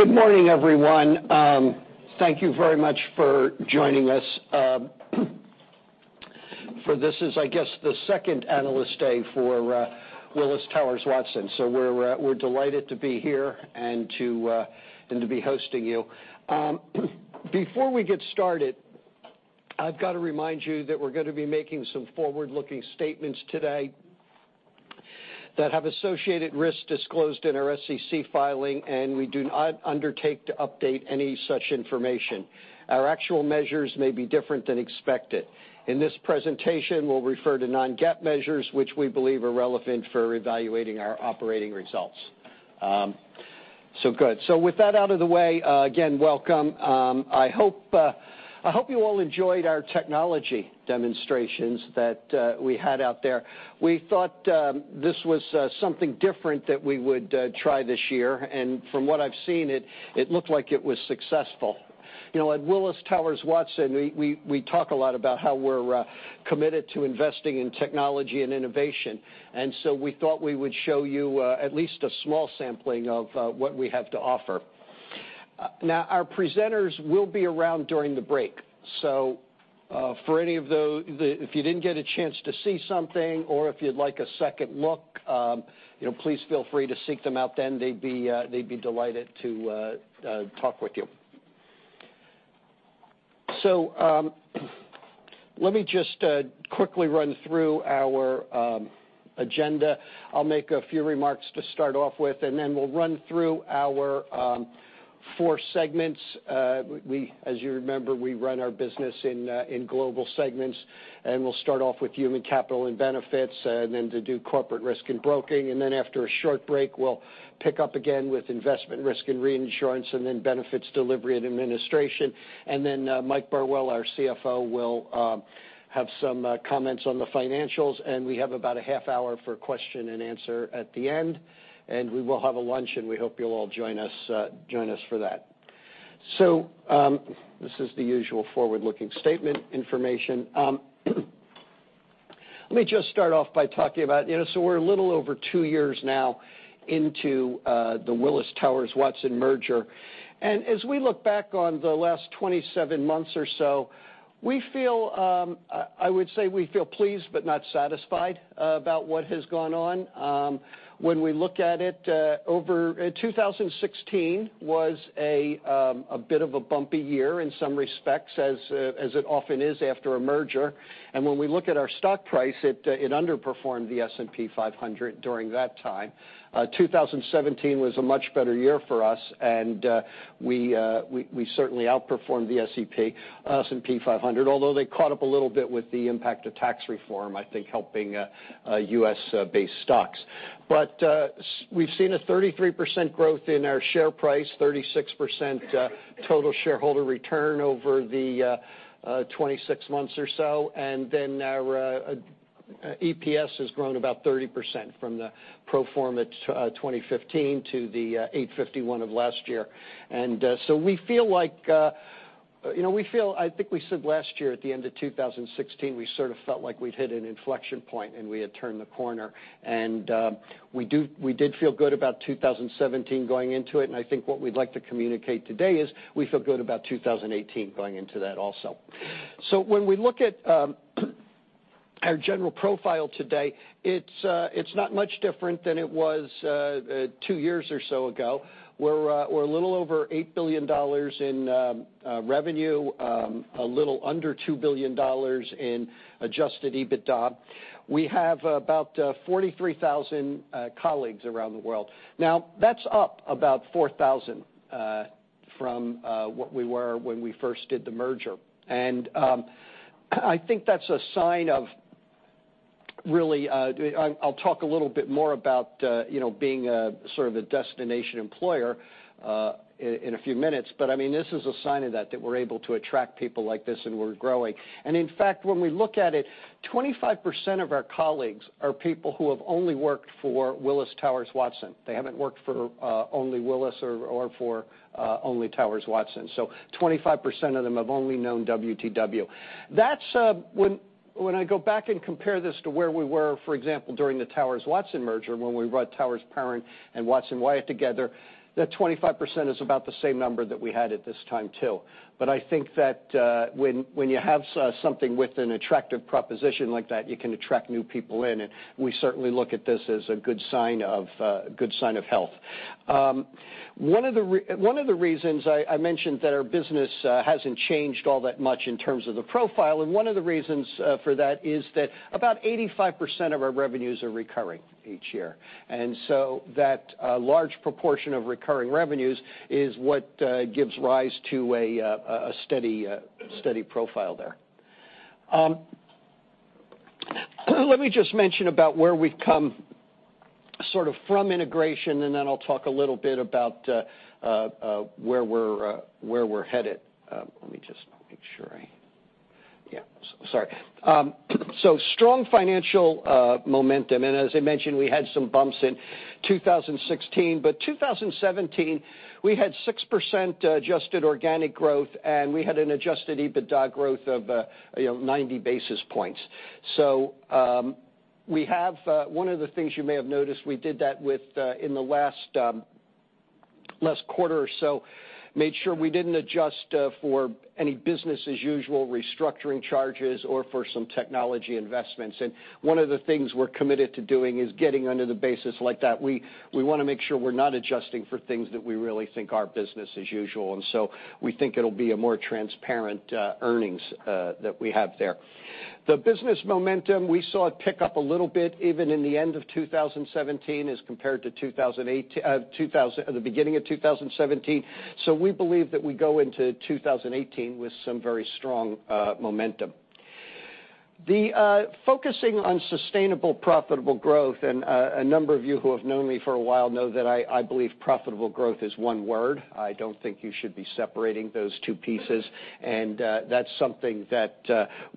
Good morning, everyone. Thank you very much for joining us for this is, I guess, the second Analyst Day for Willis Towers Watson. We're delighted to be here and to be hosting you. Before we get started, I've got to remind you that we're going to be making some forward-looking statements today that have associated risks disclosed in our SEC filing, and we do not undertake to update any such information. Our actual measures may be different than expected. In this presentation, we'll refer to non-GAAP measures which we believe are relevant for evaluating our operating results. Good. With that out of the way, again, welcome. I hope you all enjoyed our technology demonstrations that we had out there. We thought this was something different that we would try this year, and from what I've seen, it looked like it was successful. At Willis Towers Watson, we talk a lot about how we're committed to investing in technology and innovation, and so we thought we would show you at least a small sampling of what we have to offer. Now, our presenters will be around during the break. If you didn't get a chance to see something or if you'd like a second look, please feel free to seek them out then. They'd be delighted to talk with you. Let me just quickly run through our agenda. I'll make a few remarks to start off with, and then we'll run through our four segments. As you remember, we run our business in global segments, and we'll start off with Human Capital and Benefits, and then to do Corporate Risk and Broking. After a short break, we'll pick up again with Investment, Risk and Reinsurance, and then Benefits Delivery & Administration. Mike Burwell, our CFO, will have some comments on the financials, and we have about a half hour for question and answer at the end. We will have a lunch, and we hope you'll all join us for that. This is the usual forward-looking statement information. Let me just start off by talking about. We're a little over two years now into the Willis Towers Watson merger. As we look back on the last 27 months or so, I would say we feel pleased but not satisfied about what has gone on. When we look at it, 2016 was a bit of a bumpy year in some respects as it often is after a merger. When we look at our stock price, it underperformed the S&P 500 during that time. 2017 was a much better year for us, and we certainly outperformed the S&P 500. Although they caught up a little bit with the impact of tax reform, I think helping U.S.-based stocks. We've seen a 33% growth in our share price, 36% total shareholder return over the 26 months or so, and then our EPS has grown about 30% from the pro forma 2015 to the $8.51 of last year. I think we said last year at the end of 2016, we sort of felt like we'd hit an inflection point and we had turned the corner. We did feel good about 2017 going into it, and I think what we'd like to communicate today is we feel good about 2018 going into that also. When we look at our general profile today, it's not much different than it was two years or so ago. We're a little over $8 billion in revenue, a little under $2 billion in adjusted EBITDA. We have about 43,000 colleagues around the world. That's up about 4,000 from what we were when we first did the merger. I'll talk a little bit more about being sort of a destination employer in a few minutes. This is a sign of that we're able to attract people like this and we're growing. In fact, when we look at it, 25% of our colleagues are people who have only worked for Willis Towers Watson. They haven't worked for only Willis or for only Towers Watson. 25% of them have only known WTW. When I go back and compare this to where we were, for example, during the Towers Watson merger, when we brought Towers Perrin and Watson Wyatt together, that 25% is about the same number that we had at this time, too. I think that when you have something with an attractive proposition like that, you can attract new people in, and we certainly look at this as a good sign of health. I mentioned that our business hasn't changed all that much in terms of the profile, and one of the reasons for that is that about 85% of our revenues are recurring each year. That large proportion of recurring revenues is what gives rise to a steady profile there. Let me just mention about where we've come sort of from integration, and then I'll talk a little bit about where we're headed. Let me just make sure Yeah, sorry. Strong financial momentum, and as I mentioned, we had some bumps in 2016. 2017, we had 6% adjusted organic growth, and we had an adjusted EBITDA growth of 90 basis points. One of the things you may have noticed, we did that in the last quarter or so, made sure we didn't adjust for any business as usual restructuring charges or for some technology investments. One of the things we're committed to doing is getting under the basis like that. We want to make sure we're not adjusting for things that we really think are business as usual. We think it'll be a more transparent earnings that we have there. The business momentum, we saw it pick up a little bit even in the end of 2017 as compared to the beginning of 2017. We believe that we go into 2018 with some very strong momentum. Focusing on sustainable profitable growth, and a number of you who have known me for a while know that I believe profitable growth is one word. I don't think you should be separating those two pieces, and that's something that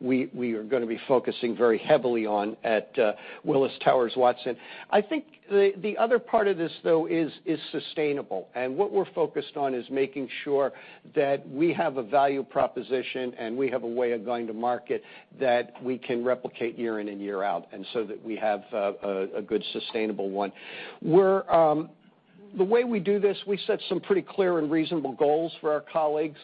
we are going to be focusing very heavily on at Willis Towers Watson. I think the other part of this, though, is sustainable. What we're focused on is making sure that we have a value proposition and we have a way of going to market that we can replicate year in and year out, and so that we have a good sustainable one. The way we do this, we set some pretty clear and reasonable goals for our colleagues.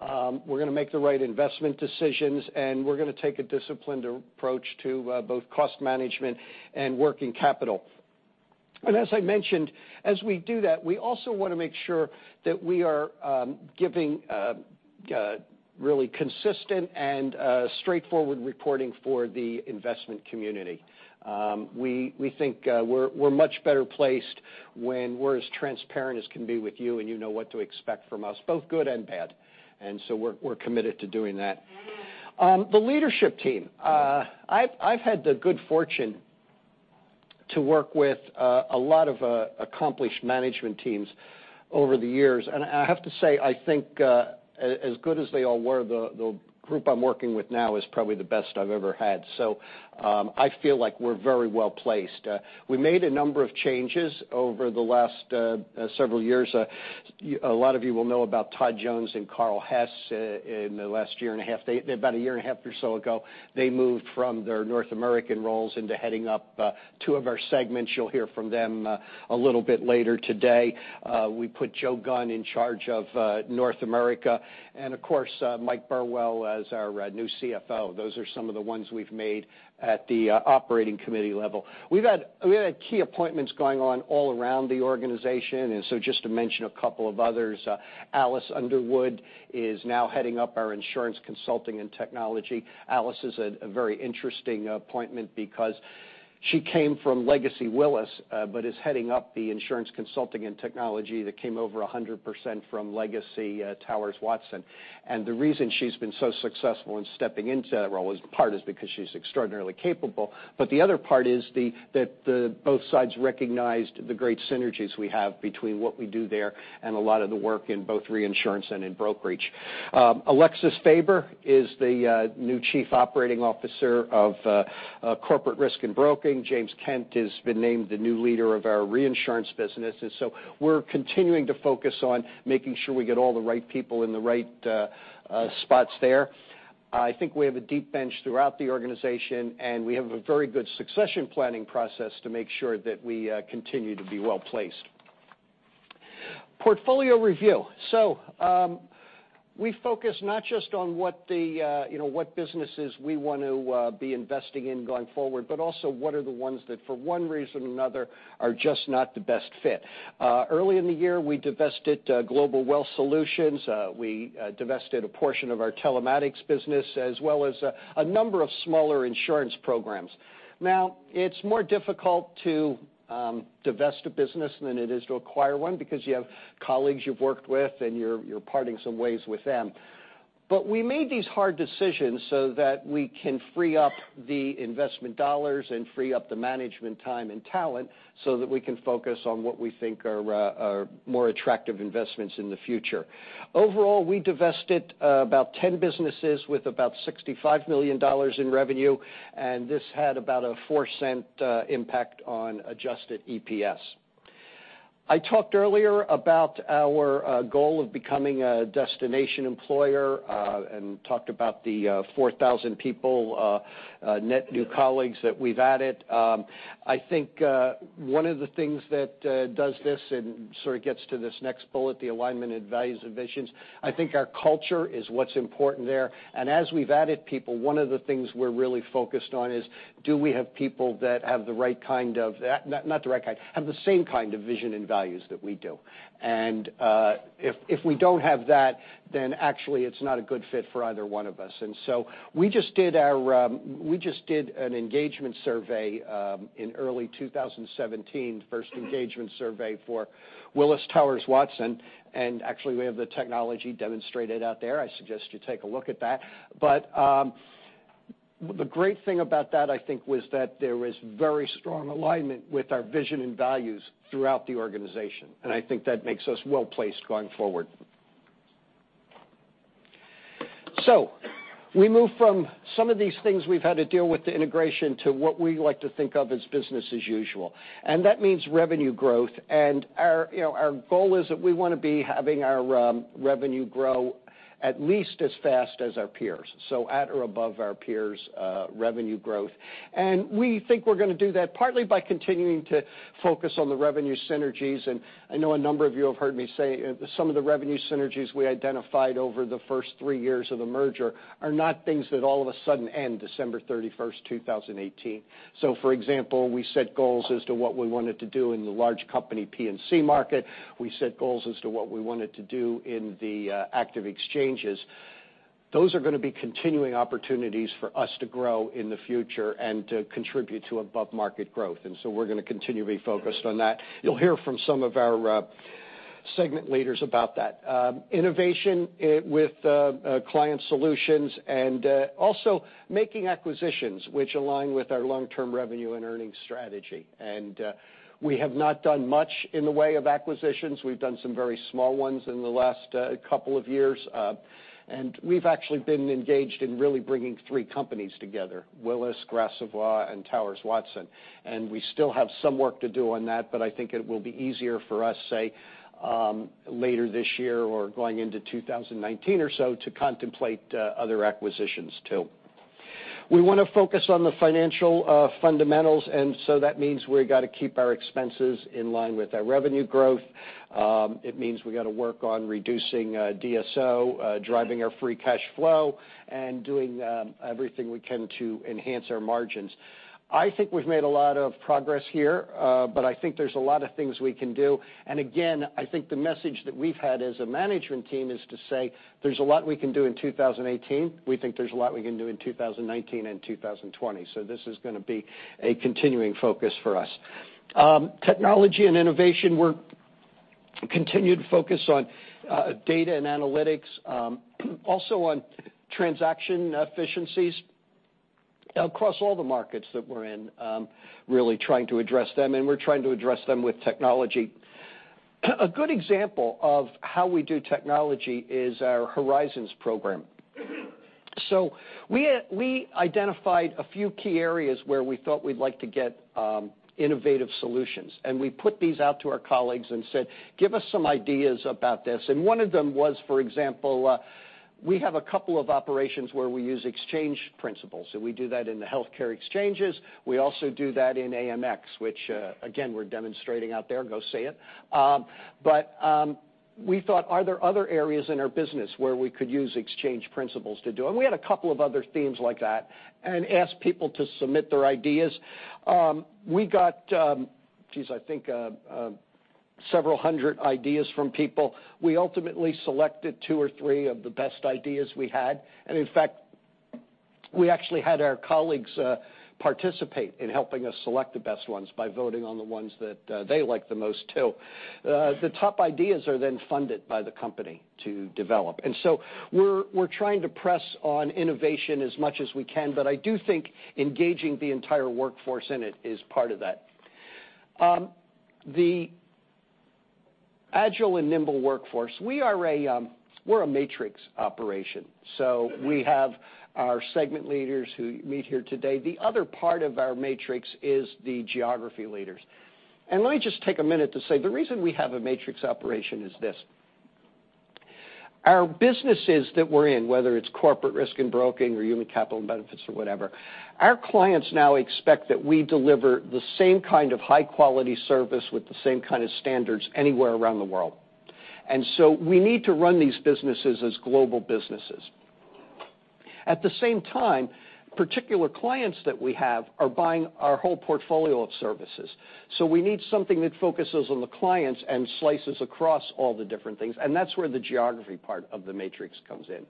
We're going to make the right investment decisions, we're going to take a disciplined approach to both cost management and working capital. As I mentioned, as we do that, we also want to make sure that we are giving really consistent and straightforward reporting for the investment community. We think we're much better placed when we're as transparent as can be with you know what to expect from us, both good and bad. We're committed to doing that. The leadership team. I've had the good fortune to work with a lot of accomplished management teams over the years. I have to say, I think as good as they all were, the group I'm working with now is probably the best I've ever had. I feel like we're very well-placed. We made a number of changes over the last several years. A lot of you will know about Todd Jones and Carl Hess in the last year-and-a-half. About a year-and-a-half or so ago, they moved from their North American roles into heading up two of our segments. You'll hear from them a little bit later today. We put Joe Gunn in charge of North America and, of course, Mike Burwell as our new CFO. Those are some of the ones we've made at the operating committee level. We've had key appointments going on all around the organization. Just to mention a couple of others, Alice Underwood is now heading up our Insurance Consulting and Technology. Alice is a very interesting appointment because she came from legacy Willis but is heading up the Insurance Consulting and Technology that came over 100% from legacy Towers Watson. The reason she's been so successful in stepping into that role is in part because she's extraordinarily capable, but the other part is that both sides recognized the great synergies we have between what we do there and a lot of the work in both reinsurance and in brokerage. Alexis Faber is the new Chief Operating Officer of Corporate Risk and Broking. James Kent has been named the new leader of our reinsurance business. We're continuing to focus on making sure we get all the right people in the right spots there. I think we have a deep bench throughout the organization, and we have a very good succession planning process to make sure that we continue to be well-placed. Portfolio review. We focus not just on what businesses we want to be investing in going forward, but also what are the ones that, for one reason or another, are just not the best fit. Early in the year, we divested Global Wealth Solutions. We divested a portion of our telematics business, as well as a number of smaller insurance programs. It's more difficult to divest a business than it is to acquire one because you have colleagues you've worked with, and you're parting some ways with them. We made these hard decisions so that we can free up the investment dollars and free up the management time and talent so that we can focus on what we think are more attractive investments in the future. Overall, we divested about 10 businesses with about $65 million in revenue, and this had about a $0.04 impact on adjusted EPS. I talked earlier about our goal of becoming a destination employer and talked about the 4,000 people net new colleagues that we've added. I think one of the things that does this and sort of gets to this next bullet, the alignment in values and visions, I think our culture is what's important there. As we've added people, one of the things we're really focused on is do we have people that have the same kind of vision and values that we do. If we don't have that, then actually it's not a good fit for either one of us. We just did an engagement survey in early 2017, the first engagement survey for Willis Towers Watson. Actually, we have the technology demonstrated out there. I suggest you take a look at that. The great thing about that, I think, was that there was very strong alignment with our vision and values throughout the organization, and I think that makes us well-placed going forward. We move from some of these things we've had to deal with the integration to what we like to think of as business as usual. That means revenue growth. Our goal is that we want to be having our revenue grow at least as fast as our peers. At or above our peers' revenue growth. We think we're going to do that partly by continuing to focus on the revenue synergies. I know a number of you have heard me say some of the revenue synergies we identified over the first three years of the merger are not things that all of a sudden end December 31st, 2018. For example, we set goals as to what we wanted to do in the large company P&C market. We set goals as to what we wanted to do in the active exchanges. Those are going to be continuing opportunities for us to grow in the future and to contribute to above-market growth. We're going to continue to be focused on that. You'll hear from some of our segment leaders about that. Innovation with client solutions and also making acquisitions which align with our long-term revenue and earnings strategy. We have not done much in the way of acquisitions. We've done some very small ones in the last couple of years. We've actually been engaged in really bringing three companies together, Willis, Gras Savoye, and Towers Watson. We still have some work to do on that, I think it will be easier for us, say, later this year or going into 2019 or so to contemplate other acquisitions, too. We want to focus on the financial fundamentals, that means we've got to keep our expenses in line with our revenue growth. It means we got to work on reducing DSO, driving our free cash flow, doing everything we can to enhance our margins. I think we've made a lot of progress here, I think there's a lot of things we can do. Again, I think the message that we've had as a management team is to say there's a lot we can do in 2018. We think there's a lot we can do in 2019 and 2020. This is going to be a continuing focus for us. Technology and innovation, we're continued focus on data and analytics, also on transaction efficiencies across all the markets that we're in, really trying to address them. We're trying to address them with technology. A good example of how we do technology is our Horizons program. We identified a few key areas where we thought we'd like to get innovative solutions, and we put these out to our colleagues and said, "Give us some ideas about this." One of them was, for example, we have a couple of operations where we use exchange principles. We do that in the healthcare exchanges. We also do that in AMX, which again, we're demonstrating out there. Go see it. We thought, are there other areas in our business where we could use exchange principles to do? We had a couple of other themes like that and asked people to submit their ideas. We got, geez, I think several hundred ideas from people. We ultimately selected two or three of the best ideas we had. In fact, we actually had our colleagues participate in helping us select the best ones by voting on the ones that they liked the most, too. The top ideas are then funded by the company to develop. We're trying to press on innovation as much as we can, but I do think engaging the entire workforce in it is part of that. The agile and nimble workforce, we're a matrix operation. We have our segment leaders who meet here today. The other part of our matrix is the geography leaders. Let me just take a minute to say the reason we have a matrix operation is this. Our businesses that we're in, whether it's Corporate Risk and Broking or Human Capital and Benefits or whatever, our clients now expect that we deliver the same kind of high-quality service with the same kind of standards anywhere around the world. We need to run these businesses as global businesses. At the same time, particular clients that we have are buying our whole portfolio of services. We need something that focuses on the clients and slices across all the different things, and that's where the geography part of the matrix comes in.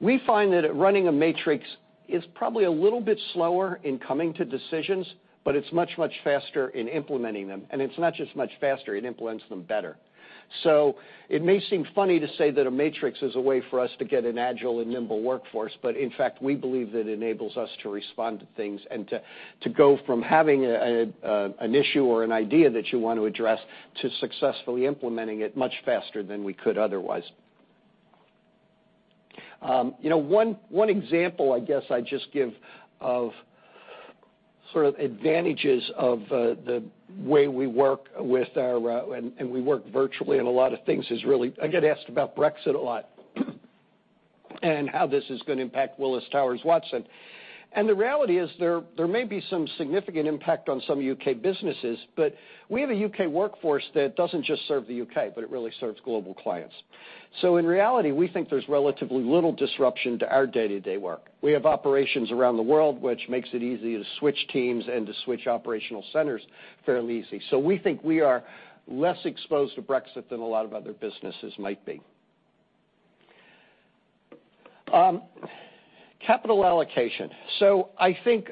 We find that running a matrix is probably a little bit slower in coming to decisions, but it's much, much faster in implementing them. It's not just much faster, it implements them better. It may seem funny to say that a matrix is a way for us to get an agile and nimble workforce, but in fact, we believe that enables us to respond to things and to go from having an issue or an idea that you want to address to successfully implementing it much faster than we could otherwise. One example, I guess, I'd just give of sort of advantages of the way we work with our and we work virtually in a lot of things is really I get asked about Brexit a lot and how this is going to impact Willis Towers Watson. The reality is there may be some significant impact on some U.K. businesses, but we have a U.K. workforce that doesn't just serve the U.K., but it really serves global clients. In reality, we think there's relatively little disruption to our day-to-day work. We have operations around the world, which makes it easy to switch teams and to switch operational centers fairly easy. We think we are less exposed to Brexit than a lot of other businesses might be. Capital allocation. I think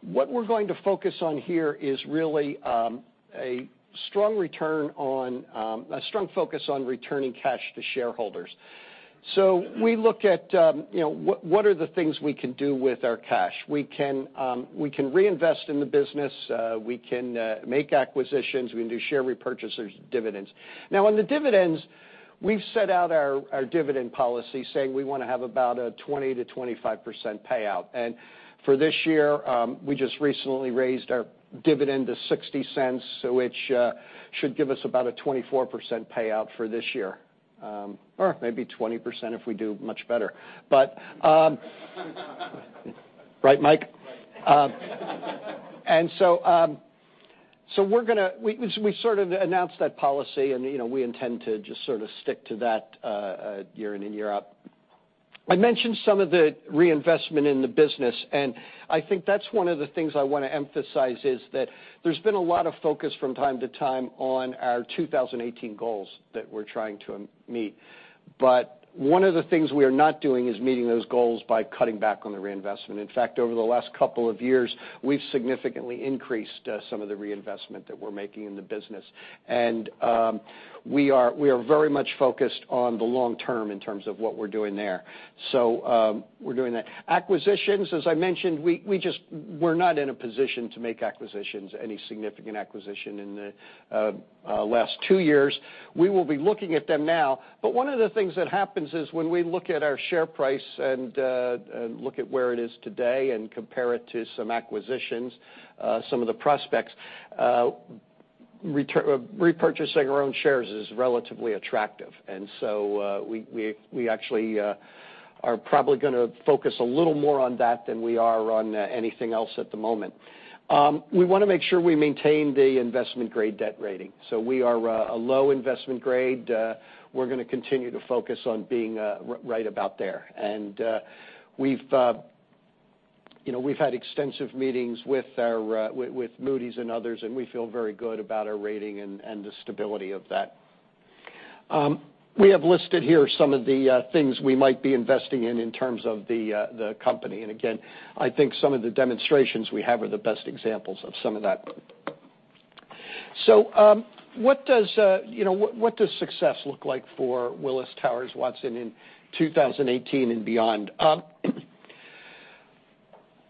what we're going to focus on here is really a strong focus on returning cash to shareholders. We look at what are the things we can do with our cash. We can reinvest in the business, we can make acquisitions, we can do share repurchases, dividends. On the dividends, we've set out our dividend policy saying we want to have about a 20%-25% payout. For this year, we just recently raised our dividend to $0.60, which should give us about a 24% payout for this year, or maybe 20% if we do much better. Right, Mike? Right. We sort of announced that policy, and we intend to just sort of stick to that year in and year out. I mentioned some of the reinvestment in the business, and I think that's one of the things I want to emphasize is that there's been a lot of focus from time to time on our 2018 goals that we're trying to meet. One of the things we are not doing is meeting those goals by cutting back on the reinvestment. In fact, over the last couple of years, we've significantly increased some of the reinvestment that we're making in the business. We are very much focused on the long term in terms of what we're doing there. We're doing that. Acquisitions, as I mentioned, we're not in a position to make acquisitions, any significant acquisition in the last two years. We will be looking at them now. One of the things that happens is when we look at our share price and look at where it is today and compare it to some acquisitions, some of the prospects, repurchasing our own shares is relatively attractive. We actually are probably going to focus a little more on that than we are on anything else at the moment. We want to make sure we maintain the investment-grade debt rating. We are a low investment grade. We're going to continue to focus on being right about there. We've had extensive meetings with Moody's and others, and we feel very good about our rating and the stability of that. We have listed here some of the things we might be investing in in terms of the company. Again, I think some of the demonstrations we have are the best examples of some of that. What does success look like for Willis Towers Watson in 2018 and beyond?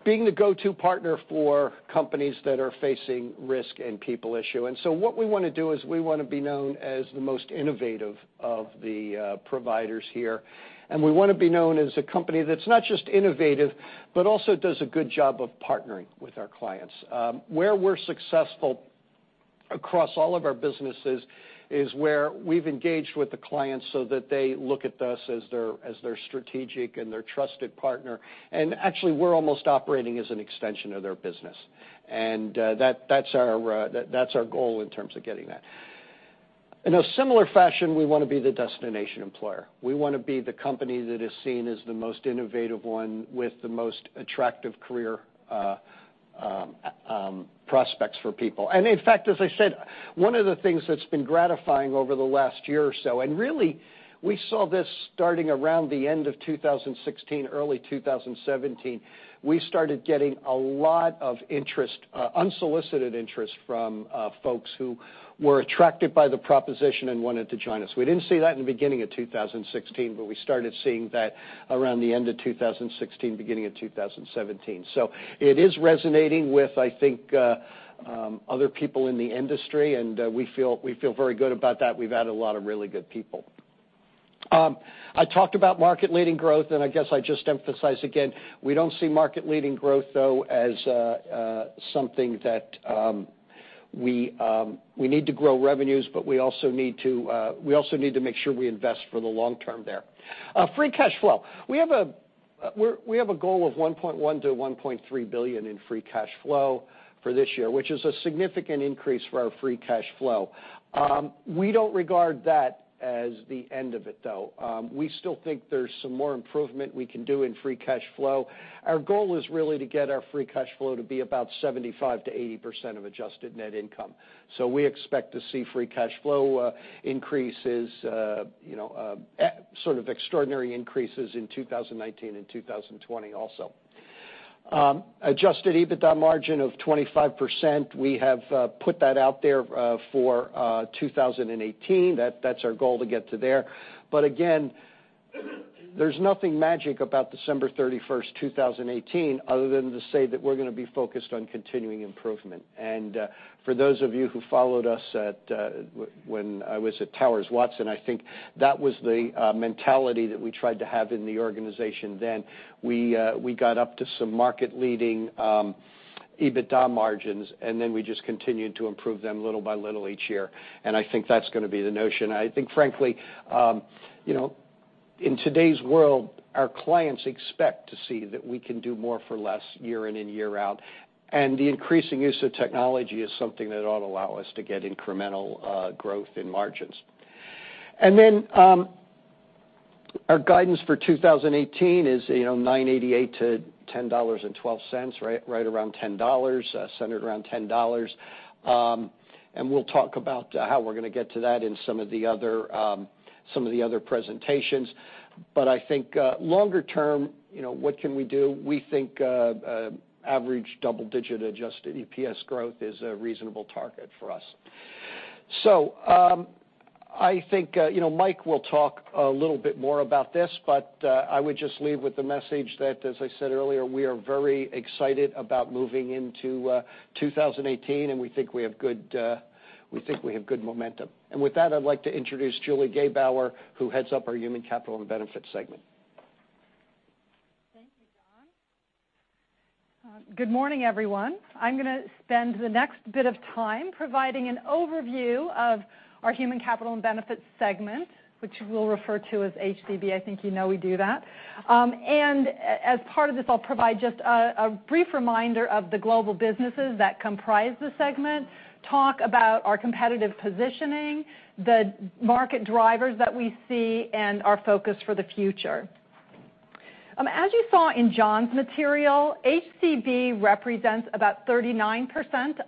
Being the go-to partner for companies that are facing risk and people issue. What we want to do is we want to be known as the most innovative of the providers here, and we want to be known as a company that's not just innovative, but also does a good job of partnering with our clients. Where we're successful across all of our businesses is where we've engaged with the clients so that they look at us as their strategic and their trusted partner. Actually, we're almost operating as an extension of their business. That's our goal in terms of getting that. In a similar fashion, we want to be the destination employer. We want to be the company that is seen as the most innovative one with the most attractive career prospects for people. In fact, as I said, one of the things that's been gratifying over the last year or so, and really, we saw this starting around the end of 2016, early 2017, we started getting a lot of unsolicited interest from folks who were attracted by the proposition and wanted to join us. We didn't see that in the beginning of 2016, but we started seeing that around the end of 2016, beginning of 2017. It is resonating with, I think, other people in the industry, and we feel very good about that. We've added a lot of really good people. I talked about market-leading growth. I guess I just emphasize again, we don't see market-leading growth, though, as something that we need to grow revenues, but we also need to make sure we invest for the long term there. Free cash flow. We have a goal of $1.1 billion to $1.3 billion in free cash flow for this year, which is a significant increase for our free cash flow. We don't regard that as the end of it, though. We still think there's some more improvement we can do in free cash flow. Our goal is really to get our free cash flow to be about 75% to 80% of adjusted net income. We expect to see free cash flow increases, sort of extraordinary increases in 2019 and 2020 also. Adjusted EBITDA margin of 25%, we have put that out there for 2018. That's our goal to get to there. Again, there's nothing magic about December 31st, 2018, other than to say that we're going to be focused on continuing improvement. For those of you who followed us when I was at Towers Watson, I think that was the mentality that we tried to have in the organization then. We got up to some market-leading EBITDA margins. Then we just continued to improve them little by little each year, and I think that's going to be the notion. I think, frankly, in today's world, our clients expect to see that we can do more for less year in and year out. The increasing use of technology is something that ought allow us to get incremental growth in margins. Then our guidance for 2018 is $9.88 to $10.12, right around $10, centered around $10. We'll talk about how we're going to get to that in some of the other presentations. I think longer term, what can we do? We think average double-digit adjusted EPS growth is a reasonable target for us. I think Mike will talk a little bit more about this, but I would just leave with the message that, as I said earlier, we are very excited about moving into 2018. We think we have good momentum. With that, I'd like to introduce Julie Gebauer, who heads up our Human Capital and Benefits segment. Thank you, John. Good morning, everyone. I'm going to spend the next bit of time providing an overview of our Human Capital and Benefits segment, which we'll refer to as HCB. I think you know we do that. As part of this, I'll provide just a brief reminder of the global businesses that comprise the segment, talk about our competitive positioning, the market drivers that we see, and our focus for the future. As you saw in John's material, HCB represents about 39%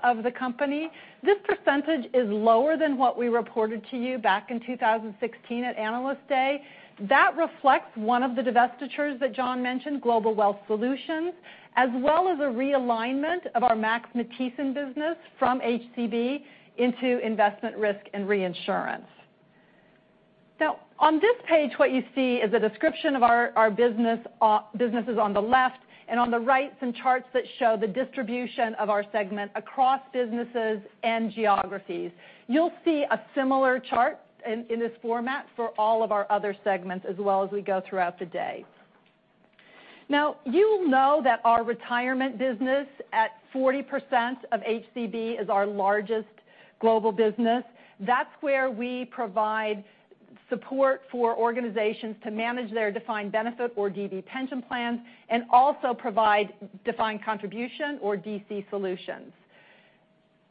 of the company. This percentage is lower than what we reported to you back in 2016 at Analyst Day. That reflects one of the divestitures that John mentioned, Global Wealth Solutions, as well as a realignment of our Max Matthiessen business from HCB into Investment, Risk and Reinsurance. On this page, what you see is a description of our businesses on the left, and on the right, some charts that show the distribution of our segment across businesses and geographies. You'll see a similar chart in this format for all of our other segments as well as we go throughout the day. You will know that our retirement business, at 40% of HCB, is our largest global business. That's where we provide support for organizations to manage their defined benefit or DB pension plans and also provide defined contribution or DC solutions.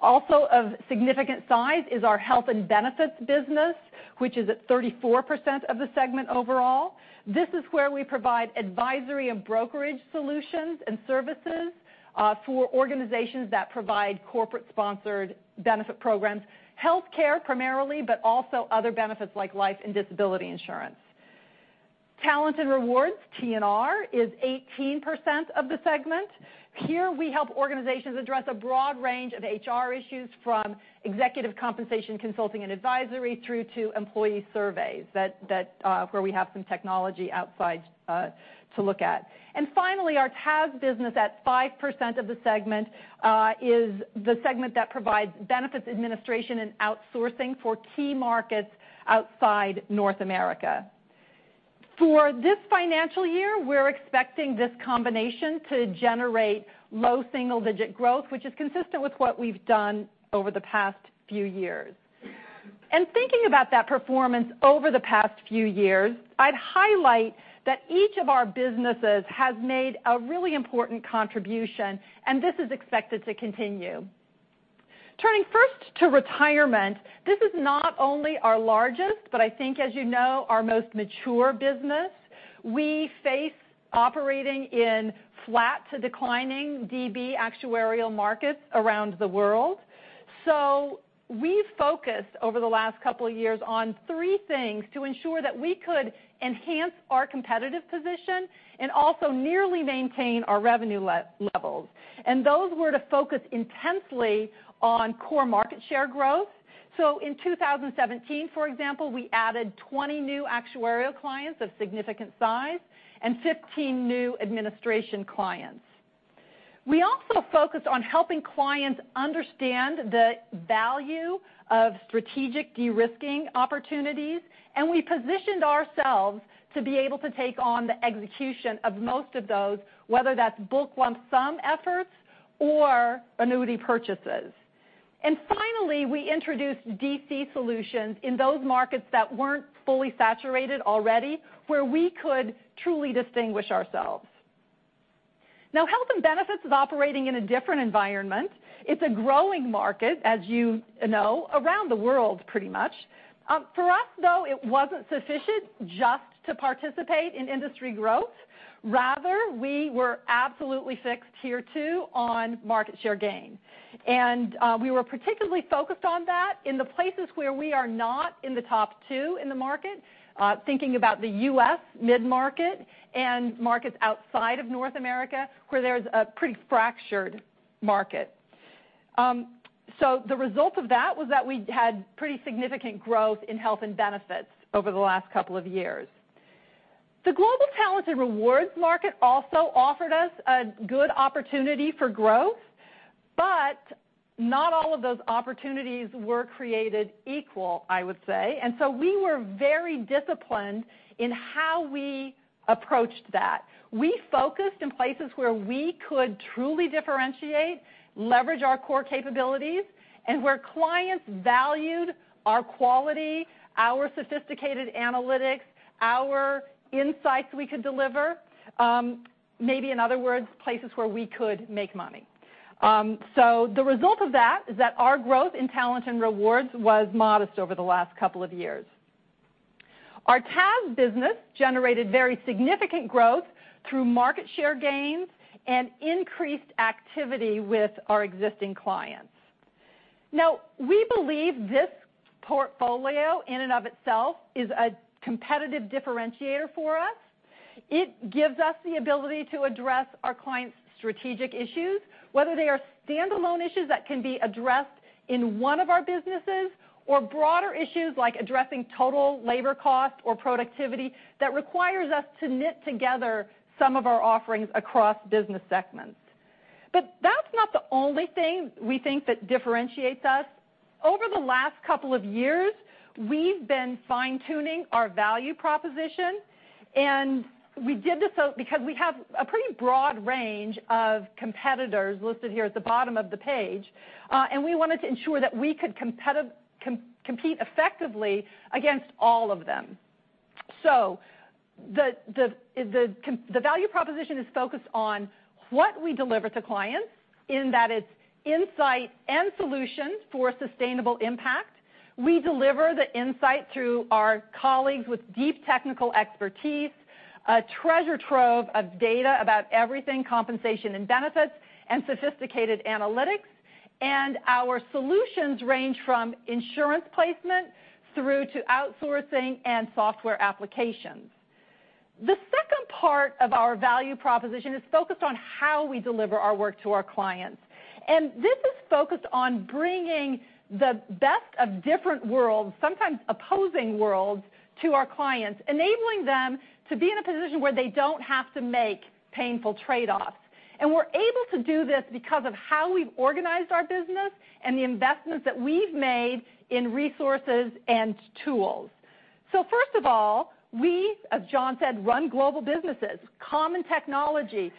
Also of significant size is our health and benefits business, which is at 34% of the segment overall. This is where we provide advisory and brokerage solutions and services for organizations that provide corporate-sponsored benefit programs, healthcare primarily, but also other benefits like life and disability insurance. Talent & Rewards, T&R, is 18% of the segment. Here we help organizations address a broad range of HR issues from executive compensation consulting and advisory through to employee surveys where we have some technology outside to look at. Finally, our TAS business at 5% of the segment is the segment that provides benefits administration and outsourcing for key markets outside North America. For this financial year, we're expecting this combination to generate low single-digit growth, which is consistent with what we've done over the past few years. Thinking about that performance over the past few years, I'd highlight that each of our businesses has made a really important contribution, and this is expected to continue. Turning first to retirement, this is not only our largest, but I think as you know, our most mature business. We face operating in flat to declining DB actuarial markets around the world. We focused over the last couple of years on three things to ensure that we could enhance our competitive position and also nearly maintain our revenue levels. Those were to focus intensely on core market share growth. In 2017, for example, we added 20 new actuarial clients of significant size and 15 new administration clients. We also focused on helping clients understand the value of strategic de-risking opportunities, and we positioned ourselves to be able to take on the execution of most of those, whether that's book lump sum efforts or annuity purchases. Finally, we introduced DC solutions in those markets that weren't fully saturated already, where we could truly distinguish ourselves. Health and benefits is operating in a different environment. It's a growing market, as you know, around the world, pretty much. For us, though, it wasn't sufficient just to participate in industry growth. Rather, we were absolutely fixed here too on market share gain. We were particularly focused on that in the places where we are not in the top two in the market, thinking about the U.S. mid-market and markets outside of North America, where there's a pretty fractured market. The result of that was that we had pretty significant growth in Health and Benefits over the last couple of years. The global Talent & Rewards market also offered us a good opportunity for growth, but not all of those opportunities were created equal, I would say. We were very disciplined in how we approached that. We focused in places where we could truly differentiate, leverage our core capabilities, and where clients valued our quality, our sophisticated analytics, our insights we could deliver, maybe in other words, places where we could make money. The result of that is that our growth in Talent & Rewards was modest over the last couple of years. Our TAS business generated very significant growth through market share gains and increased activity with our existing clients. Now, we believe this portfolio in and of itself is a competitive differentiator for us. It gives us the ability to address our clients' strategic issues, whether they are standalone issues that can be addressed in one of our businesses, or broader issues like addressing total labor cost or productivity that requires us to knit together some of our offerings across business segments. That's not the only thing we think that differentiates us. Over the last couple of years, we've been fine-tuning our value proposition, and we did this because we have a pretty broad range of competitors listed here at the bottom of the page, and we wanted to ensure that we could compete effectively against all of them. The value proposition is focused on what we deliver to clients, in that it's insight and solutions for sustainable impact. We deliver the insight through our colleagues with deep technical expertise, a treasure trove of data about everything compensation and benefits, and sophisticated analytics. Our solutions range from insurance placement through to outsourcing and software applications. The second part of our value proposition is focused on how we deliver our work to our clients. This is focused on bringing the best of different worlds, sometimes opposing worlds, to our clients, enabling them to be in a position where they don't have to make painful trade-offs. We're able to do this because of how we've organized our business and the investments that we've made in resources and tools. First of all, we, as John said, run global businesses, common technology,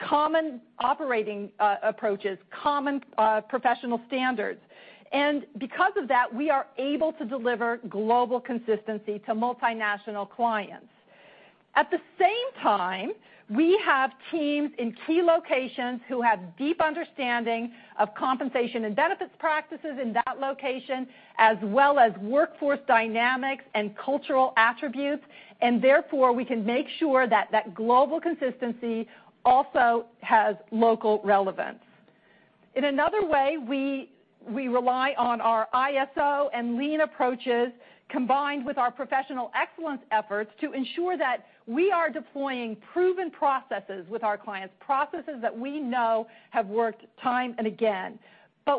common operating approaches, common professional standards. Because of that, we are able to deliver global consistency to multinational clients. At the same time, we have teams in key locations who have deep understanding of compensation and benefits practices in that location, as well as workforce dynamics and cultural attributes, and therefore, we can make sure that that global consistency also has local relevance. We rely on our ISO and Lean approaches, combined with our professional excellence efforts to ensure that we are deploying proven processes with our clients, processes that we know have worked time and again.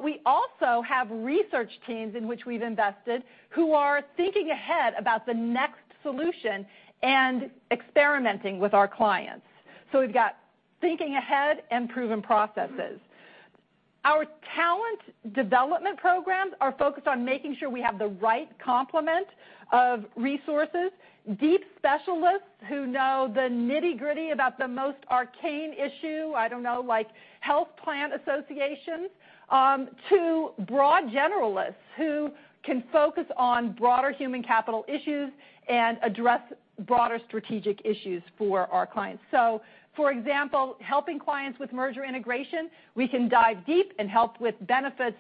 We also have research teams in which we've invested who are thinking ahead about the next solution and experimenting with our clients. We've got thinking ahead and proven processes. Our talent development programs are focused on making sure we have the right complement of resources, deep specialists who know the nitty-gritty about the most arcane issue, I don't know, like health plan associations, to broad generalists who can focus on broader human capital issues and address broader strategic issues for our clients. For example, helping clients with merger integration, we can dive deep and help with benefits,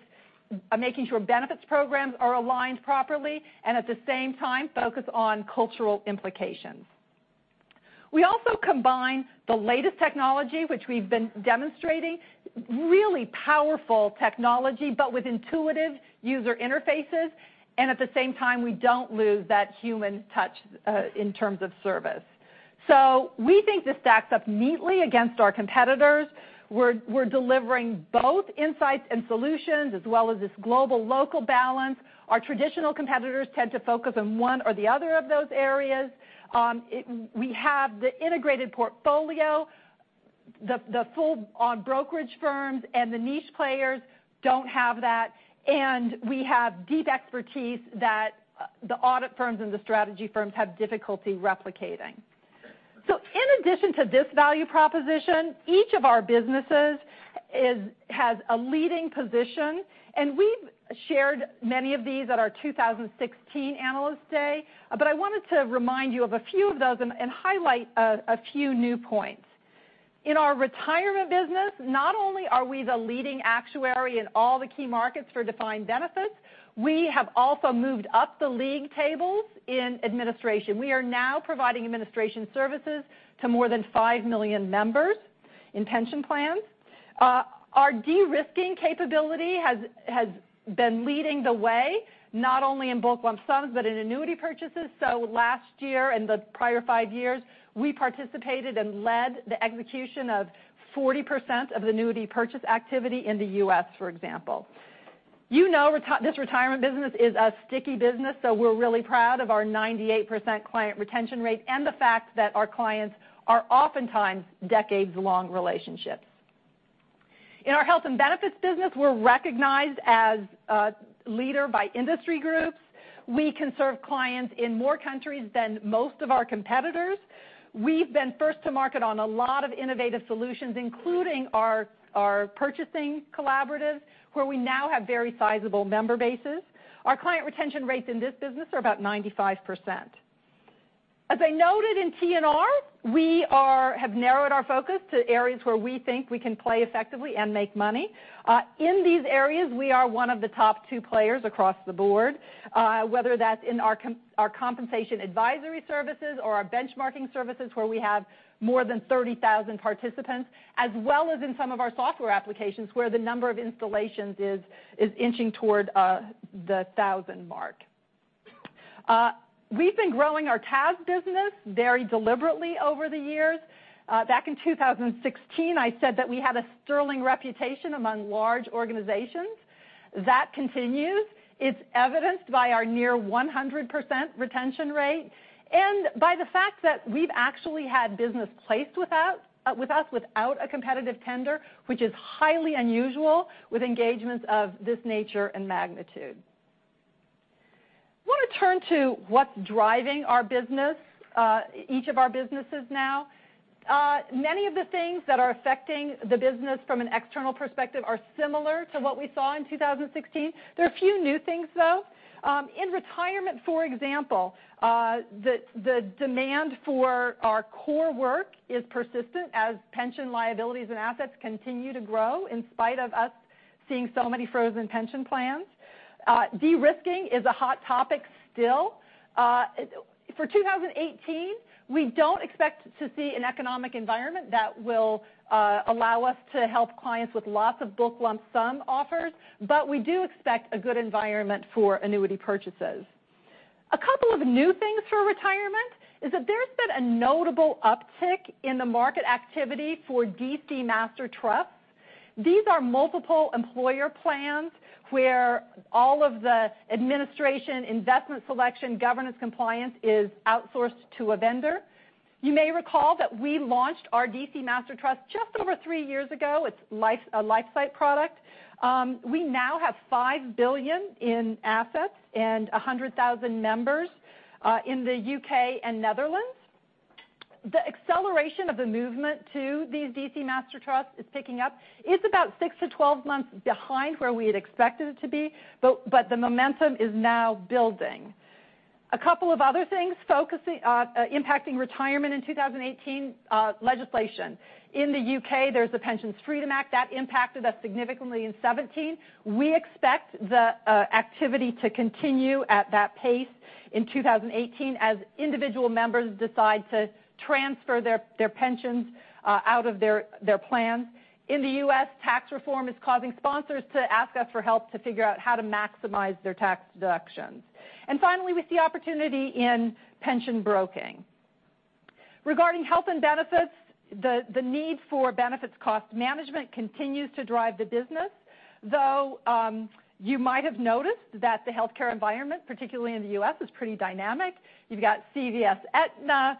making sure benefits programs are aligned properly, and at the same time, focus on cultural implications. We also combine the latest technology, which we've been demonstrating, really powerful technology, but with intuitive user interfaces, and at the same time, we don't lose that human touch in terms of service. We think this stacks up neatly against our competitors. We're delivering both insights and solutions, as well as this global/local balance. Our traditional competitors tend to focus on one or the other of those areas. We have the integrated portfolio. The full brokerage firms and the niche players don't have that. We have deep expertise that the audit firms and the strategy firms have difficulty replicating. In addition to this value proposition, each of our businesses has a leading position, we've shared many of these at our 2016 Analyst Day, I wanted to remind you of a few of those and highlight a few new points. In our retirement business, not only are we the leading actuary in all the key markets for defined benefits, we have also moved up the league tables in administration. We are now providing administration services to more than 5 million members in pension plans. Our de-risking capability has been leading the way, not only in bulk lump sums, but in annuity purchases. Last year and the prior 5 years, we participated and led the execution of 40% of annuity purchase activity in the U.S., for example. You know this retirement business is a sticky business, we're really proud of our 98% client retention rate and the fact that our clients are oftentimes decades-long relationships. In our health and benefits business, we're recognized as a leader by industry groups. We can serve clients in more countries than most of our competitors. We've been first to market on a lot of innovative solutions, including our purchasing collaborative, where we now have very sizable member bases. Our client retention rates in this business are about 95%. As I noted in T&R, we have narrowed our focus to areas where we think we can play effectively and make money. In these areas, we are one of the top two players across the board, whether that's in our compensation advisory services or our benchmarking services, where we have more than 30,000 participants, as well as in some of our software applications where the number of installations is inching toward the thousand mark. We've been growing our TAS business very deliberately over the years. Back in 2016, I said that we had a sterling reputation among large organizations. That continues. It's evidenced by our near 100% retention rate and by the fact that we've actually had business placed with us without a competitive tender, which is highly unusual with engagements of this nature and magnitude. I want to turn to what's driving our business, each of our businesses now. Many of the things that are affecting the business from an external perspective are similar to what we saw in 2016. There are a few new things, though. In retirement, for example, the demand for our core work is persistent as pension liabilities and assets continue to grow in spite of us seeing so many frozen pension plans. De-risking is a hot topic still. For 2018, we don't expect to see an economic environment that will allow us to help clients with lots of book lump sum offers, but we do expect a good environment for annuity purchases. A couple of new things for retirement is that there's been a notable uptick in the market activity for DC master trusts. These are multiple employer plans where all of the administration, investment selection, governance compliance is outsourced to a vendor. You may recall that we launched our DC master trust just over three years ago. It's a LifeSight product. We now have $5 billion in assets and 100,000 members in the U.K. and Netherlands. The acceleration of the movement to these DC master trusts is picking up. It's about six to 12 months behind where we had expected it to be, but the momentum is now building. A couple of other things impacting retirement in 2018, legislation. In the U.K., there's the Pension Freedoms Act. That impacted us significantly in 2017. We expect the activity to continue at that pace in 2018 as individual members decide to transfer their pensions out of their plans. In the U.S., tax reform is causing sponsors to ask us for help to figure out how to maximize their tax deductions. Finally, we see opportunity in pension broking. Regarding health and benefits, the need for benefits cost management continues to drive the business, though you might have noticed that the healthcare environment, particularly in the U.S., is pretty dynamic. You've got CVS, Aetna,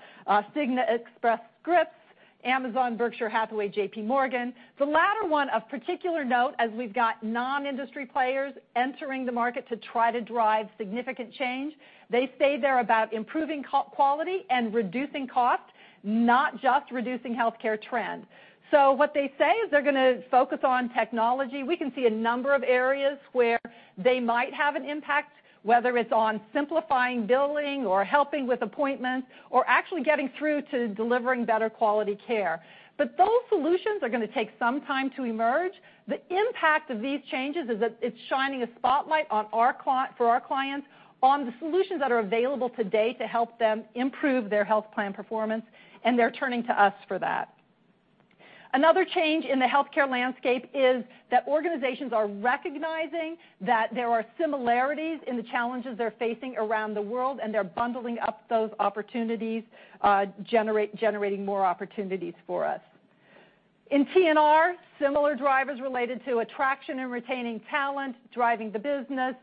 Cigna, Express Scripts, Amazon, Berkshire Hathaway, J.P. Morgan. The latter one of particular note, as we've got non-industry players entering the market to try to drive significant change. They say they're about improving quality and reducing cost, not just reducing healthcare trend. What they say is they're going to focus on technology. We can see a number of areas where they might have an impact, whether it's on simplifying billing or helping with appointments or actually getting through to delivering better quality care. Those solutions are going to take some time to emerge. The impact of these changes is that it's shining a spotlight for our clients on the solutions that are available today to help them improve their health plan performance. They're turning to us for that. Another change in the healthcare landscape is that organizations are recognizing that there are similarities in the challenges they're facing around the world. They're bundling up those opportunities, generating more opportunities for us. In T&R, similar drivers related to attraction and retaining talent driving the business,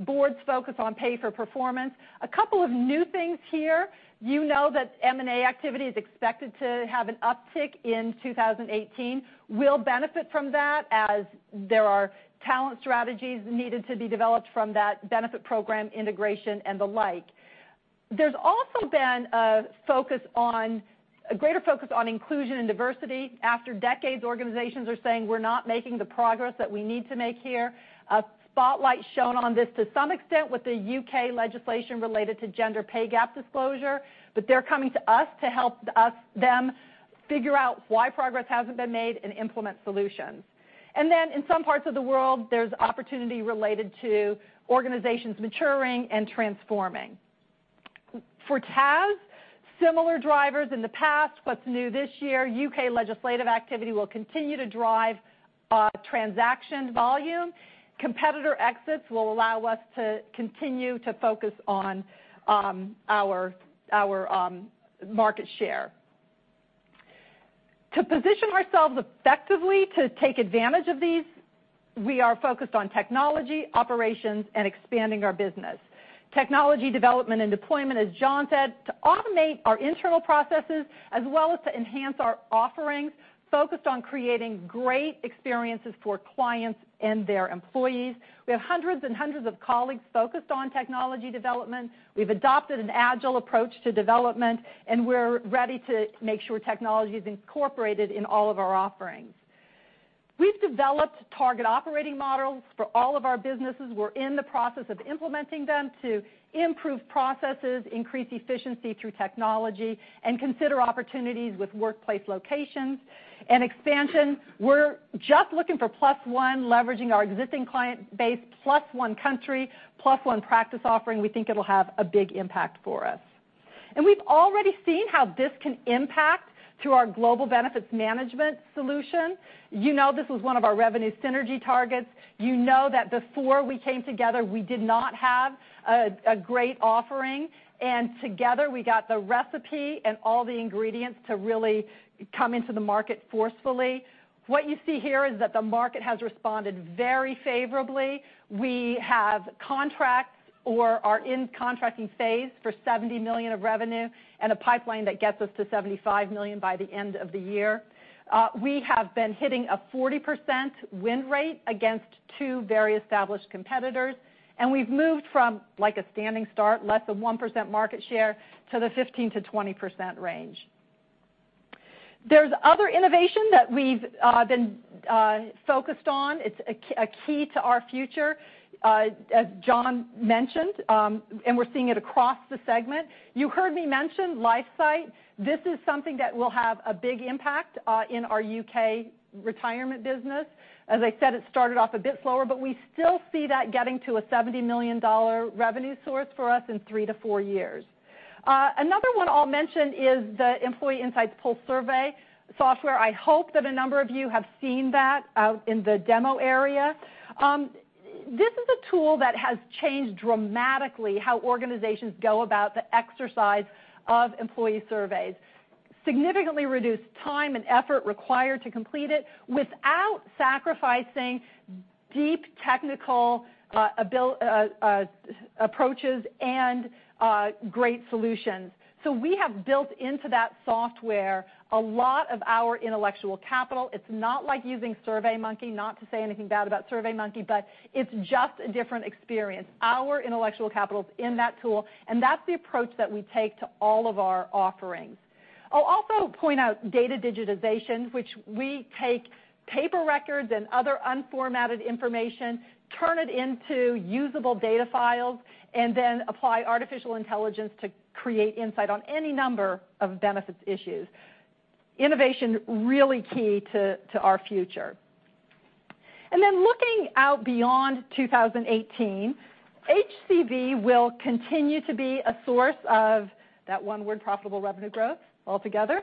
boards focus on pay for performance. A couple of new things here. You know that M&A activity is expected to have an uptick in 2018. We'll benefit from that as there are talent strategies needed to be developed from that benefit program integration and the like. There's also been a greater focus on inclusion and diversity. After decades, organizations are saying, "We're not making the progress that we need to make here." A spotlight shone on this to some extent with the U.K. legislation related to gender pay gap disclosure. They're coming to us to help them figure out why progress hasn't been made and implement solutions. In some parts of the world, there's opportunity related to organizations maturing and transforming. For TAS, similar drivers in the past. What's new this year, U.K. legislative activity will continue to drive transaction volume. Competitor exits will allow us to continue to focus on our market share. To position ourselves effectively to take advantage of these, we are focused on technology, operations, and expanding our business. Technology development and deployment, as John said, to automate our internal processes as well as to enhance our offerings focused on creating great experiences for clients and their employees. We have hundreds and hundreds of colleagues focused on technology development. We've adopted an agile approach to development. We're ready to make sure technology is incorporated in all of our offerings. We've developed target operating models for all of our businesses. We're in the process of implementing them to improve processes, increase efficiency through technology, and consider opportunities with workplace locations and expansion. We're just looking for plus one, leveraging our existing client base, plus one country, plus one practice offering. We think it'll have a big impact for us. We've already seen how this can impact through our Global Benefits Management solution. You know this was one of our revenue synergy targets. You know that before we came together, we did not have a great offering. Together we got the recipe and all the ingredients to really come into the market forcefully. What you see here is that the market has responded very favorably. We have contracts or are in contracting phase for $70 million of revenue and a pipeline that gets us to $75 million by the end of the year. We have been hitting a 40% win rate against two very established competitors. We've moved from a standing start, less than 1% market share, to the 15%-20% range. There's other innovation that we've been focused on. It's a key to our future, as John mentioned. We're seeing it across the segment. You heard me mention LifeSight. This is something that will have a big impact in our U.K. retirement business. As I said, it started off a bit slower, but we still see that getting to a $70 million revenue source for us in three to four years. Another one I'll mention is the Employee Insights pulse survey software. I hope that a number of you have seen that out in the demo area. This is a tool that has changed dramatically how organizations go about the exercise of employee surveys. Significantly reduced time and effort required to complete it without sacrificing deep technical approaches and great solutions. We have built into that software a lot of our intellectual capital. It's not like using SurveyMonkey, not to say anything bad about SurveyMonkey, but it's just a different experience. Our intellectual capital is in that tool, and that's the approach that we take to all of our offerings. I'll also point out data digitization, which we take paper records and other unformatted information, turn it into usable data files, and then apply artificial intelligence to create insight on any number of benefits issues. Innovation, really key to our future. Looking out beyond 2018, HCB will continue to be a source of that one word, profitable revenue growth altogether.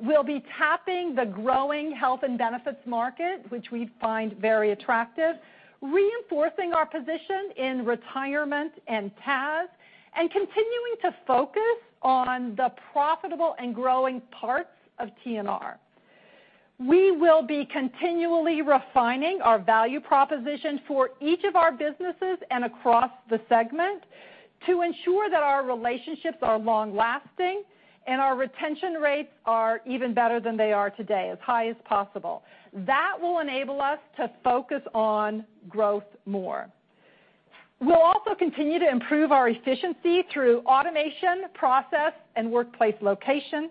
We'll be tapping the growing health and benefits market, which we find very attractive, reinforcing our position in retirement and TAS, and continuing to focus on the profitable and growing parts of T&R. We will be continually refining our value proposition for each of our businesses and across the segment to ensure that our relationships are long-lasting and our retention rates are even better than they are today, as high as possible. That will enable us to focus on growth more. We'll also continue to improve our efficiency through automation, process, and workplace location.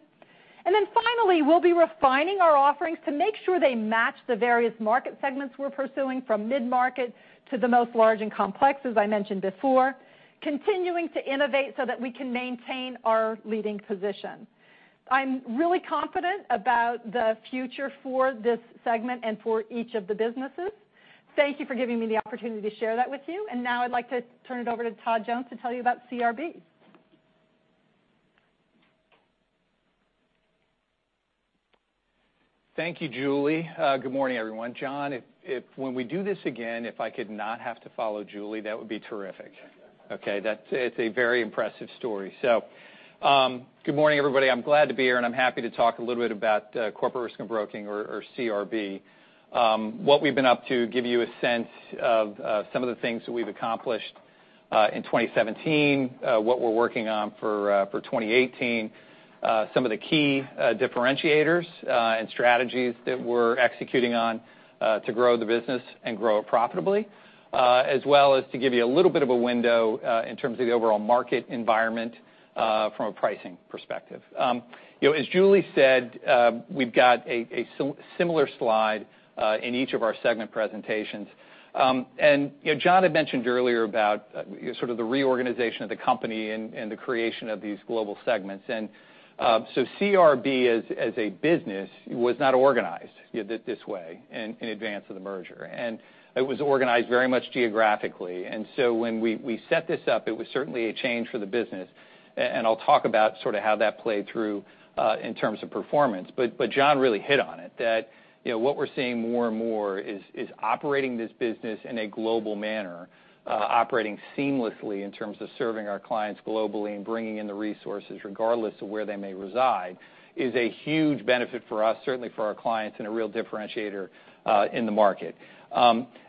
Finally, we'll be refining our offerings to make sure they match the various market segments we're pursuing, from mid-market to the most large and complex, as I mentioned before, continuing to innovate so that we can maintain our leading position. I'm really confident about the future for this segment and for each of the businesses. Thank you for giving me the opportunity to share that with you. Now I'd like to turn it over to Todd Jones to tell you about CRB. Thank you, Julie. Good morning, everyone. John, when we do this again, if I could not have to follow Julie, that would be terrific. Okay. It's a very impressive story. Good morning, everybody. I'm glad to be here, and I'm happy to talk a little bit about Corporate Risk and Broking or CRB. What we've been up to, give you a sense of some of the things that we've accomplished in 2017, what we're working on for 2018, some of the key differentiators and strategies that we're executing on to grow the business and grow it profitably, as well as to give you a little bit of a window in terms of the overall market environment from a pricing perspective. As Julie said, we've got a similar slide in each of our segment presentations. John had mentioned earlier about the reorganization of the company and the creation of these global segments. CRB as a business was not organized this way in advance of the merger. It was organized very much geographically. When we set this up, it was certainly a change for the business. I'll talk about how that played through in terms of performance. John really hit on it, that what we're seeing more and more is operating this business in a global manner, operating seamlessly in terms of serving our clients globally and bringing in the resources regardless of where they may reside is a huge benefit for us, certainly for our clients, and a real differentiator in the market.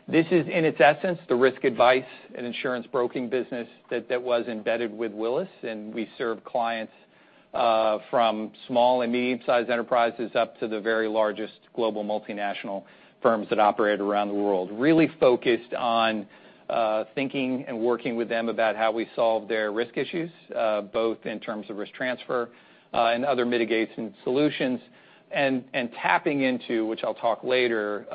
This is, in its essence, the risk advice and insurance broking business that was embedded with Willis, and we serve clients from small and medium-sized enterprises up to the very largest global multinational firms that operate around the world. Really focused on thinking and working with them about how we solve their risk issues, both in terms of risk transfer and other mitigation solutions, and tapping into, which I'll talk later,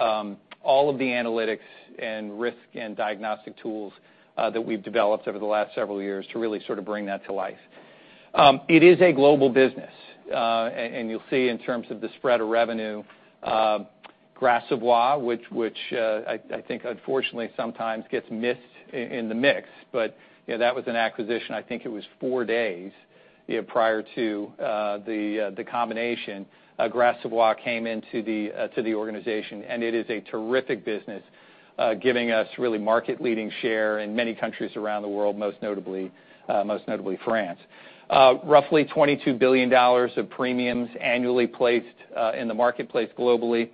all of the analytics and risk and diagnostic tools that we've developed over the last several years to really bring that to life. It is a global business. You'll see in terms of the spread of revenue, Gras Savoye, which I think unfortunately sometimes gets missed in the mix. That was an acquisition, I think it was four days prior to the combination. Gras Savoye came into the organization, it is a terrific business, giving us really market-leading share in many countries around the world, most notably France. Roughly $22 billion of premiums annually placed in the marketplace globally.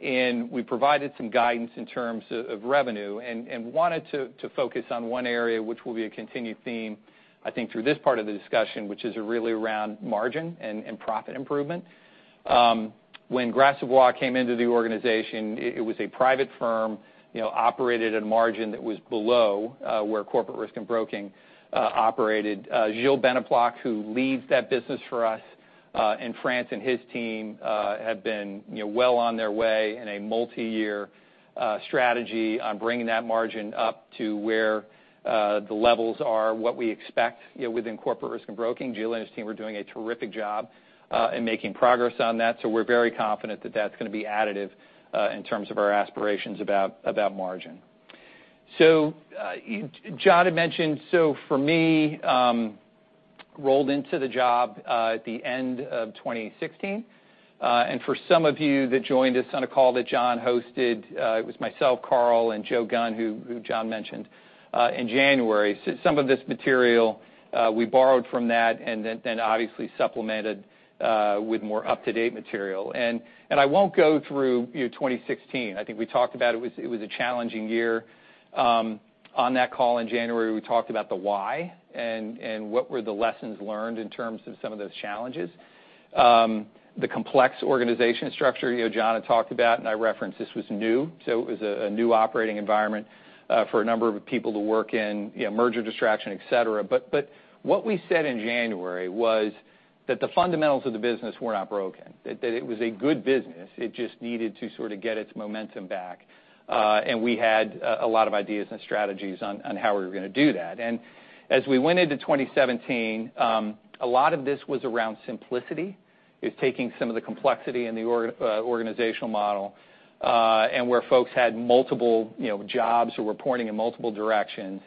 We provided some guidance in terms of revenue and wanted to focus on one area, which will be a continued theme, I think, through this part of the discussion, which is really around margin and profit improvement. When Gras Savoye came into the organization, it was a private firm, operated at a margin that was below where Corporate Risk and Broking operated. Gilles Bénéplanc, who leads that business for us in France, and his team have been well on their way in a multi-year strategy on bringing that margin up to where the levels are, what we expect within Corporate Risk and Broking. Gilles and his team are doing a terrific job in making progress on that. We're very confident that that's going to be additive in terms of our aspirations about margin. John had mentioned, for me, rolled into the job at the end of 2016. For some of you that joined us on a call that John hosted, it was myself, Carl, and Joe Gunn, who John mentioned in January. Some of this material we borrowed from that and then obviously supplemented with more up-to-date material. I won't go through 2016. I think we talked about it was a challenging year. On that call in January, we talked about the why and what were the lessons learned in terms of some of those challenges. The complex organization structure John had talked about, I referenced this was new, it was a new operating environment for a number of people to work in, merger distraction, et cetera. What we said in January was that the fundamentals of the business were not broken, that it was a good business. It just needed to sort of get its momentum back. We had a lot of ideas and strategies on how we were going to do that. As we went into 2017, a lot of this was around simplicity. It was taking some of the complexity in the organizational model, and where folks had multiple jobs or were pointing in multiple directions,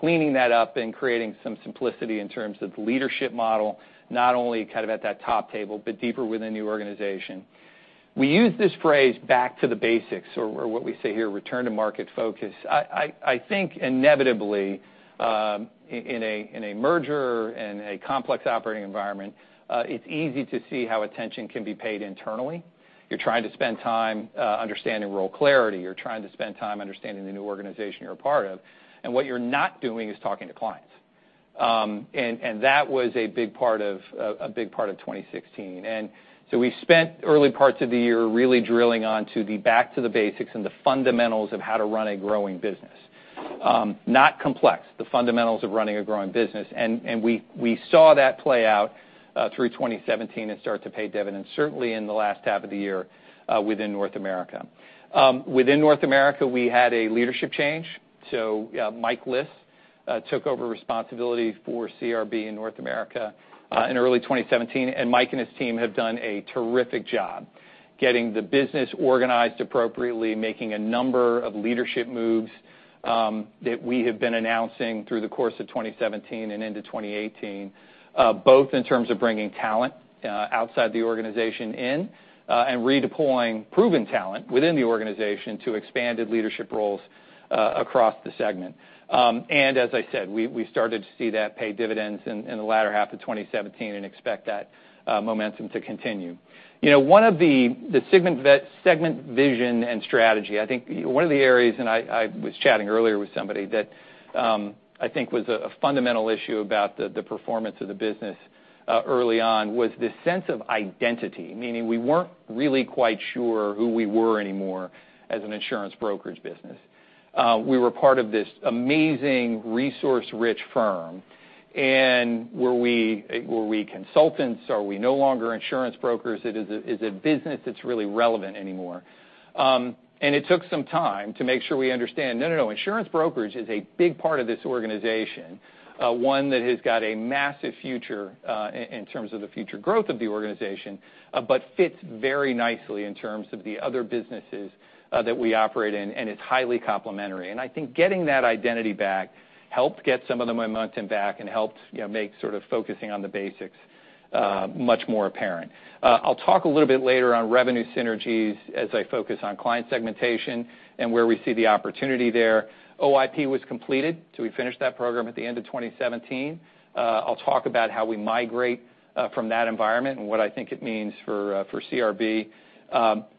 cleaning that up and creating some simplicity in terms of the leadership model, not only at that top table, but deeper within the organization. We use this phrase back to the basics or what we say here, return to market focus. I think inevitably, in a merger, in a complex operating environment, it's easy to see how attention can be paid internally. You're trying to spend time understanding role clarity. You're trying to spend time understanding the new organization you're a part of. What you're not doing is talking to clients. That was a big part of 2016. We spent early parts of the year really drilling on to the back to the basics and the fundamentals of how to run a growing business. Not complex, the fundamentals of running a growing business. We saw that play out through 2017 and start to pay dividends, certainly in the last half of the year within North America. Within North America, we had a leadership change. Mike Liss took over responsibility for CRB in North America in early 2017, Mike and his team have done a terrific job getting the business organized appropriately, making a number of leadership moves that we have been announcing through the course of 2017 and into 2018, both in terms of bringing talent outside the organization in and redeploying proven talent within the organization to expanded leadership roles across the segment. As I said, we started to see that pay dividends in the latter half of 2017 and expect that momentum to continue. One of the segment vision and strategy, I think one of the areas, I was chatting earlier with somebody that I think was a fundamental issue about the performance of the business early on was this sense of identity. Meaning we weren't really quite sure who we were anymore as an insurance brokerage business. We were part of this amazing resource-rich firm, were we consultants? Are we no longer insurance brokers? Is it a business that's really relevant anymore? It took some time to make sure we understand, no, insurance brokerage is a big part of this organization, one that has got a massive future in terms of the future growth of the organization, but fits very nicely in terms of the other businesses that we operate in, it's highly complementary. I think getting that identity back helped get some of the momentum back and helped make sort of focusing on the basics much more apparent. I'll talk a little bit later on revenue synergies as I focus on client segmentation and where we see the opportunity there. OIP was completed, we finished that program at the end of 2017. I'll talk about how we migrate from that environment and what I think it means for CRB.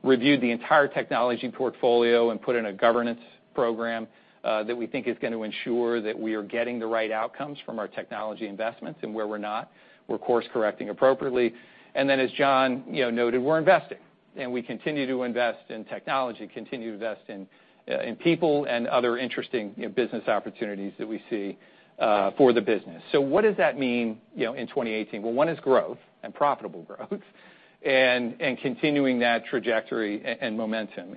Reviewed the entire technology portfolio and put in a governance program that we think is going to ensure that we are getting the right outcomes from our technology investments, and where we're not, we're course-correcting appropriately. Then, as John noted, we're investing. We continue to invest in technology, continue to invest in people and other interesting business opportunities that we see for the business. What does that mean in 2018? One is growth, and profitable growth, and continuing that trajectory and momentum.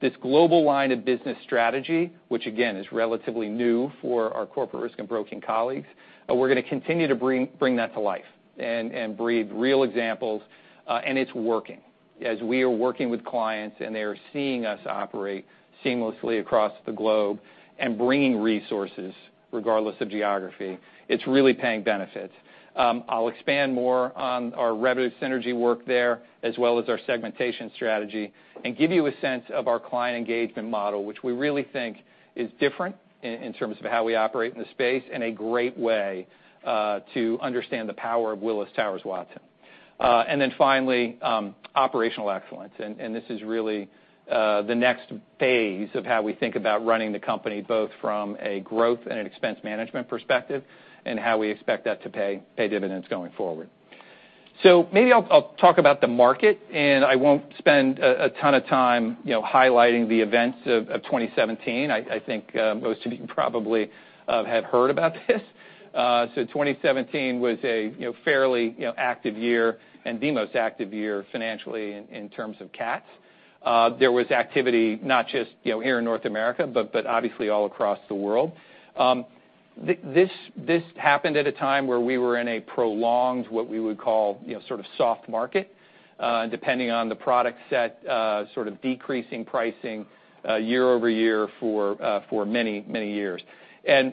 This global line of business strategy, which again, is relatively new for our Corporate Risk and Broking colleagues, we're going to continue to bring that to life and breed real examples, and it's working. As we are working with clients, and they are seeing us operate seamlessly across the globe and bringing resources regardless of geography, it's really paying benefits. I'll expand more on our revenue synergy work there, as well as our segmentation strategy, and give you a sense of our client engagement model, which we really think is different in terms of how we operate in the space, and a great way to understand the power of Willis Towers Watson. Then finally, operational excellence. This is really the next phase of how we think about running the company, both from a growth and an expense management perspective, and how we expect that to pay dividends going forward. Maybe I'll talk about the market, and I won't spend a ton of time highlighting the events of 2017. I think most of you probably have heard about this. 2017 was a fairly active year and the most active year financially in terms of cats. There was activity not just here in North America, but obviously all across the world. This happened at a time where we were in a prolonged, what we would call, sort of soft market, depending on the product set, sort of decreasing pricing year-over-year for many, many years.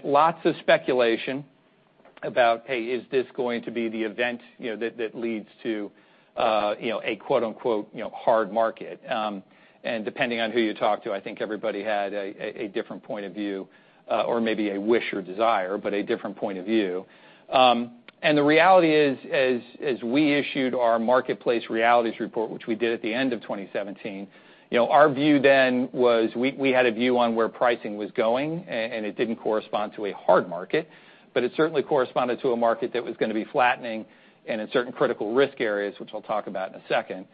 Lots of speculation about, hey, is this going to be the event that leads to a quote, unquote, "hard market." Depending on who you talk to, I think everybody had a different point of view, or maybe a wish or desire, but a different point of view. The reality is, as we issued our Insurance Marketplace Realities report, which we did at the end of 2017, our view then was we had a view on where pricing was going, and it didn't correspond to a hard market. It certainly corresponded to a market that was going to be flattening in certain critical risk areas, which I'll talk about in a second.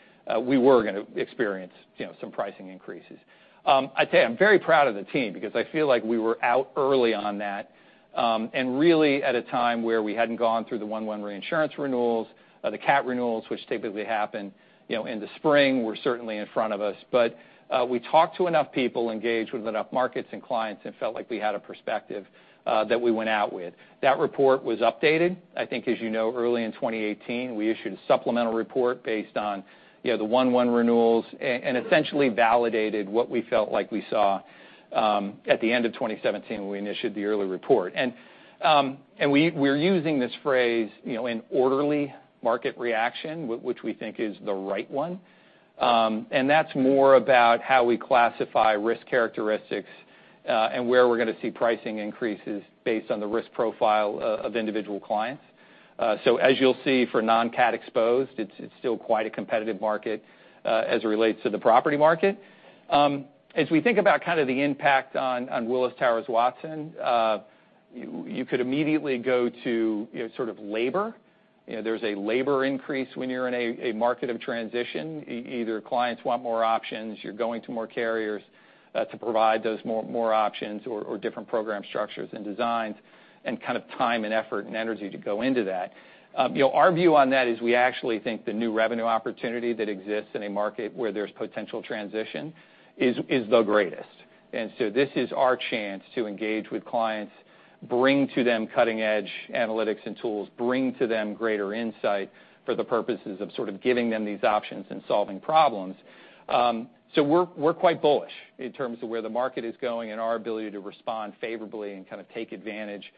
We were going to experience some pricing increases. I'd say I'm very proud of the team because I feel like we were out early on that, and really at a time where we hadn't gone through the 1/1 reinsurance renewals, the cat renewals, which typically happen in the spring, were certainly in front of us. We talked to enough people, engaged with enough markets and clients, and felt like we had a perspective that we went out with. That report was updated. I think as you know, early in 2018, we issued a supplemental report based on the 1/1 renewals and essentially validated what we felt like we saw at the end of 2017 when we initiated the early report. We're using this phrase, an orderly market reaction, which we think is the right one. That's more about how we classify risk characteristics, and where we're going to see pricing increases based on the risk profile of individual clients. As you'll see for non-cat exposed, it's still quite a competitive market as it relates to the property market. As we think about kind of the impact on Willis Towers Watson, you could immediately go to sort of labor. There's a labor increase when you're in a market of transition. Either clients want more options, you're going to more carriers to provide those more options or different program structures and designs, and kind of time and effort and energy to go into that. Our view on that is we actually think the new revenue opportunity that exists in a market where there's potential transition is the greatest. This is our chance to engage with clients, bring to them cutting-edge analytics and tools. Bring to them greater insight for the purposes of sort of giving them these options and solving problems. We're quite bullish in terms of where the market is going and our ability to respond favorably and kind of take advantage of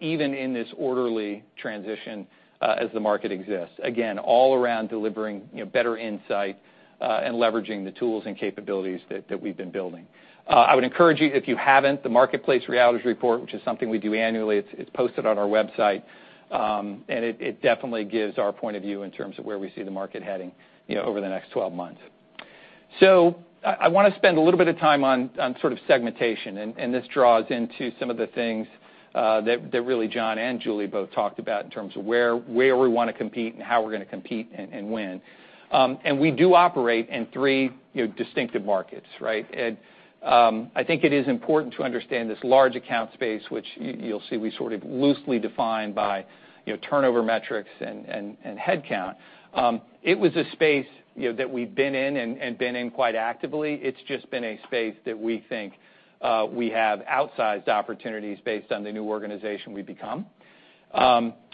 even in this orderly transition as the market exists. Again, all around delivering better insight and leveraging the tools and capabilities that we've been building. I would encourage you, if you haven't, the Marketplace Realities report, which is something we do annually. It's posted on our website. It definitely gives our point of view in terms of where we see the market heading over the next 12 months. I want to spend a little bit of time on sort of segmentation, and this draws into some of the things that really John and Julie both talked about in terms of where we want to compete and how we're going to compete and when. We do operate in three distinctive markets, right? I think it is important to understand this large account space, which you'll see we sort of loosely define by turnover metrics and head count. It was a space that we've been in and been in quite actively. It's just been a space that we think we have outsized opportunities based on the new organization we've become.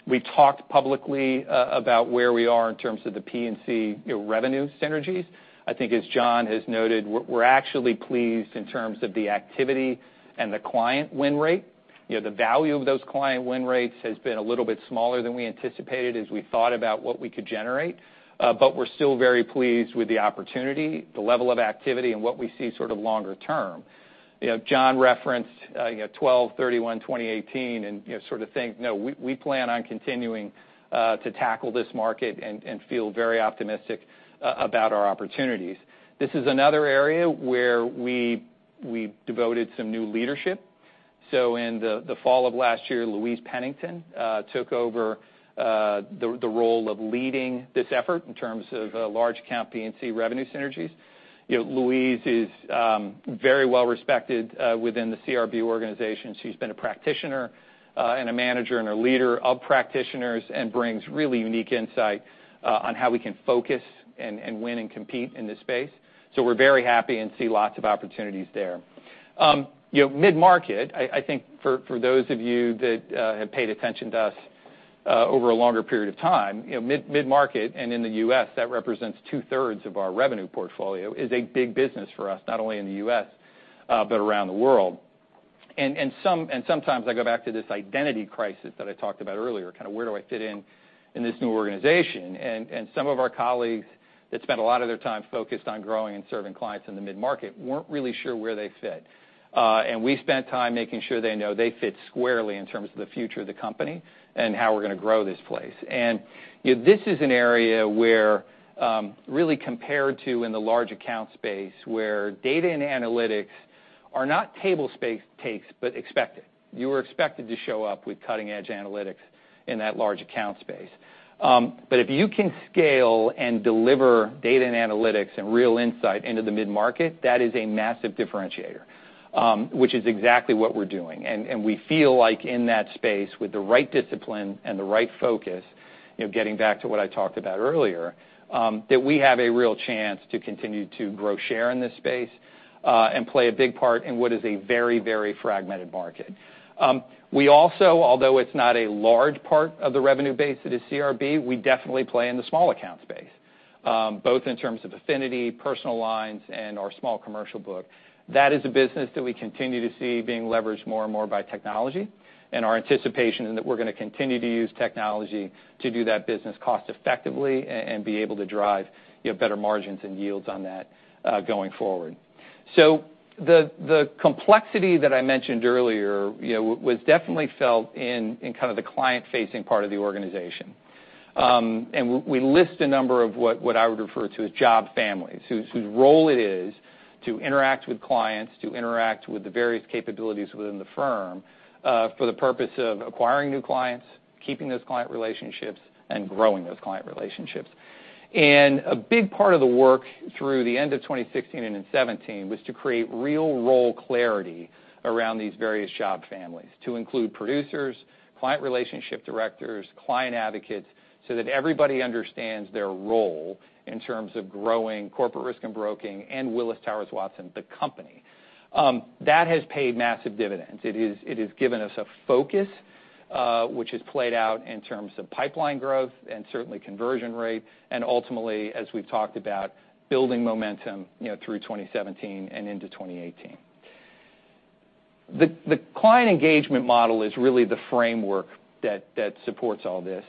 We've talked publicly about where we are in terms of the P&C revenue synergies. I think as John has noted, we're actually pleased in terms of the activity and the client win rate. The value of those client win rates has been a little bit smaller than we anticipated as we thought about what we could generate. We're still very pleased with the opportunity, the level of activity, and what we see sort of longer term. John referenced 12/31/2018 and sort of saying, "No, we plan on continuing to tackle this market and feel very optimistic about our opportunities." This is another area where we devoted some new leadership. In the fall of last year, Louise Pennington took over the role of leading this effort in terms of large account P&C revenue synergies. Louise is very well-respected within the CRB organization. She's been a practitioner and a manager, and a leader of practitioners, and brings really unique insight on how we can focus and win and compete in this space. We're very happy and see lots of opportunities there. Mid-market, I think for those of you that have paid attention to us over a longer period of time, mid-market and in the U.S., that represents two-thirds of our revenue portfolio, is a big business for us, not only in the U.S. but around the world. Sometimes I go back to this identity crisis that I talked about earlier, kind of where do I fit in in this new organization? Some of our colleagues that spent a lot of their time focused on growing and serving clients in the mid-market weren't really sure where they fit. We spent time making sure they know they fit squarely in terms of the future of the company and how we're going to grow this place. This is an area where, really compared to in the large account space, where data and analytics are not table stakes, but expected. You are expected to show up with cutting-edge analytics in that large account space. If you can scale and deliver data and analytics and real insight into the mid-market, that is a massive differentiator, which is exactly what we're doing. We feel like in that space, with the right discipline and the right focus, getting back to what I talked about earlier, that we have a real chance to continue to grow share in this space, and play a big part in what is a very fragmented market. We also, although it's not a large part of the revenue base that is CRB, we definitely play in the small account space, both in terms of affinity, personal lines, and our small commercial book. That is a business that we continue to see being leveraged more and more by technology. Our anticipation is that we're going to continue to use technology to do that business cost-effectively and be able to drive better margins and yields on that going forward. The complexity that I mentioned earlier was definitely felt in kind of the client-facing part of the organization. We list a number of what I would refer to as job families, whose role it is to interact with clients, to interact with the various capabilities within the firm, for the purpose of acquiring new clients, keeping those client relationships, and growing those client relationships. A big part of the work through the end of 2016 and in 2017 was to create real role clarity around these various job families to include producers, client relationship directors, client advocates, so that everybody understands their role in terms of growing Corporate Risk and Broking and Willis Towers Watson, the company. That has paid massive dividends. It has given us a focus, which has played out in terms of pipeline growth and certainly conversion rate, ultimately, as we've talked about, building momentum through 2017 and into 2018. The client engagement model is really the framework that supports all this.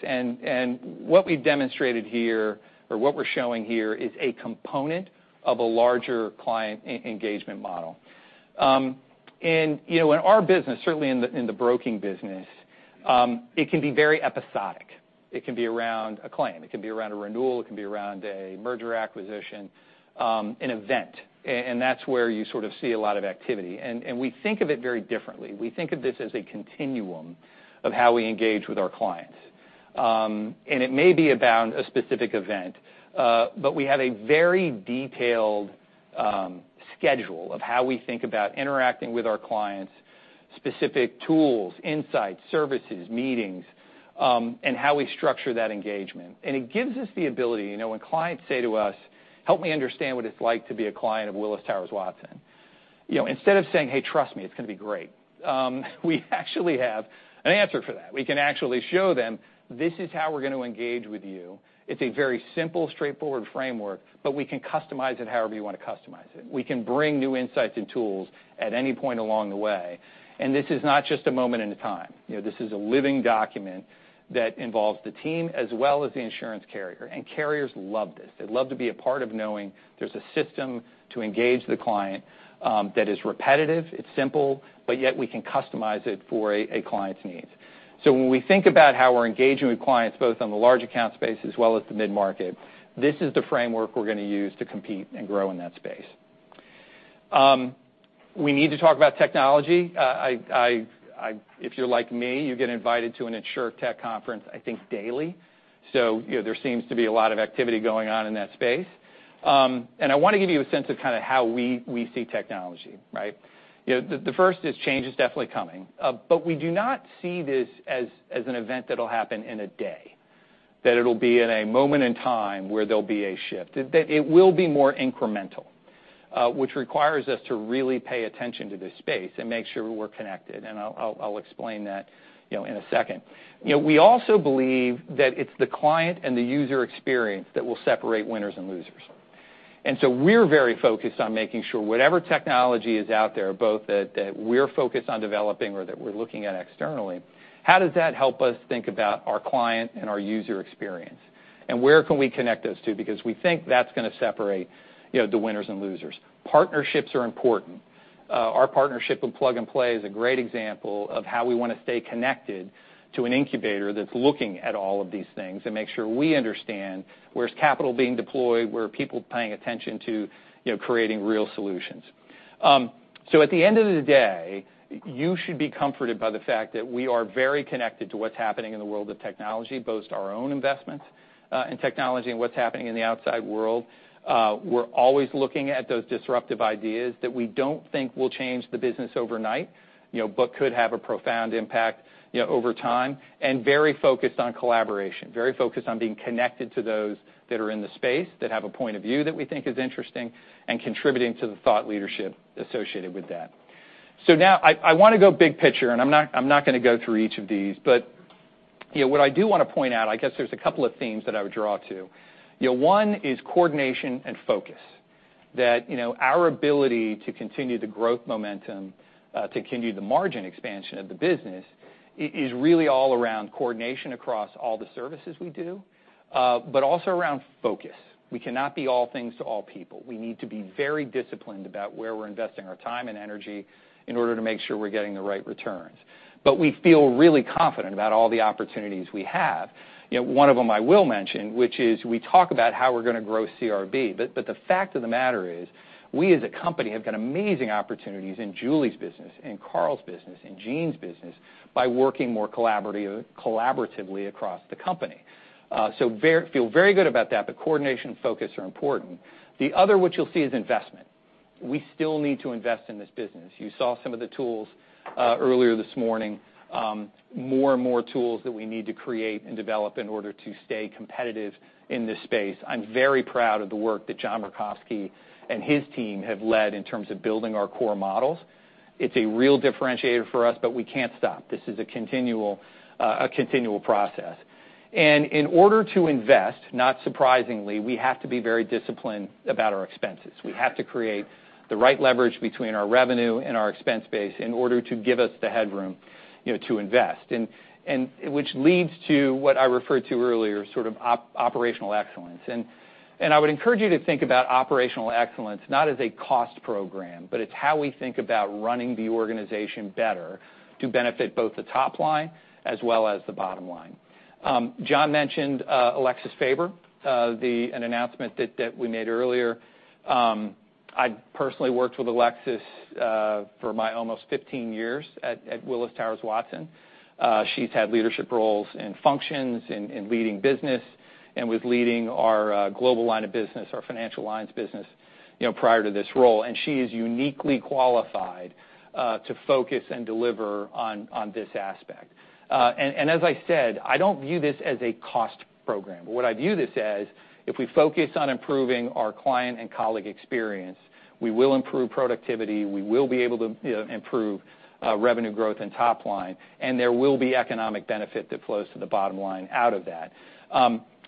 What we've demonstrated here, or what we're showing here is a component of a larger client engagement model. In our business, certainly in the broking business, it can be very episodic. It can be around a claim, it can be around a renewal, it can be around a merger acquisition, an event. That's where you sort of see a lot of activity. We think of it very differently. We think of this as a continuum of how we engage with our clients. It may be about a specific event, but we have a very detailed schedule of how we think about interacting with our clients, specific tools, insights, services, meetings, and how we structure that engagement. It gives us the ability when clients say to us, "Help me understand what it's like to be a client of Willis Towers Watson." Instead of saying, "Hey, trust me, it's going to be great," we actually have an answer for that. We can actually show them, this is how we're going to engage with you. It's a very simple, straightforward framework, but we can customize it however you want to customize it. We can bring new insights and tools at any point along the way. This is not just a moment in time. This is a living document that involves the team as well as the insurance carrier. Carriers love this. They love to be a part of knowing there's a system to engage the client that is repetitive, it's simple, but yet we can customize it for a client's needs. When we think about how we're engaging with clients, both on the large account space as well as the mid-market, this is the framework we're going to use to compete and grow in that space. We need to talk about technology. If you're like me, you get invited to an Insurtech conference, I think, daily. There seems to be a lot of activity going on in that space. I want to give you a sense of kind of how we see technology, right? The first is change is definitely coming. We do not see this as an event that'll happen in a day, that it'll be in a moment in time where there'll be a shift. It will be more incremental, which requires us to really pay attention to this space and make sure we're connected, I'll explain that in a second. We also believe that it's the client and the user experience that will separate winners and losers. We're very focused on making sure whatever technology is out there, both that we're focused on developing or that we're looking at externally, how does that help us think about our client and our user experience? Where can we connect those two? Because we think that's going to separate the winners and losers. Partnerships are important. Our partnership with Plug and Play is a great example of how we want to stay connected to an incubator that's looking at all of these things and make sure we understand where's capital being deployed, where are people paying attention to creating real solutions. At the end of the day, you should be comforted by the fact that we are very connected to what's happening in the world of technology, both our own investments in technology and what's happening in the outside world. We're always looking at those disruptive ideas that we don't think will change the business overnight, but could have a profound impact over time, and very focused on collaboration, very focused on being connected to those that are in the space that have a point of view that we think is interesting and contributing to the thought leadership associated with that. Now I want to go big picture, and I'm not going to go through each of these, but what I do want to point out, I guess there's a couple of themes that I would draw to. One is coordination and focus. That our ability to continue the growth momentum, to continue the margin expansion of the business, is really all around coordination across all the services we do, but also around focus. We cannot be all things to all people. We need to be very disciplined about where we're investing our time and energy in order to make sure we're getting the right returns. We feel really confident about all the opportunities we have. One of them I will mention, which is we talk about how we're going to grow CRB, but the fact of the matter is we as a company have got amazing opportunities in Julie's business, in Carl's business, in Gene's business by working more collaboratively across the company. Feel very good about that, but coordination and focus are important. The other, which you'll see, is investment. We still need to invest in this business. You saw some of the tools earlier this morning. More and more tools that we need to create and develop in order to stay competitive in this space. I'm very proud of the work that John Merkovsky and his team have led in terms of building our core models. It's a real differentiator for us, but we can't stop. This is a continual process. In order to invest, not surprisingly, we have to be very disciplined about our expenses. We have to create the right leverage between our revenue and our expense base in order to give us the headroom to invest. Which leads to what I referred to earlier, operational excellence. And I would encourage you to think about operational excellence, not as a cost program, but it's how we think about running the organization better to benefit both the top line as well as the bottom line. John mentioned Alexis Faber, an announcement that we made earlier. I personally worked with Alexis for my almost 15 years at Willis Towers Watson. She's had leadership roles in functions, in leading business, and was leading our global line of business, our financial lines business, prior to this role. And she is uniquely qualified to focus and deliver on this aspect. As I said, I don't view this as a cost program. What I view this as, if we focus on improving our client and colleague experience, we will improve productivity, we will be able to improve revenue growth and top line, and there will be economic benefit that flows to the bottom line out of that.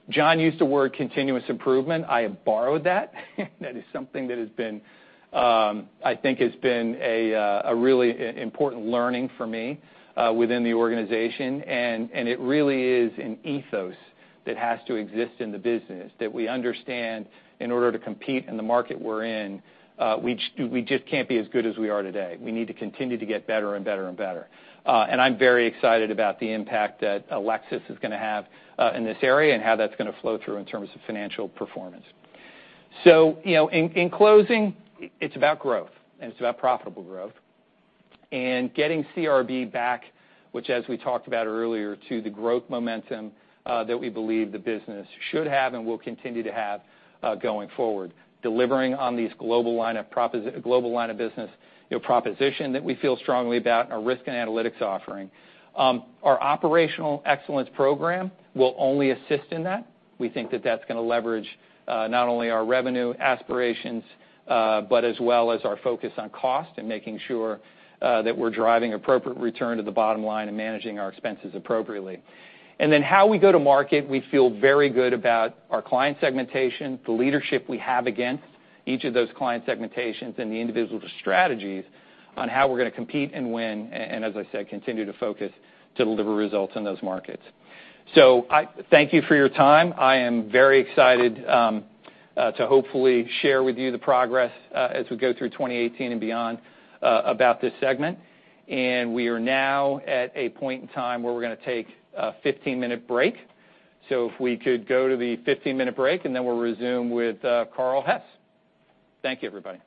John used the word continuous improvement. I have borrowed that. That is something that I think has been a really important learning for me within the organization, and it really is an ethos that has to exist in the business that we understand in order to compete in the market we are in, we just can't be as good as we are today. We need to continue to get better and better and better. I'm very excited about the impact that Alexis is going to have in this area and how that's going to flow through in terms of financial performance. In closing, it's about growth and it's about profitable growth and getting CRB back, which as we talked about earlier, to the growth momentum that we believe the business should have and will continue to have going forward. Delivering on this global line of business proposition that we feel strongly about in our risk and analytics offering. Our operational excellence program will only assist in that. We think that that's going to leverage not only our revenue aspirations, but as well as our focus on cost and making sure that we're driving appropriate return to the bottom line and managing our expenses appropriately. How we go to market, we feel very good about our client segmentation, the leadership we have against each of those client segmentations and the individual strategies on how we're going to compete and win, and as I said, continue to focus to deliver results in those markets. Thank you for your time. I am very excited to hopefully share with you the progress as we go through 2018 and beyond about this segment. We are now at a point in time where we're going to take a 15-minute break. If we could go to the 15-minute break, then we'll resume with Carl Hess. Thank you, everybody.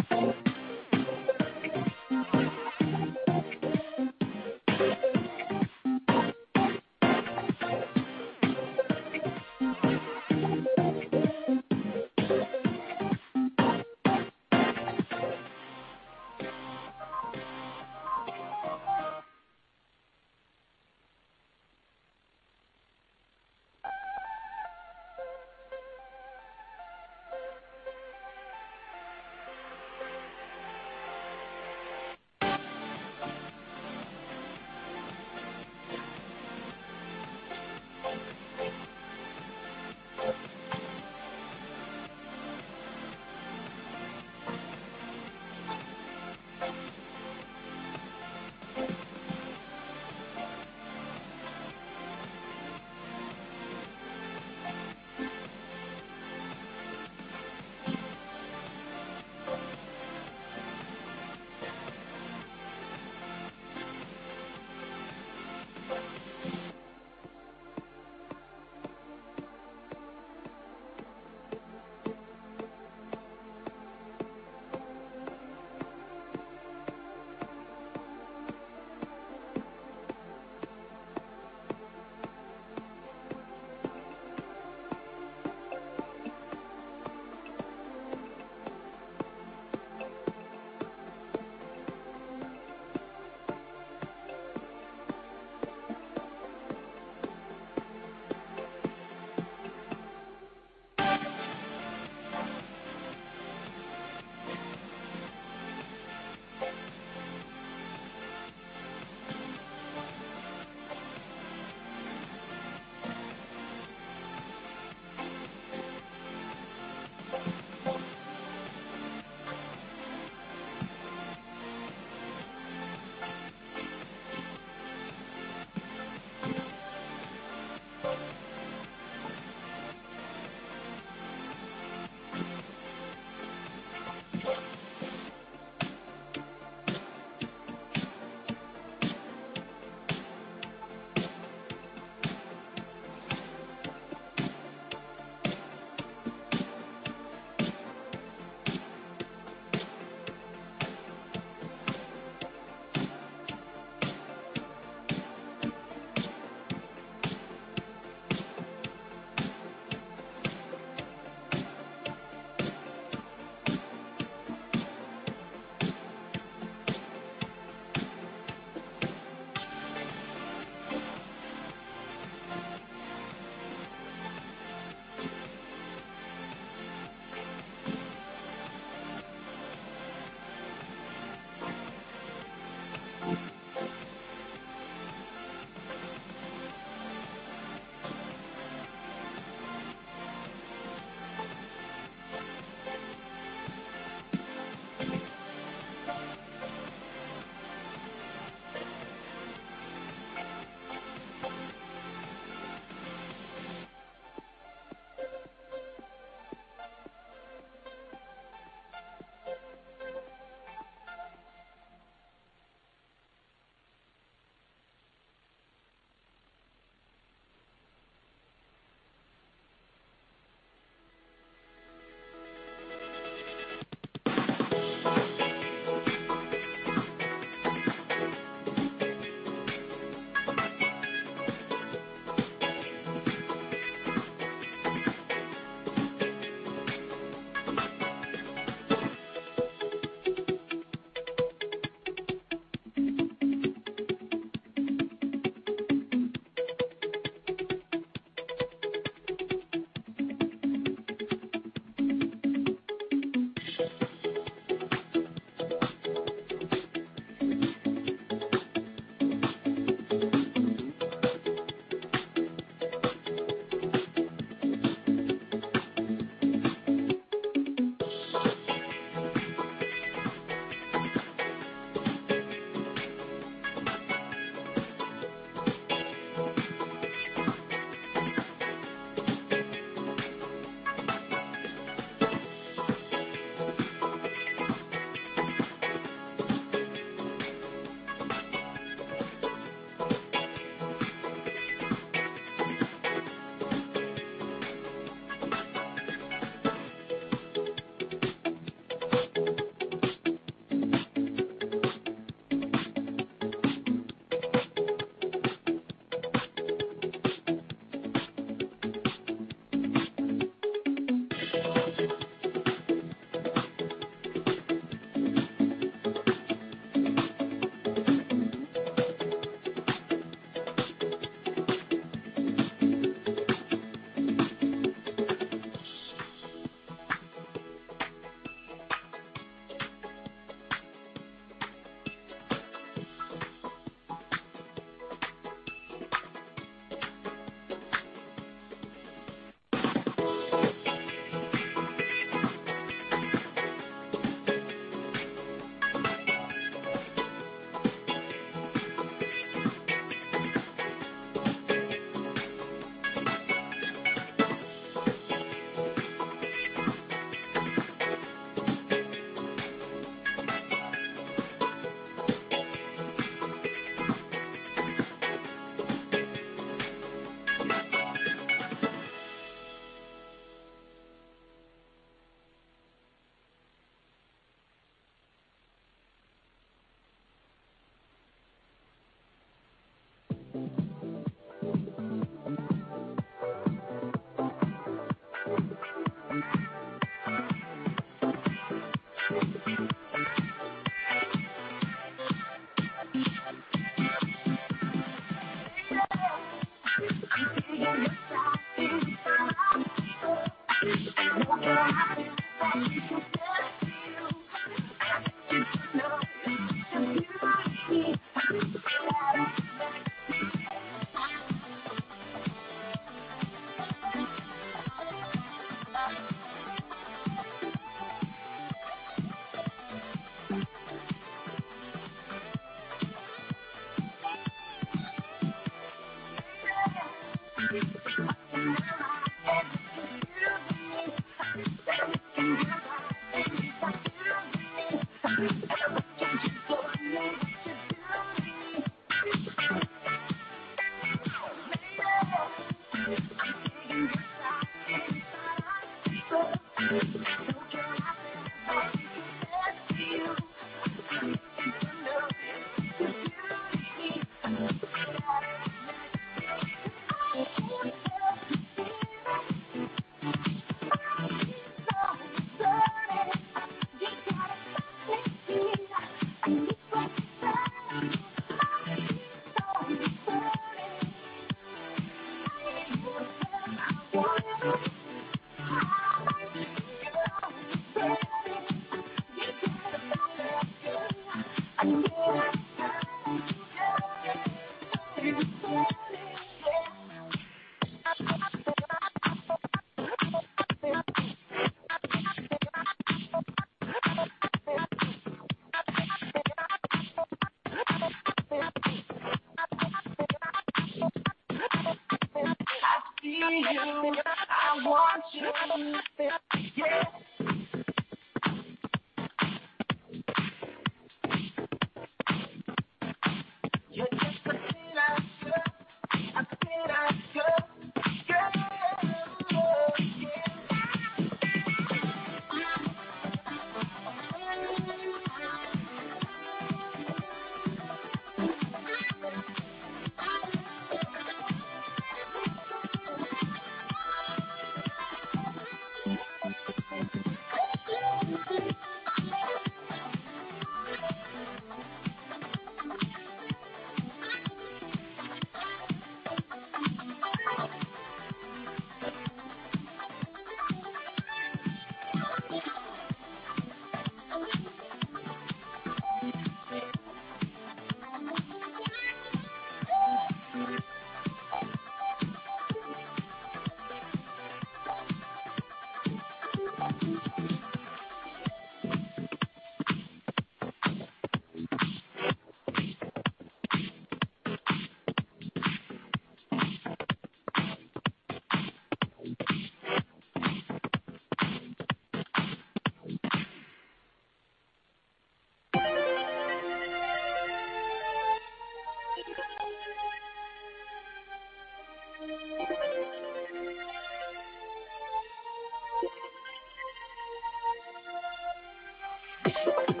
You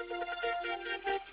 have set me free. You have set me free. One.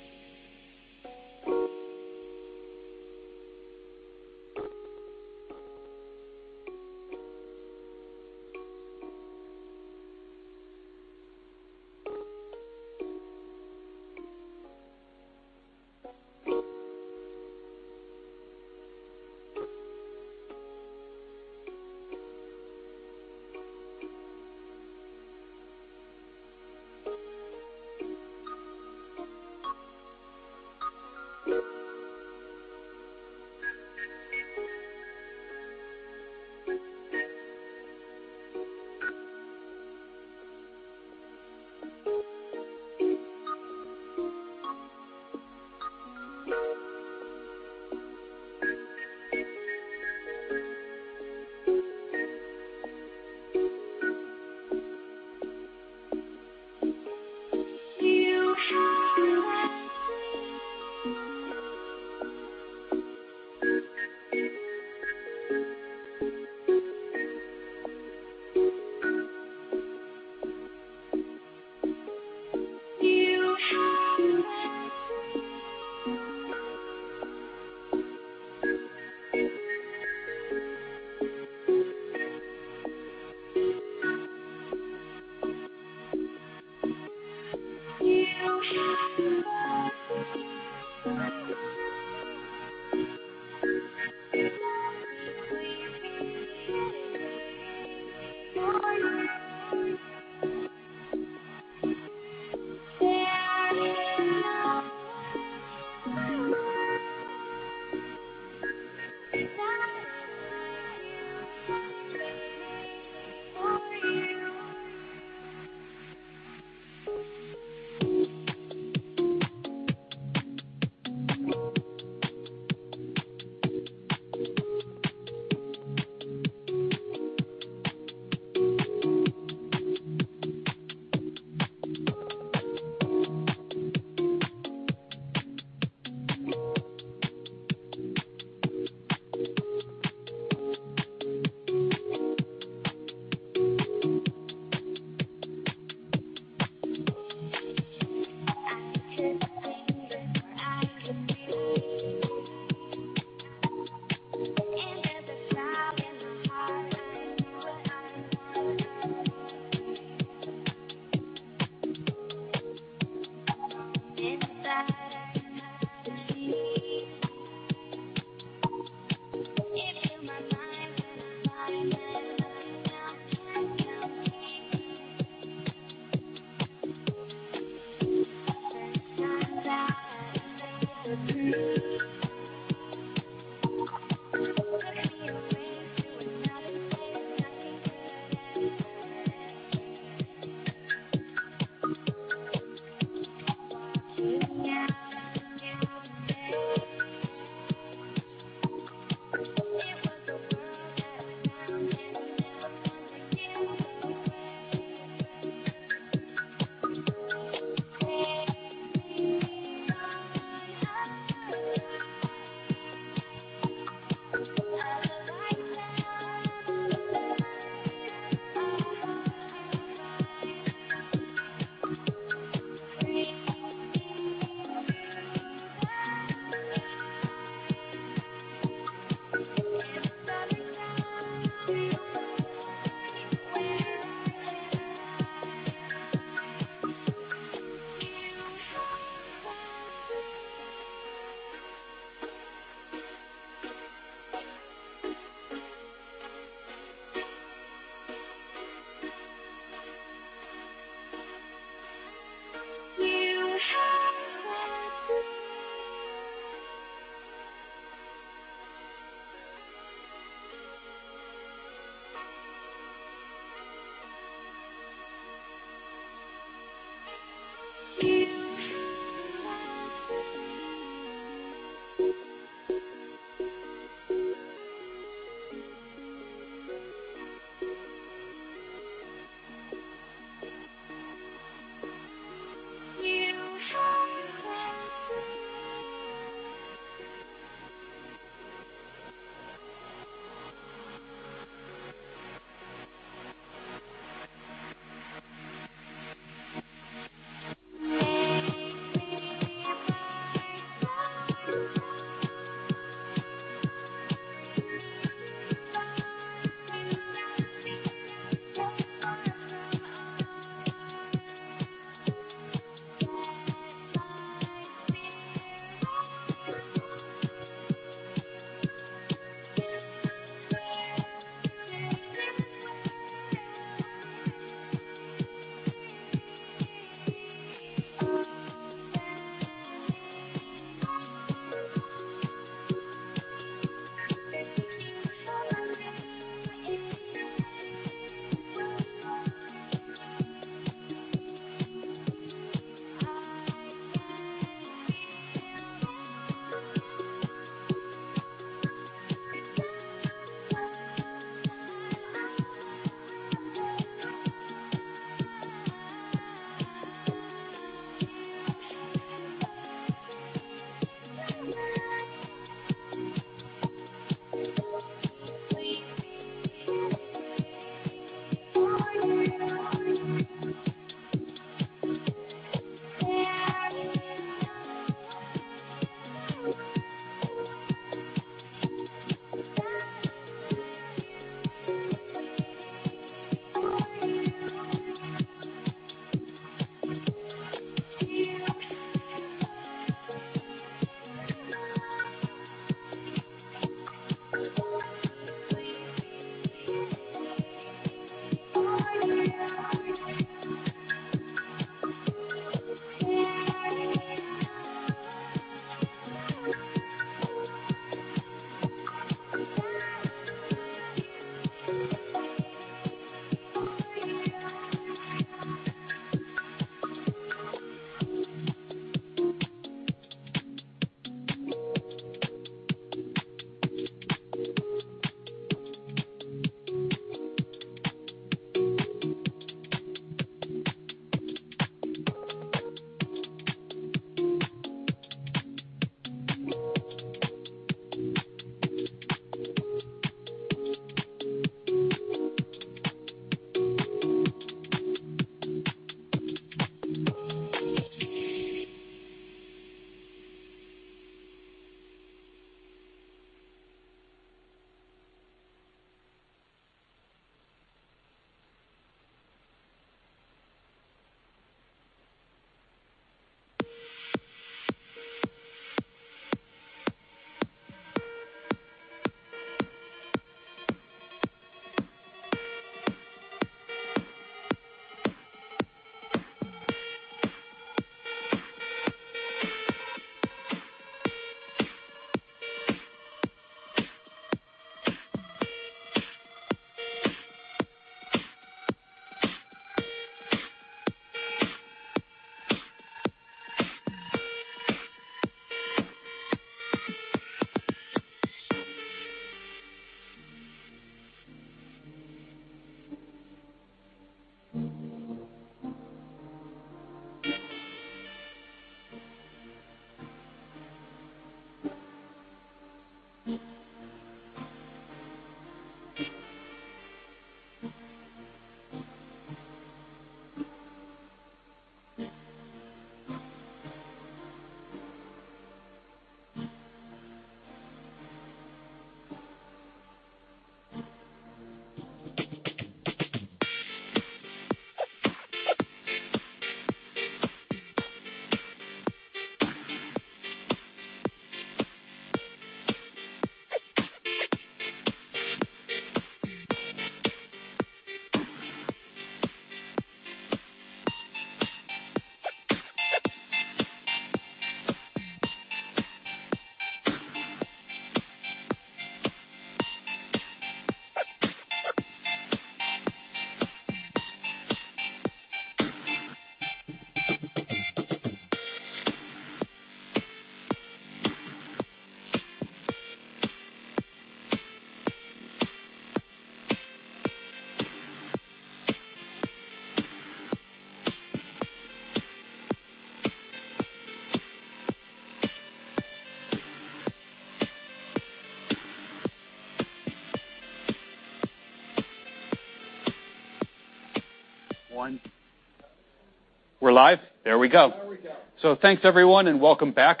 We're live? There we go. There we go. Thanks everyone, and welcome back.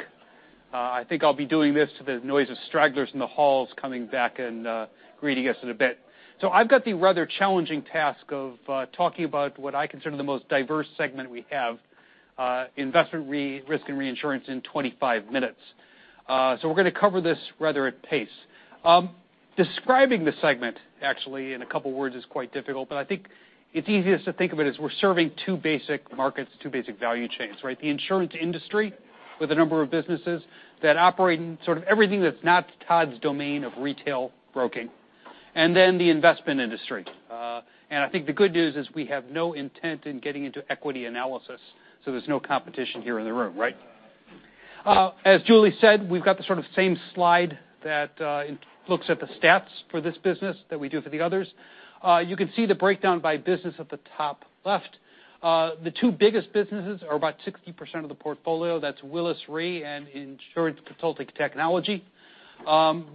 I think I'll be doing this to the noise of stragglers in the halls coming back and greeting us in a bit. I've got the rather challenging task of talking about what I consider the most diverse segment we have, Investment, Risk and Reinsurance, in 25 minutes. We're going to cover this rather at pace. Describing the segment actually in a couple of words is quite difficult, but I think it's easiest to think of it as we're serving two basic markets, two basic value chains, right? The insurance industry, with a number of businesses that operate in sort of everything that's not Todd's domain of retail broking. The investment industry. I think the good news is we have no intent in getting into equity analysis, so there's no competition here in the room, right? As Julie said, we've got the sort of same slide that looks at the stats for this business that we do for the others. You can see the breakdown by business at the top left. The two biggest businesses are about 60% of the portfolio. That's Willis Re and Insurance Consulting and Technology.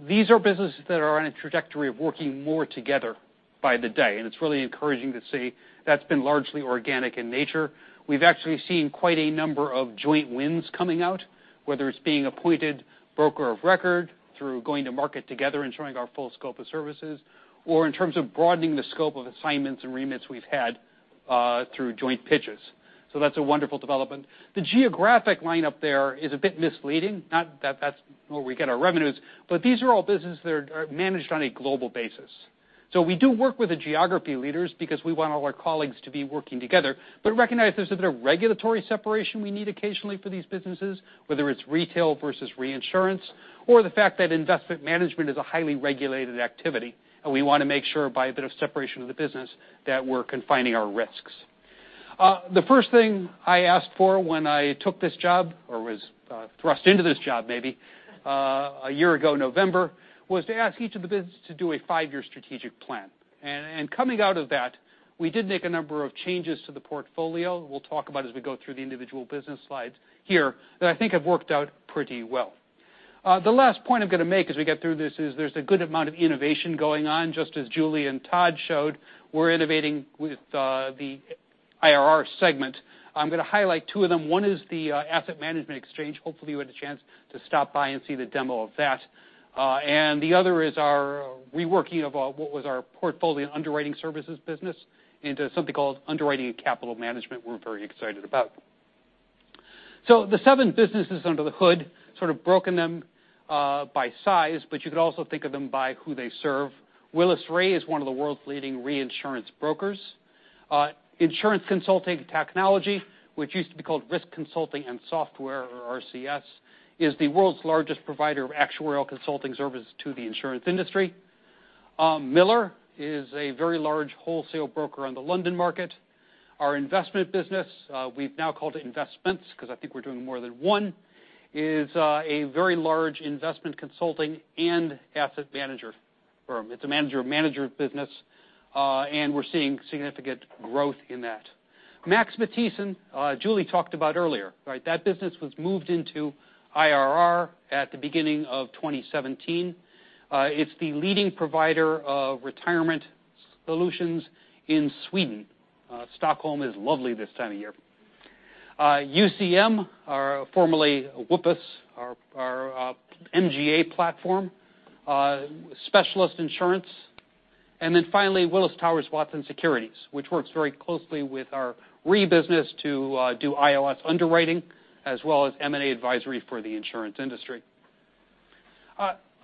These are businesses that are on a trajectory of working more together by the day, and it's really encouraging to see. That's been largely organic in nature. We've actually seen quite a number of joint wins coming out, whether it's being appointed broker of record through going to market together and showing our full scope of services, or in terms of broadening the scope of assignments and remits we've had through joint pitches. That's a wonderful development. The geographic line-up there is a bit misleading. Not that that's where we get our revenues, but these are all businesses that are managed on a global basis. We do work with the geography leaders because we want all our colleagues to be working together, but recognize there's a bit of regulatory separation we need occasionally for these businesses, whether it's retail versus reinsurance, or the fact that investment management is a highly regulated activity and we want to make sure by a bit of separation of the business that we're confining our risks. The first thing I asked for when I took this job, or was thrust into this job maybe, a year ago November, was to ask each of the businesses to do a five-year strategic plan. Coming out of that, we did make a number of changes to the portfolio we'll talk about as we go through the individual business slides here that I think have worked out pretty well. The last point I'm going to make as we get through this is there's a good amount of innovation going on. Just as Julie and Todd showed, we're innovating with the IRR segment. I'm going to highlight 2 of them. One is the Asset Management Exchange. Hopefully, you had a chance to stop by and see the demo of that. The other is our reworking of what was our portfolio underwriting services business into something called Underwriting and Capital Management we're very excited about. The 7 businesses under the hood, sort of broken them by size, but you could also think of them by who they serve. Willis Re is 1 of the world's leading reinsurance brokers. Insurance Consulting and Technology, which used to be called Risk Consulting and Software or RCS, is the world's largest provider of actuarial consulting services to the insurance industry. Miller is a very large wholesale broker on the London market. Our investment business, we've now called it Investments because I think we're doing more than 1, is a very large investment consulting and asset manager firm. It's a manager of managers business. We're seeing significant growth in that. Max Matthiessen, Julie talked about earlier, right? That business was moved into IRR at the beginning of 2017. It's the leading provider of retirement solutions in Sweden. Stockholm is lovely this time of year. UCM, formerly Willis Programs, our MGA platform. Specialist Insurance. Finally, Willis Towers Watson Securities, which works very closely with our Willis Re business to do ILS underwriting as well as M&A advisory for the insurance industry.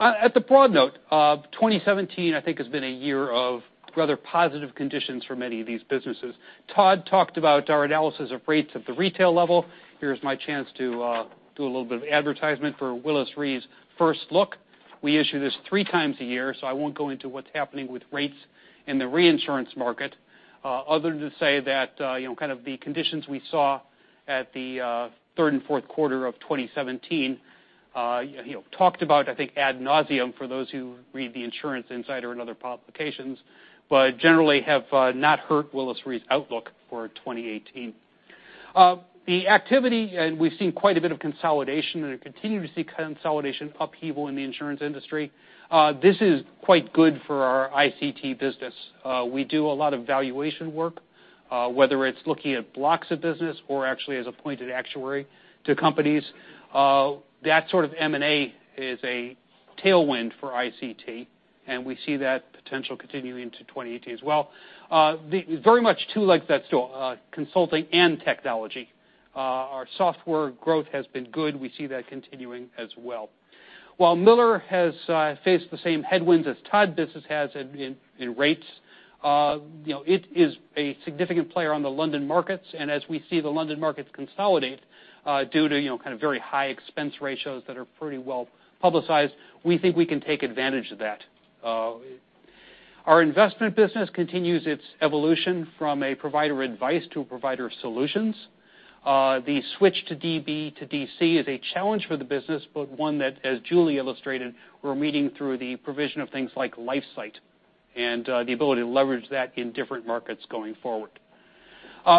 At the broad note, 2017, I think has been a year of rather positive conditions for many of these businesses. Todd talked about our analysis of rates at the retail level. Here's my chance to do a little bit of advertisement for Willis Re's 1st View. We issue this 3 times a year, so I won't go into what's happening with rates in the reinsurance market other than to say that kind of the conditions we saw at the 3rd and 4th quarter of 2017, talked about, I think, ad nauseam for those who read the Insurance Insider and other publications, but generally have not hurt Willis Re's outlook for 2018. The activity, we've seen quite a bit of consolidation and continue to see consolidation upheaval in the insurance industry. This is quite good for our ICT business. We do a lot of valuation work. Whether it's looking at blocks of business or actually as appointed actuary to companies. That sort of M&A is a tailwind for ICT, and we see that potential continuing into 2018 as well. Very much two legs that stool, consulting and technology. Our software growth has been good. We see that continuing as well. While Miller has faced the same headwinds as Todd Business has in rates, it is a significant player on the London markets. As we see the London markets consolidate due to very high expense ratios that are pretty well-publicized, we think we can take advantage of that. Our investment business continues its evolution from a provider advice to a provider of solutions. The switch to DB to DC is a challenge for the business, but one that, as Julie illustrated, we're meeting through the provision of things like LifeSight and the ability to leverage that in different markets going forward.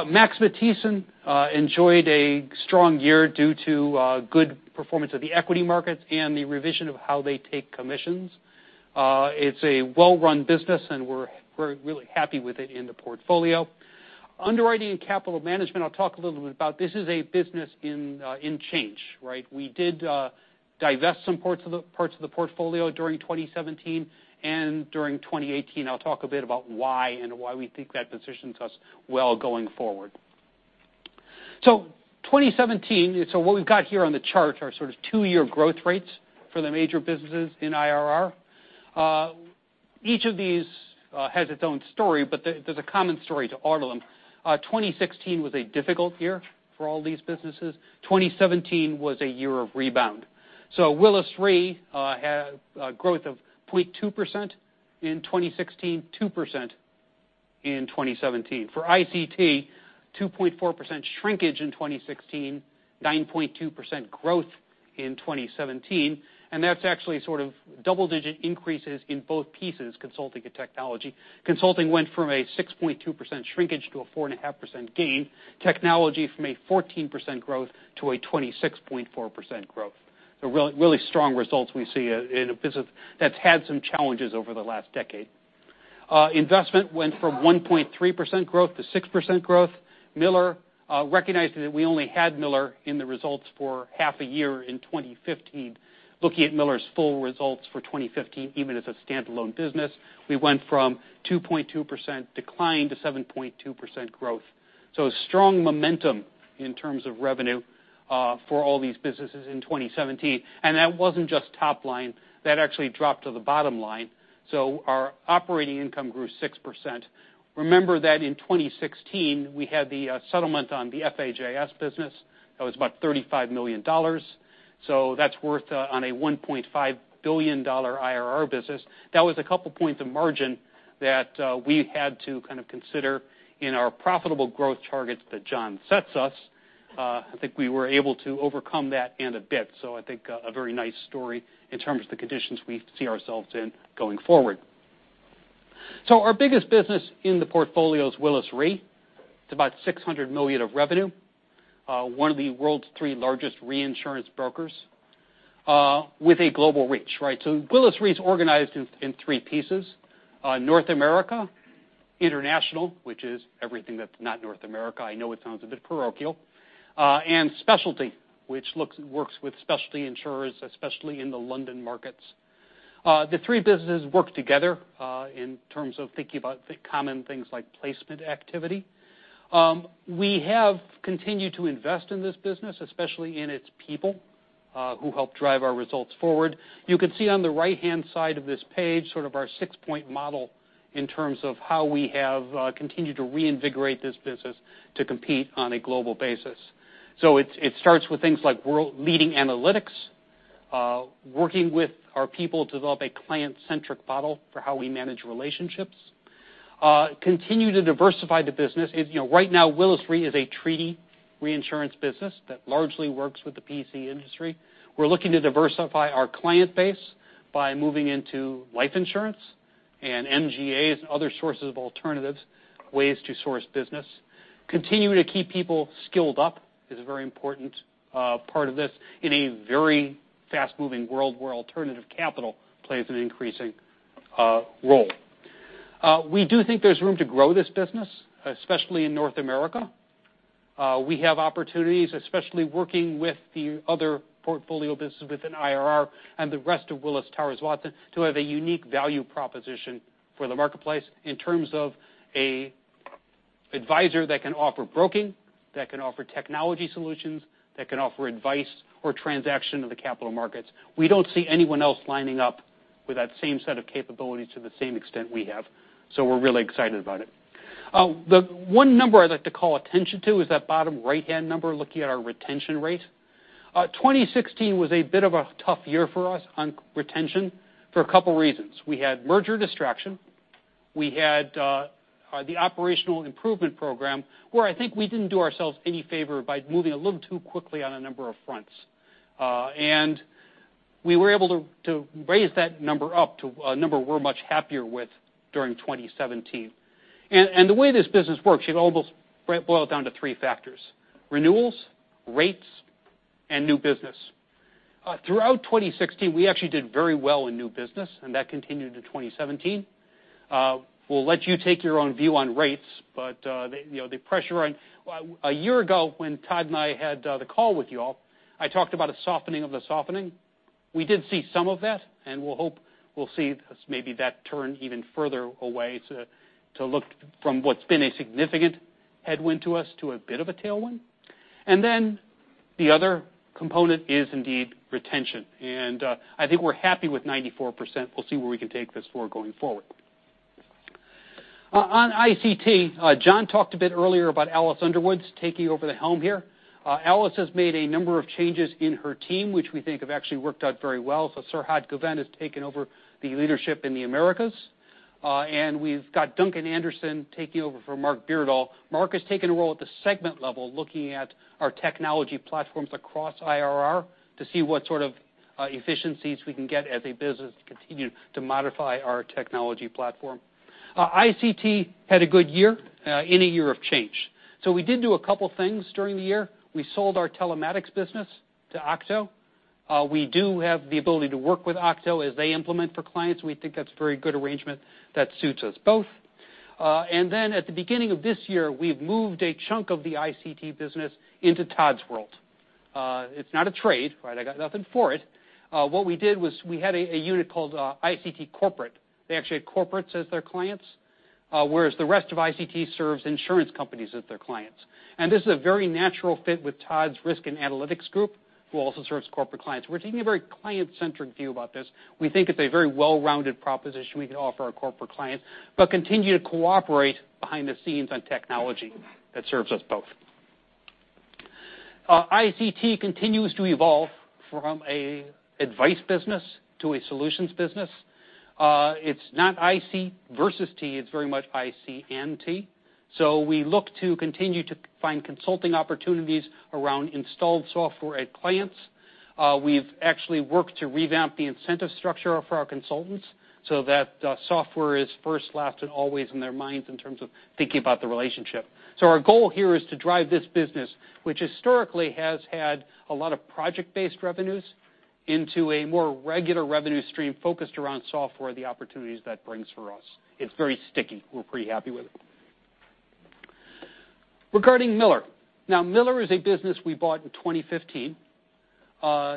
Max Matthiessen enjoyed a strong year due to good performance of the equity markets and the revision of how they take commissions. It's a well-run business, and we're really happy with it in the portfolio. Underwriting and capital management, I'll talk a little bit about. This is a business in change, right? We did divest some parts of the portfolio during 2017, during 2018, I'll talk a bit about why and why we think that positions us well going forward. 2017, what we've got here on the chart are sort of two-year growth rates for the major businesses in IRR. Each of these has its own story, but there's a common story to all of them. 2016 was a difficult year for all these businesses. 2017 was a year of rebound. Willis Re had a growth of 0.2% in 2016, 2% in 2017. For ICT, 2.4% shrinkage in 2016, 9.2% growth in 2017. That's actually sort of double-digit increases in both pieces, consulting and technology. Consulting went from a 6.2% shrinkage to a 4.5% gain. Technology from a 14% growth to a 26.4% growth. Really strong results we see in a business that's had some challenges over the last decade. Investment went from 1.3% growth to 6% growth. Miller, recognizing that we only had Miller in the results for half a year in 2015. Looking at Miller's full results for 2015, even as a standalone business, we went from 2.2% decline to 7.2% growth. Strong momentum in terms of revenue for all these businesses in 2017. That wasn't just top line. That actually dropped to the bottom line. Our operating income grew 6%. Remember that in 2016, we had the settlement on the FABS business. That was about $35 million. That's worth on a $1.5 billion IRR business. That was a couple of points of margin that we had to kind of consider in our profitable growth targets that John sets us. I think we were able to overcome that and a bit. I think a very nice story in terms of the conditions we see ourselves in going forward. Our biggest business in the portfolio is Willis Re. It's about $600 million of revenue. One of the world's 3 largest reinsurance brokers with a global reach, right? Willis Re is organized in 3 pieces: North America, International, which is everything that's not North America. I know it sounds a bit parochial. Specialty, which works with specialty insurers, especially in the London markets. The 3 businesses work together in terms of thinking about the common things like placement activity. We have continued to invest in this business, especially in its people who help drive our results forward. You can see on the right-hand side of this page, sort of our 6-point model in terms of how we have continued to reinvigorate this business to compete on a global basis. It starts with things like world-leading analytics, working with our people to develop a client-centric model for how we manage relationships, continue to diversify the business. Right now, Willis Re is a treaty reinsurance business that largely works with the P&C industry. We're looking to diversify our client base by moving into life insurance and MGAs and other sources of alternatives, ways to source business. Continuing to keep people skilled up is a very important part of this in a very fast-moving world where alternative capital plays an increasing role. We do think there's room to grow this business, especially in North America. We have opportunities, especially working with the other portfolio businesses within IRR and the rest of Willis Towers Watson to have a unique value proposition for the marketplace in terms of an advisor that can offer broking, that can offer technology solutions, that can offer advice or transaction to the capital markets. We don't see anyone else lining up with that same set of capabilities to the same extent we have. We're really excited about it. The one number I'd like to call attention to is that bottom right-hand number looking at our retention rate. 2016 was a bit of a tough year for us on retention for a couple of reasons. We had merger distraction. We had the operational improvement program where I think we didn't do ourselves any favor by moving a little too quickly on a number of fronts. We were able to raise that number up to a number we're much happier with during 2017. The way this business works, you can almost boil it down to 3 factors: Renewals, rates, and new business. Throughout 2016, we actually did very well in new business, and that continued into 2017. We'll let you take your own view on rates, but the pressure on-- A year ago, when Todd and I had the call with you all, I talked about a softening of the softening. We did see some of that, and we'll hope we'll see maybe that turn even further away to look from what's been a significant headwind to us to a bit of a tailwind. Then the other component is indeed retention. I think we're happy with 94%. We'll see where we can take this forward going forward. On ICT, John talked a bit earlier about Alice Underwood taking over the helm here. Alice has made a number of changes in her team, which we think have actually worked out very well. Serhat Guven has taken over the leadership in the Americas. We've got Duncan Anderson taking over for Mark Beardall. Mark has taken a role at the segment level, looking at our technology platforms across IRR to see what sort of efficiencies we can get as a business to continue to modify our technology platform. ICT had a good year in a year of change. We did do a couple of things during the year. We sold our telematics business to Octo. We do have the ability to work with Octo as they implement for clients. We think that's a very good arrangement that suits us both. At the beginning of this year, we've moved a chunk of the ICT business into Todd's world. It's not a trade. I got nothing for it. What we did was we had a unit called ICT Corporate. They actually had corporates as their clients, whereas the rest of ICT serves insurance companies as their clients. This is a very natural fit with Todd's Risk and Analytics Group, who also serves corporate clients. We're taking a very client-centric view about this. We think it's a very well-rounded proposition we can offer our corporate clients, but continue to cooperate behind the scenes on technology that serves us both. ICT continues to evolve from an advice business to a solutions business. It's not IC versus T, it's very much IC and T. We look to continue to find consulting opportunities around installed software at clients. We've actually worked to revamp the incentive structure for our consultants so that software is first, last, and always in their minds in terms of thinking about the relationship. Our goal here is to drive this business, which historically has had a lot of project-based revenues, into a more regular revenue stream focused around software, the opportunities that brings for us. It's very sticky. We're pretty happy with it. Regarding Miller. Miller is a business we bought in 2015.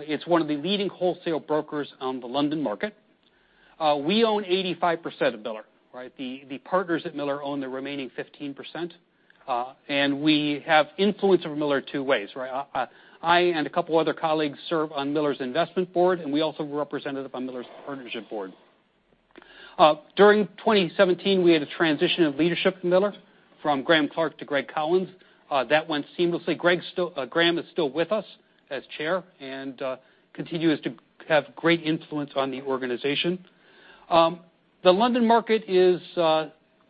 It's one of the leading wholesale brokers on the London market. We own 85% of Miller. The partners at Miller own the remaining 15%, and we have influence over Miller two ways. I and a couple of other colleagues serve on Miller's investment board, and we also were represented up on Miller's partnership board. During 2017, we had a transition of leadership at Miller from Graham Clarke to Greg Collins. That went seamlessly. Graham is still with us as chair and continues to have great influence on the organization. The London market is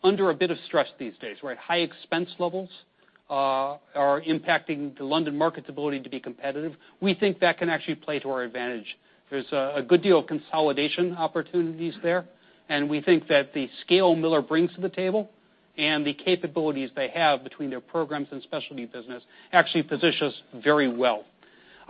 under a bit of stress these days. High expense levels are impacting the London market's ability to be competitive. We think that can actually play to our advantage. There's a good deal of consolidation opportunities there, and we think that the scale Miller brings to the table and the capabilities they have between their Programs and Specialty Business actually positions very well.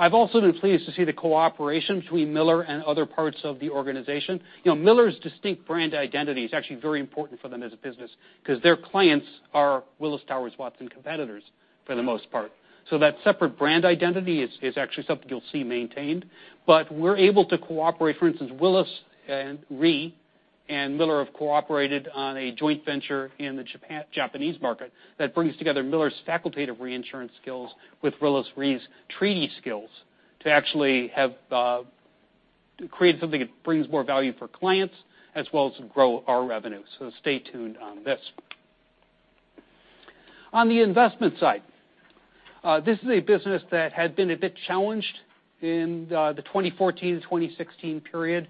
I've also been pleased to see the cooperation between Miller and other parts of the organization. Miller's distinct brand identity is actually very important for them as a business because their clients are Willis Towers Watson competitors for the most part. That separate brand identity is actually something you'll see maintained. We're able to cooperate. For instance, Willis Re and Miller have cooperated on a joint venture in the Japanese market that brings together Miller's facultative reinsurance skills with Willis Re's treaty skills to actually have created something that brings more value for clients as well as grow our revenue. Stay tuned on this. On the investment side, this is a business that had been a bit challenged in the 2014 to 2016 period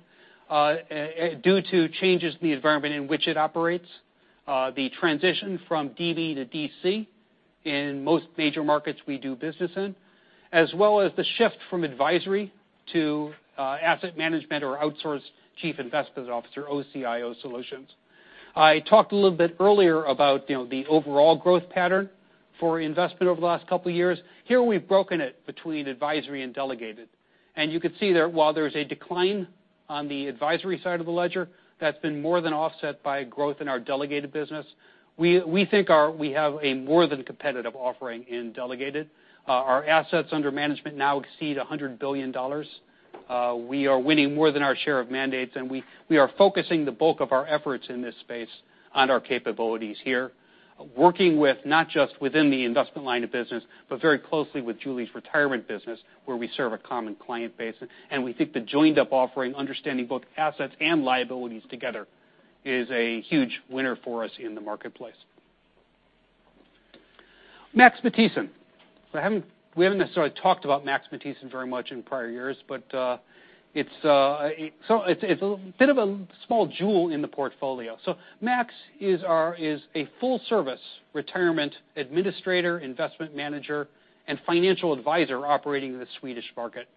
due to changes in the environment in which it operates, the transition from DB to DC in most major markets we do business in, as well as the shift from advisory to asset management or Outsourced Chief Investment Officer, OCIO solutions. I talked a little bit earlier about the overall growth pattern for investment over the last couple of years. Here we've broken it between advisory and delegated. You can see while there's a decline on the advisory side of the ledger, that's been more than offset by growth in our delegated business. We think we have a more than competitive offering in delegated. Our assets under management now exceed $100 billion. We are winning more than our share of mandates, and we are focusing the bulk of our efforts in this space on our capabilities here, working with not just within the investment line of business, but very closely with Julie's retirement business, where we serve a common client base. We think the joined-up offering, understanding both assets and liabilities together is a huge winner for us in the marketplace. Max Matthiessen. We haven't necessarily talked about Max Matthiessen very much in prior years, but it's a bit of a small jewel in the portfolio. Max is a full-service retirement administrator, investment manager, and financial advisor operating in the Swedish market.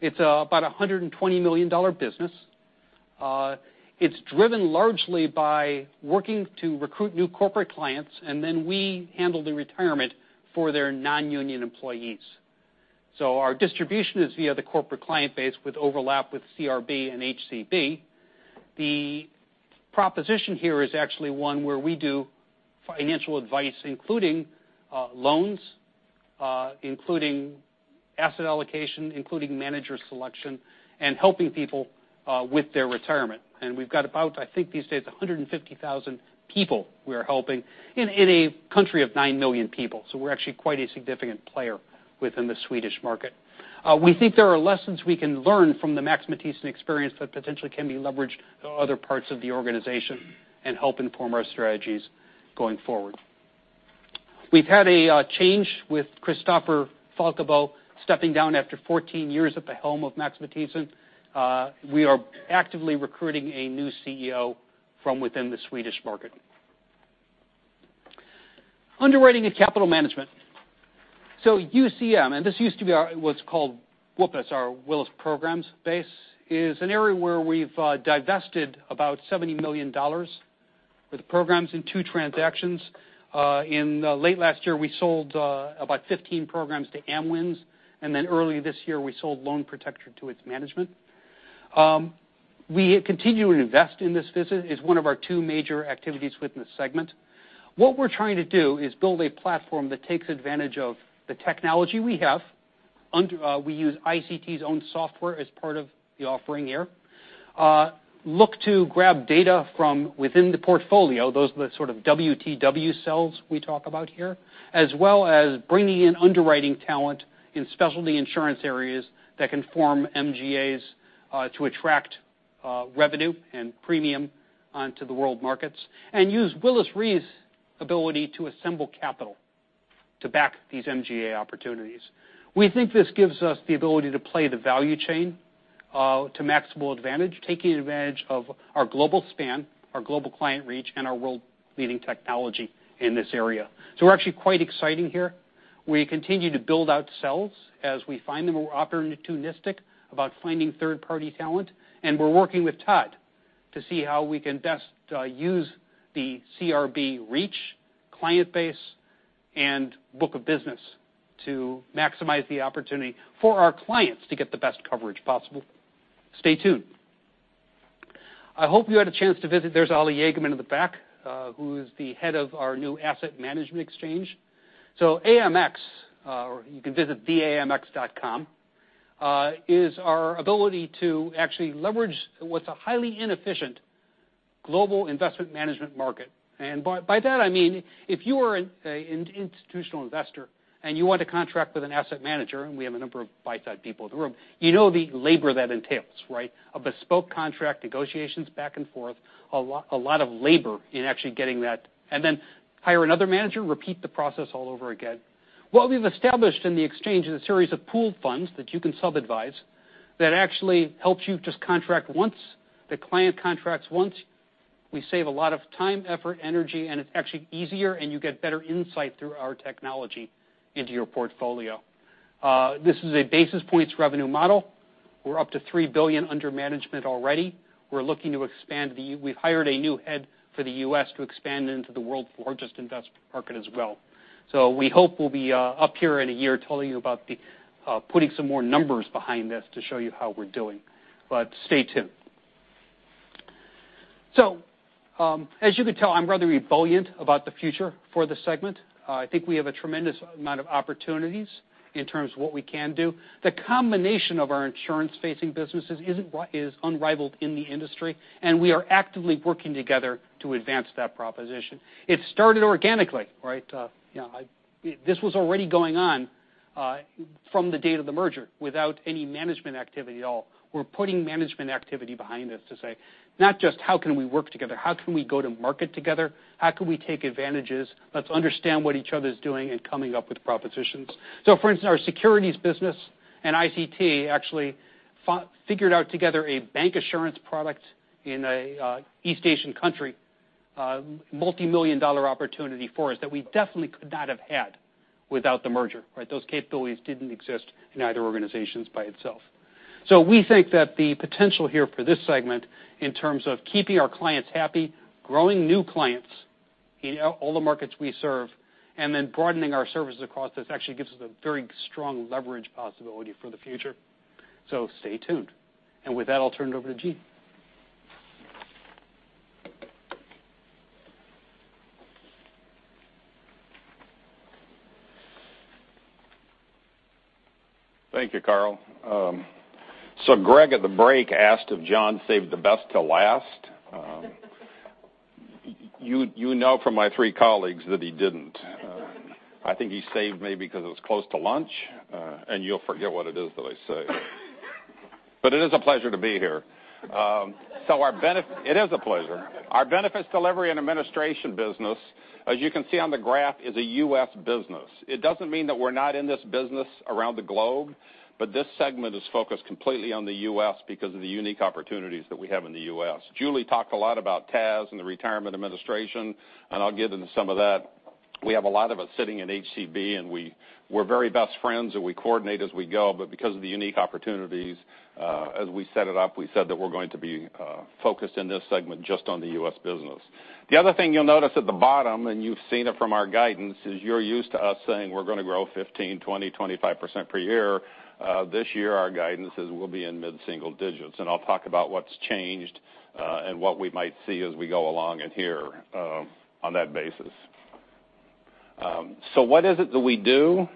It's about a $120 million business. It's driven largely by working to recruit new corporate clients, and then we handle the retirement for their non-union employees. Our distribution is via the corporate client base with overlap with CRB and HCB. The proposition here is actually one where we do financial advice, including loans, including asset allocation, including manager selection, and helping people with their retirement. We've got about, I think, these days, 150,000 people we are helping in a country of 9 million people. We're actually quite a significant player within the Swedish market. We think there are lessons we can learn from the Max Matthiessen experience that potentially can be leveraged to other parts of the organization and help inform our strategies going forward. We've had a change with Christoffer Folkebo stepping down after 14 years at the helm of Max Matthiessen. We are actively recruiting a new CEO from within the Swedish market. Underwriting and Capital Management. UCM, and this used to be what's called WPAS, our Willis Programs base, is an area where we've divested about $70 million with programs in two transactions. In late last year, we sold about 15 programs to Aon, and then early this year, we sold Loan Protector to its management. We continue to invest in this business. It's one of our two major activities within the segment. What we're trying to do is build a platform that takes advantage of the technology we have. We use ICT's own software as part of the offering here. Look to grab data from within the portfolio, those are the sort of WTW cells we talk about here. As well as bringing in underwriting talent in Specialty Insurance areas that can form MGAs to attract revenue and premium onto the world markets. Use Willis Re's ability to assemble capital to back these MGA opportunities. We think this gives us the ability to play the value chain to maximal advantage, taking advantage of our global span, our global client reach, and our world-leading technology in this area. We're actually quite exciting here. We continue to build out cells as we find them. We're opportunistic about finding third-party talent, and we're working with Todd to see how we can best use the CRB reach, client base, and book of business to maximize the opportunity for our clients to get the best coverage possible. Stay tuned. I hope you had a chance to visit. There's Oli Jaegemann in the back, who is the head of our new Asset Management Exchange. AMX, or you can visit theamx.com, is our ability to actually leverage what's a highly inefficient global investment management market. By that I mean, if you are an institutional investor and you want to contract with an asset manager, and we have a number of buy-side people in the room, you know the labor that entails, right? A bespoke contract, negotiations back and forth, a lot of labor in actually getting that. Then hire another manager, repeat the process all over again. What we've established in the exchange is a series of pooled funds that you can sub-advise that actually helps you just contract once. The client contracts once. We save a lot of time, effort, energy, and it's actually easier and you get better insight through our technology into your portfolio. This is a basis points revenue model. We're up to $3 billion under management already. We're looking to expand. We've hired a new head for the U.S. to expand into the world's largest investment market as well. We hope we'll be up here in a year telling you about putting some more numbers behind this to show you how we're doing. Stay tuned. As you can tell, I'm rather ebullient about the future for the segment. I think we have a tremendous amount of opportunities in terms of what we can do. The combination of our insurance-facing businesses is unrivaled in the industry, and we are actively working together to advance that proposition. It started organically, right? This was already going on from the date of the merger without any management activity at all. We're putting management activity behind this to say, not just how can we work together, how can we go to market together? How can we take advantages? Let's understand what each other is doing and coming up with propositions. For instance, our securities business and ICT actually figured out together a bancassurance product in a East Asian country. A multimillion-dollar opportunity for us that we definitely could not have had without the merger, right? Those capabilities didn't exist in either organizations by itself. We think that the potential here for this segment in terms of keeping our clients happy, growing new clients in all the markets we serve, and then broadening our services across this actually gives us a very strong leverage possibility for the future. Stay tuned. With that, I'll turn it over to Gene. Thank you, Carl. Greg at the break asked if John saved the best till last. You know from my three colleagues that he didn't. I think he saved me because it was close to lunch, and you'll forget what it is that I say. It is a pleasure to be here. It is a pleasure. Our Benefits Delivery & Administration business, as you can see on the graph, is a U.S. business. It doesn't mean that we're not in this business around the globe, but this segment is focused completely on the U.S. because of the unique opportunities that we have in the U.S. Julie talked a lot about TAS and the retirement administration, and I'll get into some of that. We have a lot of us sitting in HCB, and we're very best friends, and we coordinate as we go. Because of the unique opportunities, as we set it up, we said that we're going to be focused in this segment just on the U.S. business. The other thing you'll notice at the bottom, and you've seen it from our guidance, is you're used to us saying we're going to grow 15%, 20%, 25% per year. This year, our guidance is we'll be in mid-single digits, and I'll talk about what's changed, and what we might see as we go along in here on that basis. What is it that we do?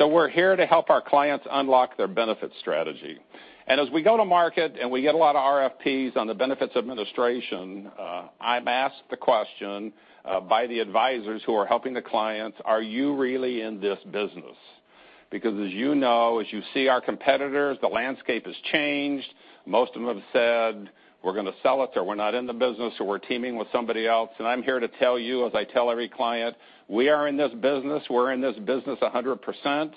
We're here to help our clients unlock their benefit strategy. As we go to market and we get a lot of RFPs on the benefits administration, I'm asked the question by the advisors who are helping the clients, "Are you really in this business?" Because as you know, as you see our competitors, the landscape has changed. Most of them have said, "We're going to sell it," or, "We're not in the business," or, "We're teaming with somebody else." I'm here to tell you, as I tell every client, we are in this business, we're in this business 100%.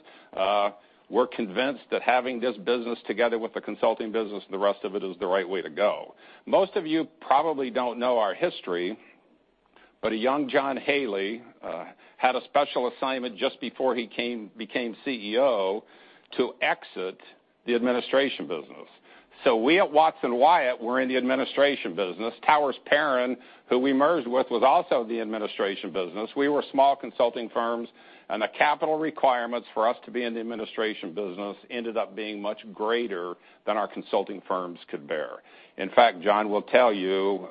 We're convinced that having this business together with the consulting business and the rest of it is the right way to go. Most of you probably don't know our history, but a young John Haley had a special assignment just before he became CEO to exit the administration business. We at Watson Wyatt were in the administration business. Towers Perrin, who we merged with, was also in the administration business. We were small consulting firms, and the capital requirements for us to be in the administration business ended up being much greater than our consulting firms could bear. In fact, John will tell you,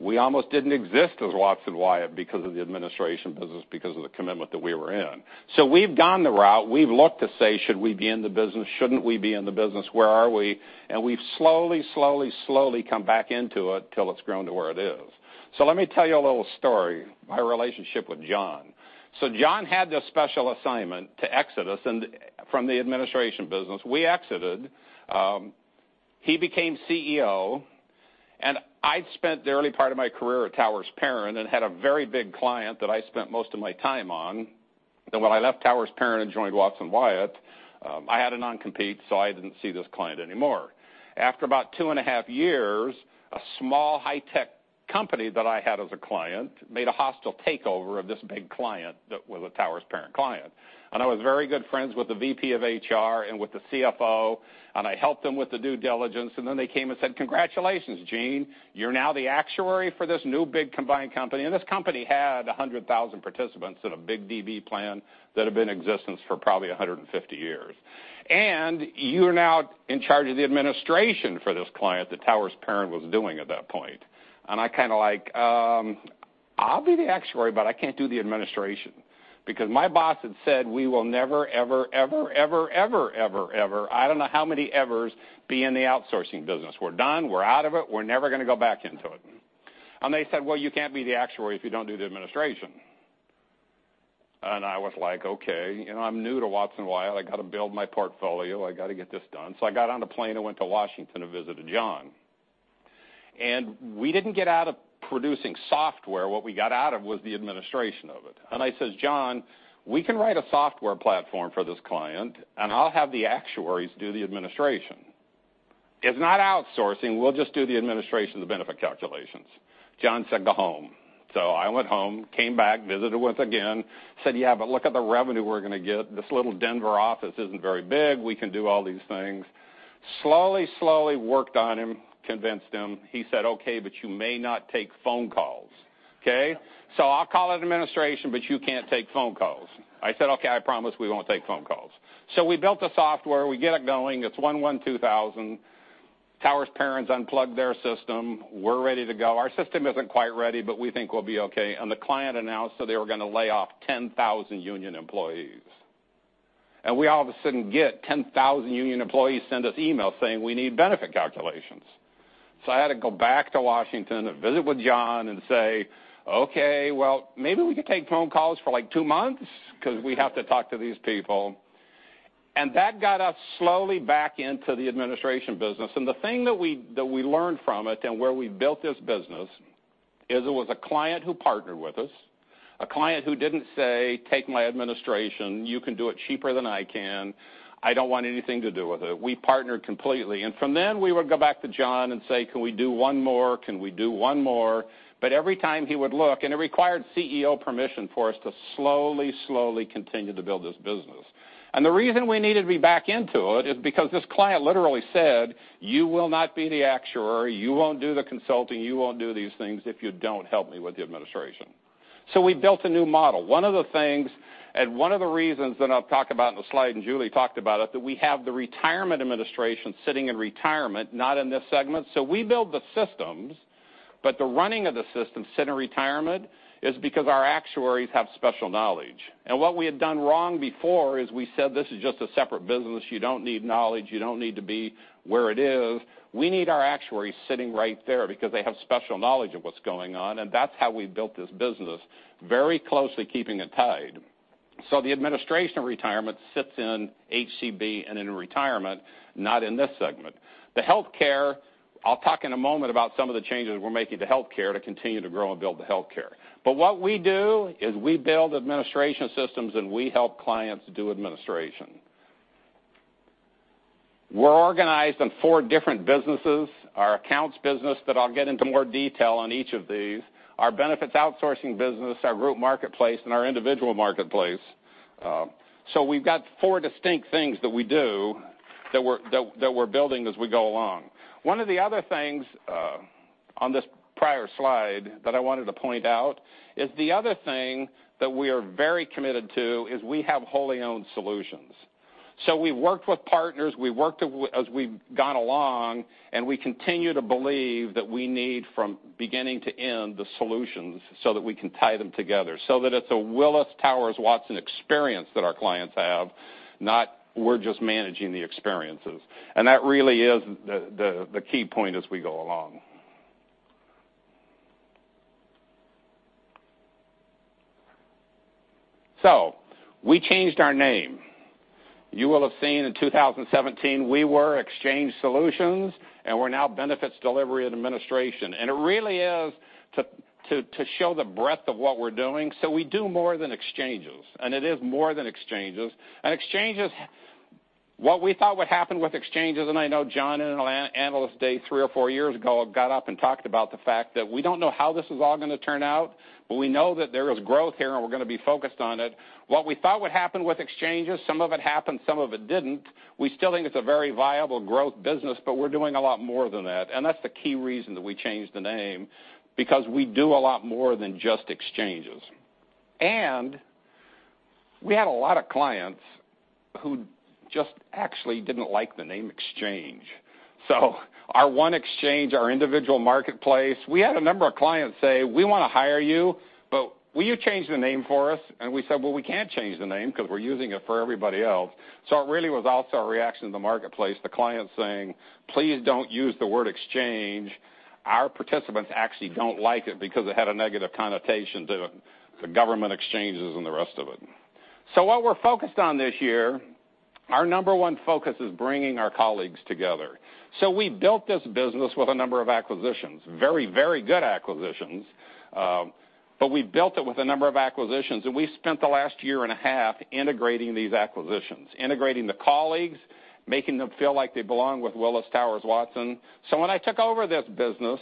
we almost didn't exist as Watson Wyatt because of the administration business, because of the commitment that we were in. We've gone the route, we've looked to say, "Should we be in the business? Shouldn't we be in the business? Where are we?" We've slowly, slowly come back into it till it's grown to where it is. Let me tell you a little story, my relationship with John. John had this special assignment to exit us from the administration business. We exited. He became CEO. I'd spent the early part of my career at Towers Perrin and had a very big client that I spent most of my time on. When I left Towers Perrin and joined Watson Wyatt, I had a non-compete, so I didn't see this client anymore. After about two and a half years, a small high-tech company that I had as a client made a hostile takeover of this big client that was a Towers Perrin client. I was very good friends with the VP of HR and with the CFO, and I helped them with the due diligence. Then they came and said, "Congratulations, Gene. You're now the actuary for this new big combined company." This company had 100,000 participants in a big DB plan that had been in existence for probably 150 years. You are now in charge of the administration for this client that Towers Perrin was doing at that point. I was like, "I'll be the actuary, but I can't do the administration." Because my boss had said, "We will never, ever" I don't know how many evers, " be in the outsourcing business. We're done. We're out of it. We're never going to go back into it." They said, "Well, you can't be the actuary if you don't do the administration." I was like, "Okay." I'm new to Watson Wyatt. I got to build my portfolio. I got to get this done. I got on a plane and went to Washington and visited John. We didn't get out of producing software. What we got out of was the administration of it. I said, "John, we can write a software platform for this client, and I'll have the actuaries do the administration. It's not outsourcing. We'll just do the administration, the benefit calculations." John said, "Go home." I went home, came back, visited with again, said, "Yeah, but look at the revenue we're going to get. This little Denver office isn't very big. We can do all these things." Slowly, slowly worked on him, convinced him. He said, "Okay, but you may not take phone calls, okay? I'll call it administration, but you can't take phone calls." I said, "Okay, I promise we won't take phone calls." We built the software. We get it going. It's 1/1/2000. Towers Perrin's unplugged their system. We're ready to go. Our system isn't quite ready, but we think we'll be okay. The client announced that they were going to lay off 10,000 union employees. We all of a sudden get 10,000 union employees send us emails saying we need benefit calculations. I had to go back to Washington to visit with John and say, "Okay, well, maybe we could take phone calls for like two months because we have to talk to these people." That got us slowly back into the administration business. The thing that we learned from it and where we built this business is it was a client who partnered with us, a client who didn't say, "Take my administration. You can do it cheaper than I can. I don't want anything to do with it." We partnered completely. From then, we would go back to John and say, "Can we do one more?" Every time he would look, and it required CEO permission for us to slowly continue to build this business. The reason we needed to be back into it is because this client literally said, "You will not be the actuary. You won't do the consulting. You won't do these things if you don't help me with the administration." We built a new model. One of the things and one of the reasons that I'll talk about in the slide, and Julie talked about it, that we have the retirement administration sitting in retirement, not in this segment. We build the systems, but the running of the systems sit in retirement is because our actuaries have special knowledge. What we had done wrong before is we said, "This is just a separate business. You don't need knowledge. You don't need to be where it is." We need our actuaries sitting right there because they have special knowledge of what's going on, and that's how we built this business, very closely keeping it tied. The administration retirement sits in HCB and in retirement, not in this segment. The healthcare, I'll talk in a moment about some of the changes we're making to healthcare to continue to grow and build the healthcare. What we do is we build administration systems, and we help clients do administration. We're organized in four different businesses. Our accounts business that I'll get into more detail on each of these, our benefits outsourcing business, our group marketplace, and our individual marketplace. We've got four distinct things that we do that we're building as we go along. One of the other things on this prior slide that I wanted to point out is the other thing that we are very committed to is we have wholly owned solutions. We've worked with partners, we've worked as we've gone along, and we continue to believe that we need from beginning to end the solutions so that we can tie them together so that it's a Willis Towers Watson experience that our clients have, not we're just managing the experiences. That really is the key point as we go along. We changed our name. You will have seen in 2017, we were Exchange Solutions and we're now Benefits Delivery & Administration, and it really is to show the breadth of what we're doing. We do more than exchanges, it is more than exchanges. What we thought would happen with exchanges, I know John in an analyst day three or four years ago got up and talked about the fact that we don't know how this is all going to turn out, but we know that there is growth here, we're going to be focused on it. What we thought would happen with exchanges, some of it happened, some of it didn't. We still think it's a very viable growth business, but we're doing a lot more than that's the key reason that we changed the name, because we do a lot more than just exchanges. We had a lot of clients who just actually didn't like the name Exchange. Our one exchange, our individual marketplace, we had a number of clients say, "We want to hire you, but will you change the name for us?" We said, "Well, we can't change the name because we're using it for everybody else." It really was also a reaction to the marketplace, the clients saying, "Please don't use the word exchange. Our participants actually don't like it because it had a negative connotation to the government exchanges and the rest of it." What we're focused on this year, our number one focus is bringing our colleagues together. We built this business with a number of acquisitions. Very good acquisitions, but we built it with a number of acquisitions, we spent the last year and a half integrating these acquisitions, integrating the colleagues, making them feel like they belong with Willis Towers Watson. When I took over this business,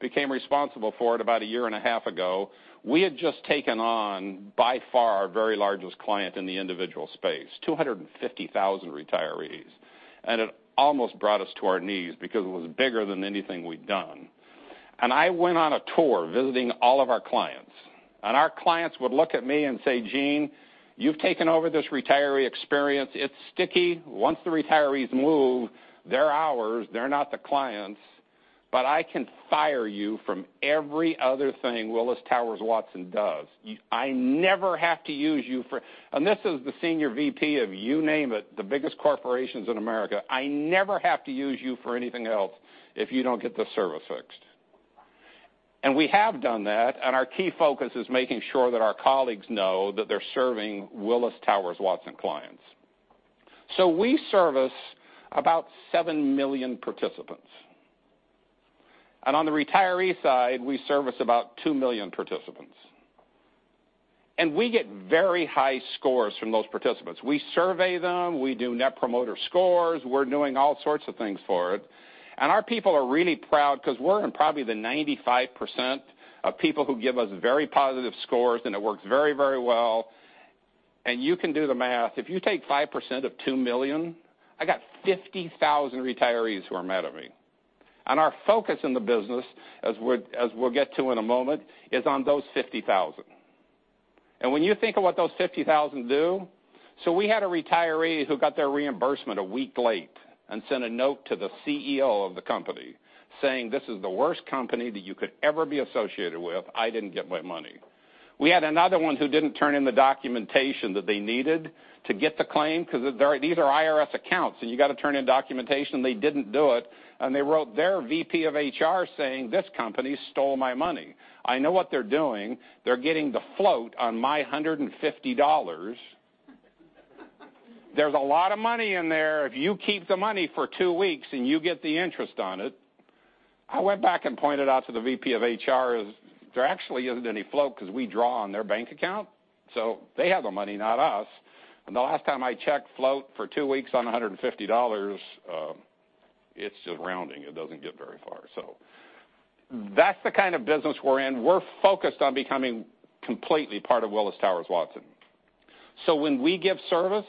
became responsible for it about a year and a half ago, we had just taken on, by far, our very largest client in the individual space, 250,000 retirees. It almost brought us to our knees because it was bigger than anything we'd done. I went on a tour visiting all of our clients, our clients would look at me and say, "Gene, you've taken over this retiree experience. It's sticky. Once the retirees move, they're ours. They're not the clients. I can fire you from every other thing Willis Towers Watson does. I never have to use you for" This is the senior VP of you name it, the biggest corporations in America. I never have to use you for anything else if you don't get this service fixed." We have done that, our key focus is making sure that our colleagues know that they're serving Willis Towers Watson clients. We service about 7 million participants. On the retiree side, we service about 2 million participants. We get very high scores from those participants. We survey them, we do net promoter scores, we're doing all sorts of things for it. Our people are really proud because we're in probably the 95% of people who give us very positive scores, it works very well. You can do the math. If you take 5% of 2 million, I got 50,000 retirees who are mad at me. Our focus in the business, as we'll get to in a moment, is on those 50,000. When you think of what those 50,000 do, we had a retiree who got their reimbursement a week late and sent a note to the CEO of the company saying, "This is the worst company that you could ever be associated with. I didn't get my money." We had another one who didn't turn in the documentation that they needed to get the claim because these are IRS accounts, you got to turn in documentation. They didn't do it, and they wrote their VP of HR saying, "This company stole my money. I know what they're doing. They're getting the float on my $150." "There's a lot of money in there. If you keep the money for two weeks, and you get the interest on it." I went back and pointed out to the VP of HR, there actually isn't any float because we draw on their bank account, they have the money, not us. The last time I checked float for two weeks on $150, it's just rounding. It doesn't get very far. That's the kind of business we're in. We're focused on becoming completely part of Willis Towers Watson. When we give service,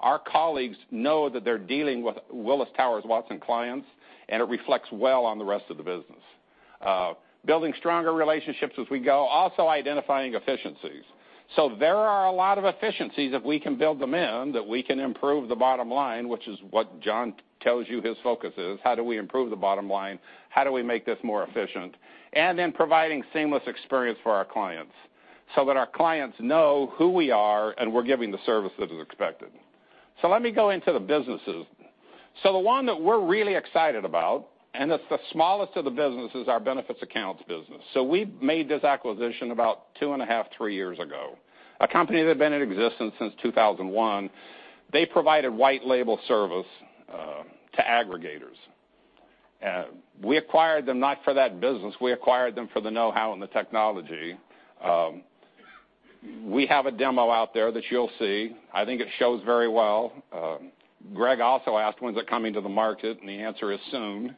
our colleagues know that they're dealing with Willis Towers Watson clients, and it reflects well on the rest of the business. Building stronger relationships as we go, also identifying efficiencies. There are a lot of efficiencies if we can build them in that we can improve the bottom line, which is what John tells you his focus is, how do we improve the bottom line? How do we make this more efficient? In providing seamless experience for our clients that our clients know who we are and we're giving the service that is expected. Let me go into the businesses. The one that we're really excited about, and it's the smallest of the businesses, our benefits accounts business. We made this acquisition about two and a half, three years ago. A company that had been in existence since 2001. They provided white label service to aggregators. We acquired them not for that business. We acquired them for the know-how and the technology. We have a demo out there that you'll see. I think it shows very well. Greg also asked when's it coming to the market, and the answer is soon.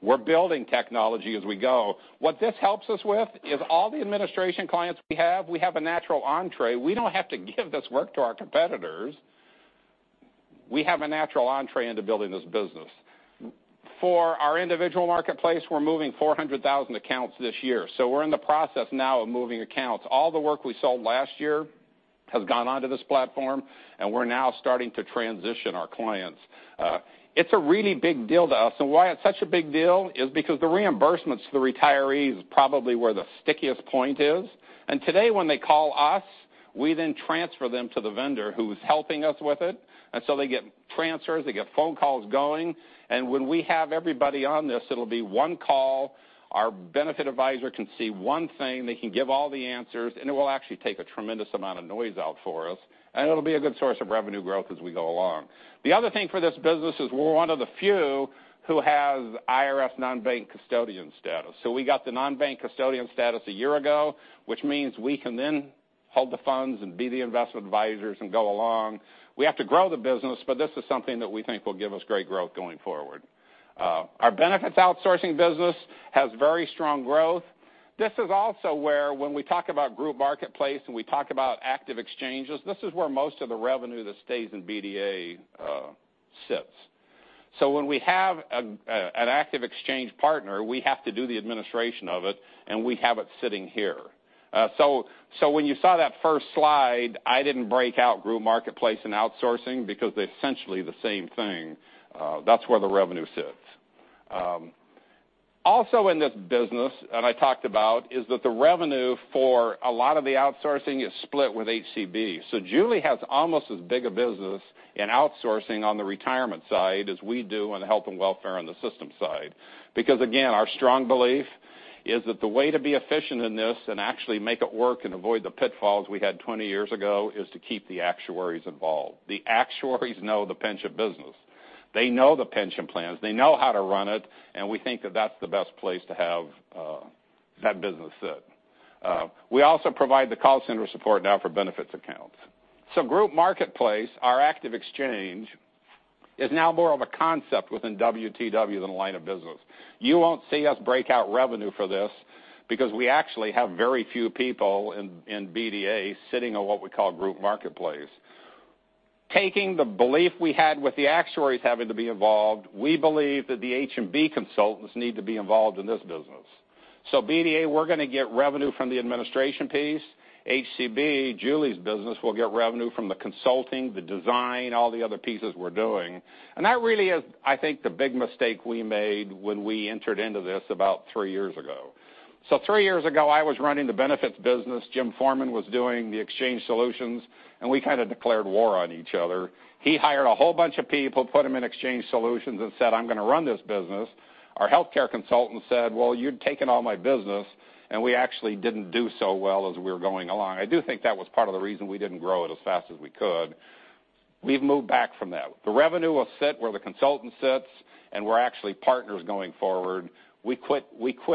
We're building technology as we go. What this helps us with is all the administration clients we have, we have a natural entree. We don't have to give this work to our competitors. We have a natural entree into building this business. For our individual marketplace, we're moving 400,000 accounts this year. We're in the process now of moving accounts. All the work we sold last year has gone onto this platform, and we're now starting to transition our clients. It's a really big deal to us. Why it's such a big deal is because the reimbursements to the retirees is probably where the stickiest point is. Today when they call us, we then transfer them to the vendor who's helping us with it. They get transfers, they get phone calls going, and when we have everybody on this, it'll be one call. Our benefit advisor can see one thing, they can give all the answers, and it will actually take a tremendous amount of noise out for us, and it'll be a good source of revenue growth as we go along. The other thing for this business is we're one of the few who has IRS non-bank custodian status. We got the non-bank custodian status a year ago, which means we can then hold the funds and be the investment advisors and go along. We have to grow the business, but this is something that we think will give us great growth going forward. Our benefits outsourcing business has very strong growth. This is also where when we talk about group marketplace and we talk about active exchanges, this is where most of the revenue that stays in BDA sits. When we have an active exchange partner, we have to do the administration of it, and we have it sitting here. When you saw that first slide, I didn't break out group marketplace and outsourcing because they're essentially the same thing. That's where the revenue sits. Also in this business, and I talked about, is that the revenue for a lot of the outsourcing is split with HCB. Julie has almost as big a business in outsourcing on the retirement side as we do on the health and welfare on the systems side. Again, our strong belief is that the way to be efficient in this and actually make it work and avoid the pitfalls we had 20 years ago, is to keep the actuaries involved. The actuaries know the pension business. They know the pension plans, they know how to run it, and we think that that's the best place to have that business sit. We also provide the call center support now for benefits accounts. Group marketplace, our active exchange, is now more of a concept within WTW than a line of business. You won't see us break out revenue for this because we actually have very few people in BDA sitting on what we call group marketplace. Taking the belief we had with the actuaries having to be involved, we believe that the H&B consultants need to be involved in this business. BDA, we're going to get revenue from the administration piece, HCB, Julie's business, will get revenue from the consulting, the design, all the other pieces we're doing. That really is, I think, the big mistake we made when we entered into this about three years ago. Three years ago, I was running the benefits business, Jim Foreman was doing the Exchange Solutions, and we kind of declared war on each other. He hired a whole bunch of people, put them in Exchange Solutions and said, "I'm going to run this business." Our healthcare consultant said, "Well, you're taking all my business." We actually didn't do so well as we were going along. I do think that was part of the reason we didn't grow it as fast as we could. We've moved back from that. The revenue will sit where the consultant sits, and we're actually partners going forward. We quit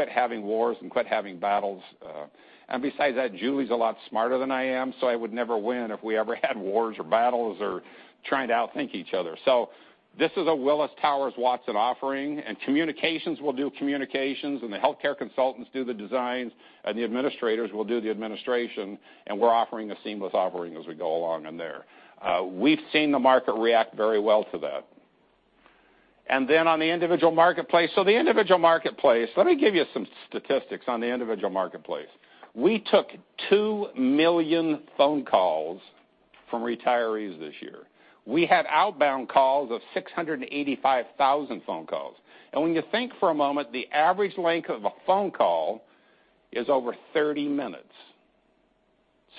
having wars and quit having battles. Besides that, Julie's a lot smarter than I am, so I would never win if we ever had wars or battles or trying to outthink each other. This is a Willis Towers Watson offering, and communications will do communications, and the healthcare consultants do the designs, and the administrators will do the administration, and we're offering a seamless offering as we go along in there. We've seen the market react very well to that. On the individual marketplace, let me give you some statistics on the individual marketplace. We took 2 million phone calls from retirees this year. We had outbound calls of 685,000 phone calls. When you think for a moment, the average length of a phone call is over 30 minutes.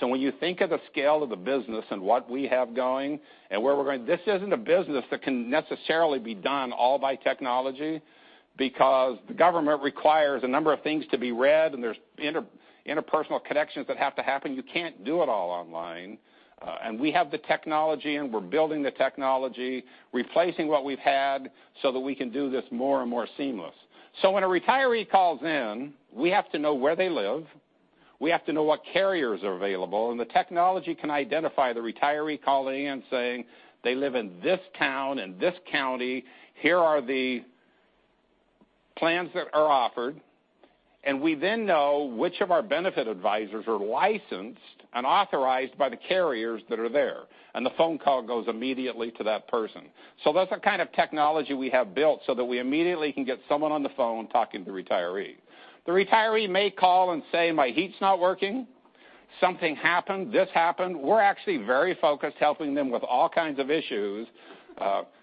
When you think of the scale of the business and what we have going and where we're going, this isn't a business that can necessarily be done all by technology because the government requires a number of things to be read, and there's interpersonal connections that have to happen. You can't do it all online. We have the technology, and we're building the technology, replacing what we've had so that we can do this more and more seamless. When a retiree calls in, we have to know where they live, we have to know what carriers are available, and the technology can identify the retiree calling in saying they live in this town and this county, here are the plans that are offered, and we then know which of our benefit advisors are licensed and authorized by the carriers that are there, and the phone call goes immediately to that person. That's the kind of technology we have built so that we immediately can get someone on the phone talking to the retiree. The retiree may call and say, "My heat's not working. Something happened, this happened." We're actually very focused helping them with all kinds of issues.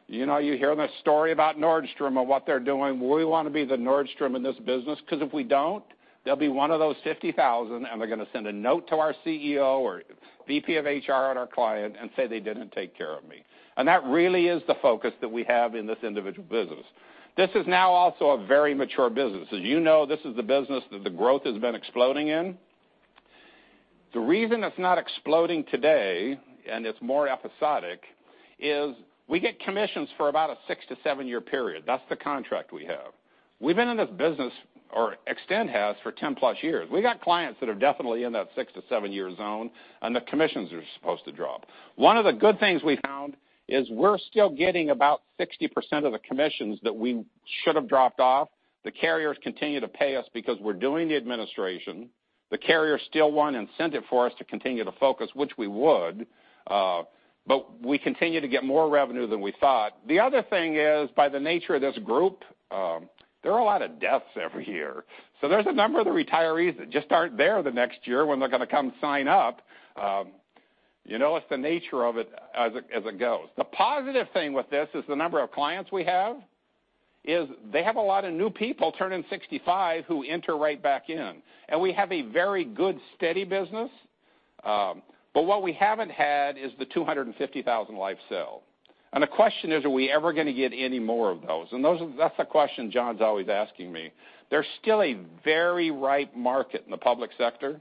You hear the story about Nordstrom and what they're doing. We want to be the Nordstrom in this business because if we don't, they'll be one of those 50,000 and they're going to send a note to our CEO or VP of HR at our client and say, "They didn't take care of me." That really is the focus that we have in this individual business. This is now also a very mature business. As you know, this is the business that the growth has been exploding in. The reason it's not exploding today and it's more episodic is we get commissions for about a six to seven year period. That's the contract we have. We've been in this business, or Extend has, for 10-plus years. We got clients that are definitely in that six to seven-year zone, and the commissions are supposed to drop. One of the good things we found is we're still getting about 60% of the commissions that we should've dropped off. The carriers continue to pay us because we're doing the administration. The carriers still want incentive for us to continue to focus, which we would. We continue to get more revenue than we thought. The other thing is, by the nature of this group, there are a lot of deaths every year. There's a number of the retirees that just aren't there the next year when they're going to come sign up. It's the nature of it as it goes. The positive thing with this is the number of clients we have, is they have a lot of new people turning 65 who enter right back in, and we have a very good, steady business. What we haven't had is the 250,000 life sale. The question is, are we ever going to get any more of those? That's the question John's always asking me. There's still a very ripe market in the public sector.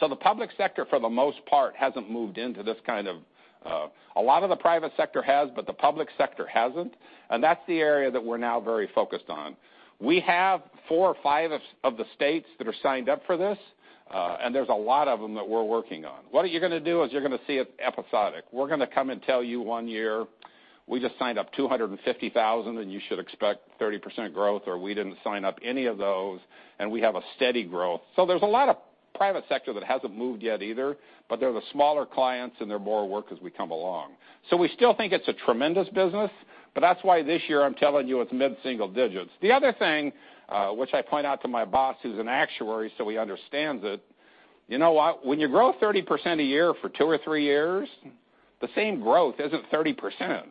The public sector, for the most part, hasn't moved into this. A lot of the private sector has, but the public sector hasn't, and that's the area that we're now very focused on. We have 4 or 5 of the states that are signed up for this, and there's a lot of them that we're working on. What you're going to do is you're going to see it episodic. We're going to come and tell you one year, we just signed up 250,000, and you should expect 30% growth, or we didn't sign up any of those, and we have a steady growth. There's a lot of private sector that hasn't moved yet either, but they're the smaller clients, and they're more work as we come along. We still think it's a tremendous business, but that's why this year I'm telling you it's mid-single digits. The other thing, which I point out to my boss, who's an actuary, he understands it, when you grow 30% a year for two or three years, the same growth isn't 30%.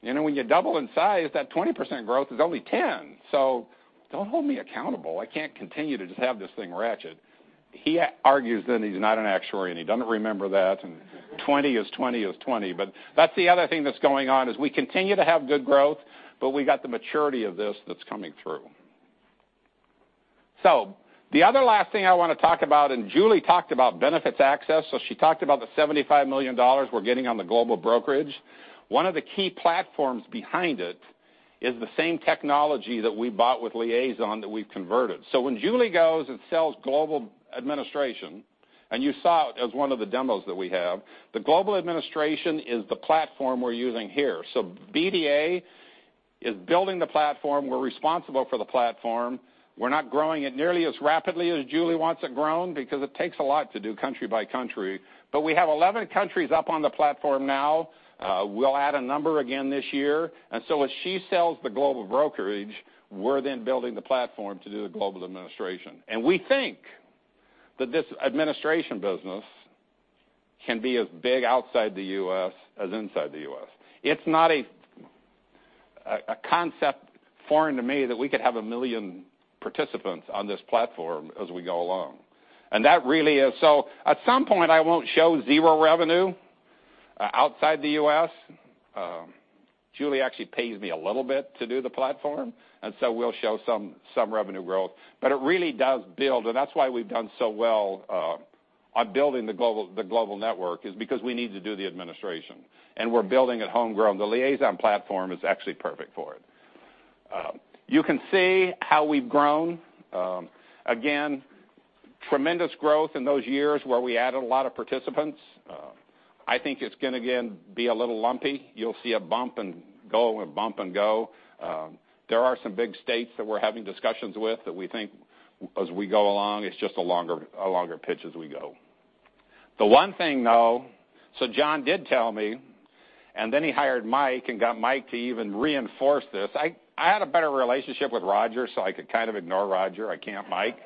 When you double in size, that 20% growth is only 10. Don't hold me accountable. I can't continue to just have this thing ratchet. He argues that he's not an actuary, and he doesn't remember that, 20 is 20 is 20. That's the other thing that's going on is we continue to have good growth, but we got the maturity of this that's coming through. The other last thing I want to talk about, Julie talked about Benefits Access, she talked about the $75 million we're getting on the global brokerage. One of the key platforms behind it is the same technology that we bought with Liazon that we've converted. When Julie goes and sells global administration, and you saw it as one of the demos that we have, the global administration is the platform we're using here. BDA is building the platform. We're responsible for the platform. We're not growing it nearly as rapidly as Julie wants it grown because it takes a lot to do country by country. We have 11 countries up on the platform now. We'll add a number again this year. As she sells the global brokerage, we're then building the platform to do the global administration. We think that this administration business can be as big outside the U.S. as inside the U.S. It's not a concept foreign to me that we could have 1 million participants on this platform as we go along. At some point, I won't show zero revenue outside the U.S. Julie actually pays me a little bit to do the platform. We'll show some revenue growth. It really does build, and that's why we've done so well on building the global network is because we need to do the administration, and we're building it homegrown. The Liazon platform is actually perfect for it. You can see how we've grown. Again, tremendous growth in those years where we added a lot of participants. I think it's going to, again, be a little lumpy. You'll see a bump and go, a bump and go. There are some big states that we're having discussions with that we think as we go along, it's just a longer pitch as we go. The one thing, though, John did tell me, and then he hired Mike and got Mike to even reinforce this. I had a better relationship with Roger, so I could kind of ignore Roger. I can't Mike.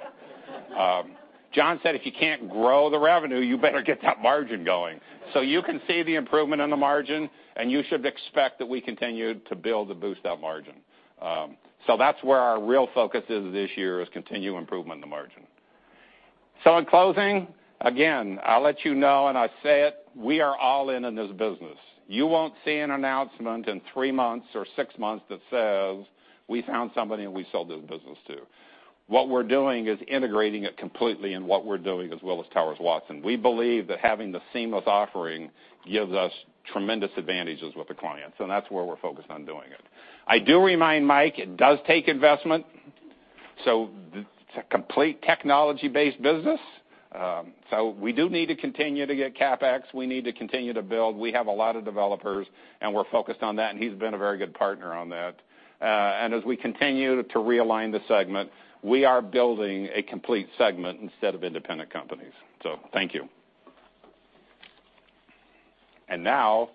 John said, "If you can't grow the revenue, you better get that margin going." You can see the improvement on the margin, and you should expect that we continue to build and boost that margin. That's where our real focus is this year is continued improvement in the margin. In closing, again, I'll let you know, and I say it, we are all in in this business. You won't see an announcement in three months or six months that says we found somebody, and we sold this business to. What we're doing is integrating it completely in what we're doing as Willis Towers Watson. We believe that having the seamless offering gives us tremendous advantages with the clients. That's where we're focused on doing it. I do remind Mike it does take investment. It's a complete technology-based business. We do need to continue to get CapEx. We need to continue to build. We have a lot of developers. We're focused on that, and he's been a very good partner on that. As we continue to realign the segment, we are building a complete segment instead of independent companies. Thank you. Now,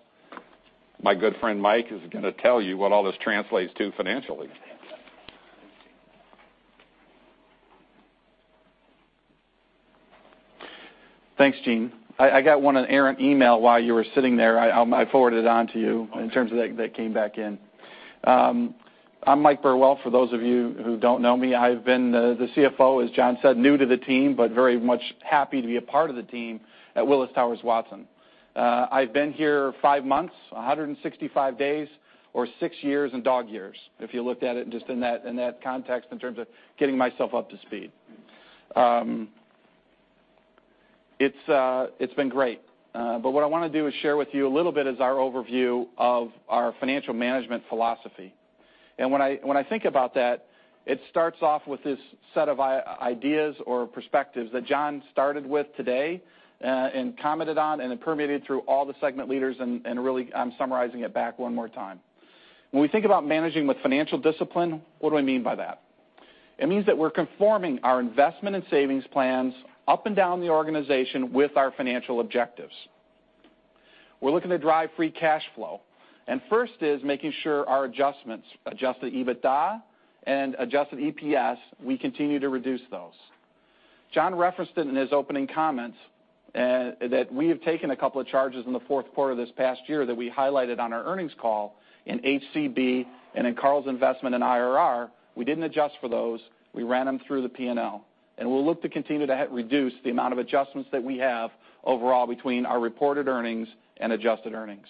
my good friend Mike is going to tell you what all this translates to financially. Thanks, Gene. I got one errant email while you were sitting there. I forwarded it on to you in terms of that came back in. I'm Mike Burwell, for those of you who don't know me. I've been the CFO, as John said, new to the team, but very much happy to be a part of the team at Willis Towers Watson. I've been here five months, 165 days, or six years in dog years, if you looked at it just in that context in terms of getting myself up to speed. It's been great. What I want to do is share with you a little bit as our overview of our financial management philosophy. When I think about that, it starts off with this set of ideas or perspectives that John started with today and commented on, it permeated through all the segment leaders and really, I'm summarizing it back one more time. When we think about managing with financial discipline, what do I mean by that? It means that we're conforming our investment and savings plans up and down the organization with our financial objectives. We're looking to drive free cash flow, and first is making sure our adjustments, adjusted EBITDA and adjusted EPS, we continue to reduce those. John referenced it in his opening comments that we have taken a couple of charges in the fourth quarter this past year that we highlighted on our earnings call in HCB and in Carl's investment in IRR. We didn't adjust for those. We ran them through the P&L. We'll look to continue to reduce the amount of adjustments that we have overall between our reported earnings and adjusted earnings.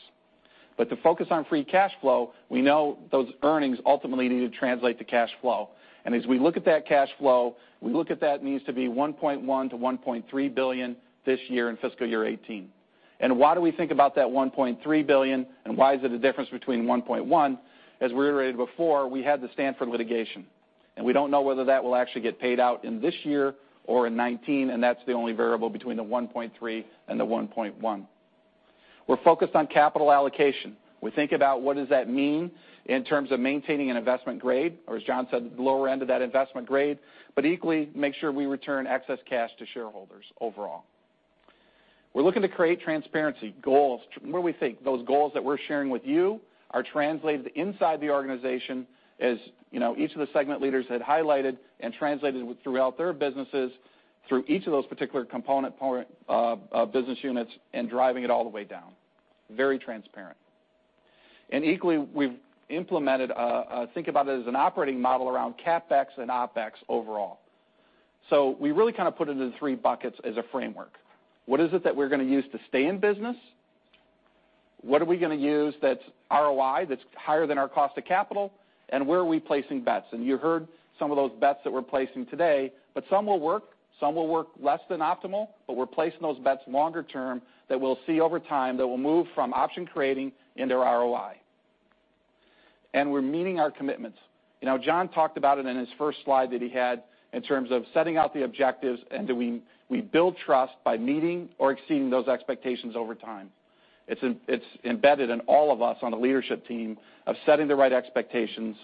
To focus on free cash flow, we know those earnings ultimately need to translate to cash flow. As we look at that cash flow, we look at that needs to be $1.1 billion-$1.3 billion this year in fiscal year 2018. Why do we think about that $1.3 billion and why is it a difference between $1.3 billion and the $1.1 billion? As we reiterated before, we had the Stanford litigation, and we don't know whether that will actually get paid out in this year or in 2019, and that's the only variable between the $1.3 billion and the $1.1 billion. We're focused on capital allocation. We think about what does that mean in terms of maintaining an investment grade or, as John said, the lower end of that investment grade, but equally, make sure we return excess cash to shareholders overall. We're looking to create transparency goals. Where we think those goals that we're sharing with you are translated inside the organization as each of the segment leaders had highlighted and translated throughout their businesses through each of those particular component business units and driving it all the way down. Very transparent. Equally, we've implemented, think about it as an operating model around CapEx and OpEx overall. We really kind of put it into three buckets as a framework. What is it that we're going to use to stay in business? What are we going to use that's ROI, that's higher than our cost of capital? Where are we placing bets? You heard some of those bets that we're placing today, but some will work, some will work less than optimal, but we're placing those bets longer term that we'll see over time that will move from option creating into ROI. We're meeting our commitments. John talked about it in his first slide that he had in terms of setting out the objectives and do we build trust by meeting or exceeding those expectations over time. It's embedded in all of us on the leadership team of setting the right expectations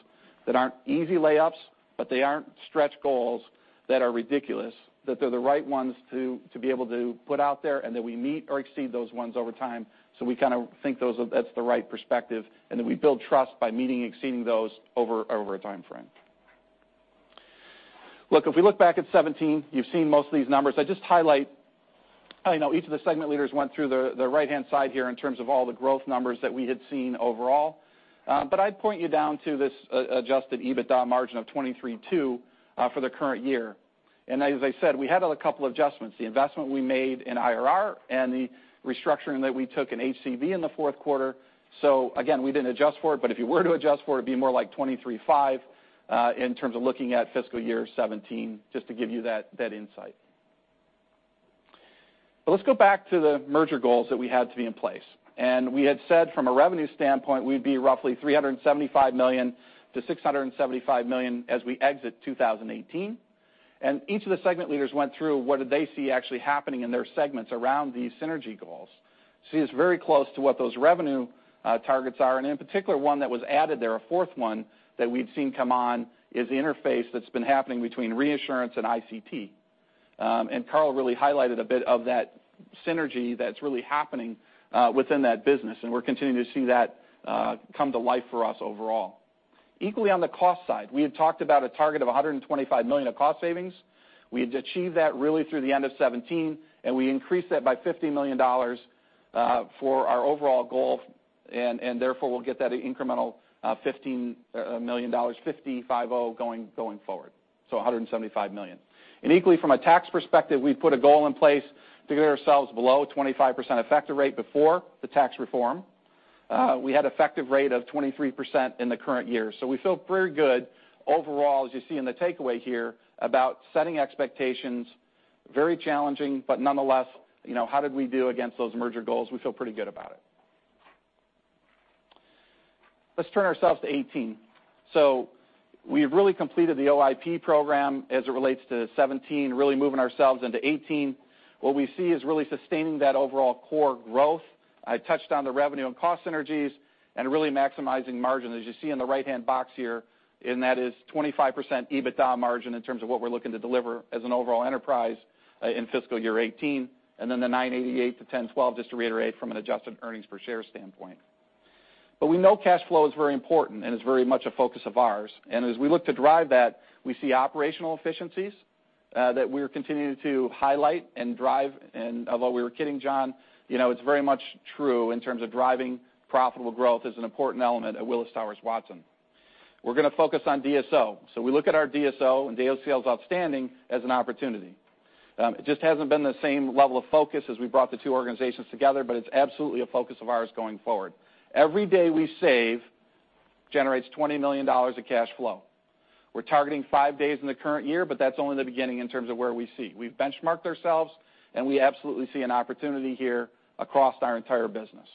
that aren't easy layups, but they aren't stretch goals that are ridiculous, that they're the right ones to be able to put out there and that we meet or exceed those ones over time, we kind of think that's the right perspective, that we build trust by meeting and exceeding those over a time frame. If we look back at 2017, you've seen most of these numbers. I just highlight, I know each of the segment leaders went through the right-hand side here in terms of all the growth numbers that we had seen overall. I'd point you down to this adjusted EBITDA margin of 23.2% for the current year. As I said, we had a couple adjustments, the investment we made in IRR and the restructuring that we took in HCB in the fourth quarter. Again, we didn't adjust for it, but if you were to adjust for it'd be more like 23.5%, in terms of looking at fiscal year 2017, just to give you that insight. Let's go back to the merger goals that we had to be in place. We had said from a revenue standpoint, we'd be roughly $375 million-$675 million as we exit 2018. Each of the segment leaders went through what did they see actually happening in their segments around these synergy goals. See, it's very close to what those revenue targets are, and in particular, one that was added there, a fourth one that we've seen come on is the interface that's been happening between reinsurance and ICT. Carl really highlighted a bit of that synergy that's really happening within that business, and we're continuing to see that come to life for us overall. Equally on the cost side, we had talked about a target of $125 million of cost savings. We had achieved that really through the end of 2017, and we increased that by $50 million for our overall goal, and therefore we'll get that incremental $15 million, 50, 5-0, going forward. $175 million. Equally, from a tax perspective, we've put a goal in place to get ourselves below 25% effective rate before the tax reform. We had effective rate of 23% in the current year. We feel pretty good overall, as you see in the takeaway here, about setting expectations, very challenging, but nonetheless, how did we do against those merger goals? We feel pretty good about it. Let's turn ourselves to 2018. We've really completed the OIP program as it relates to 2017, really moving ourselves into 2018. What we see is really sustaining that overall core growth. I touched on the revenue and cost synergies and really maximizing margin, as you see in the right-hand box here, and that is 25% EBITDA margin in terms of what we're looking to deliver as an overall enterprise in fiscal year 2018, and then the $9.88-$10.12, just to reiterate from an adjusted earnings per share standpoint. We know cash flow is very important and is very much a focus of ours. As we look to drive that, we see operational efficiencies that we're continuing to highlight and drive. Although we were kidding, John, it's very much true in terms of driving profitable growth is an important element at Willis Towers Watson. We're going to focus on DSO. We look at our DSO and days sales outstanding as an opportunity. It just hasn't been the same level of focus as we brought the two organizations together, but it's absolutely a focus of ours going forward. Every day we save generates $20 million of cash flow. We're targeting five days in the current year, but that's only the beginning in terms of where we see. We've benchmarked ourselves. We absolutely see an opportunity here across our entire business.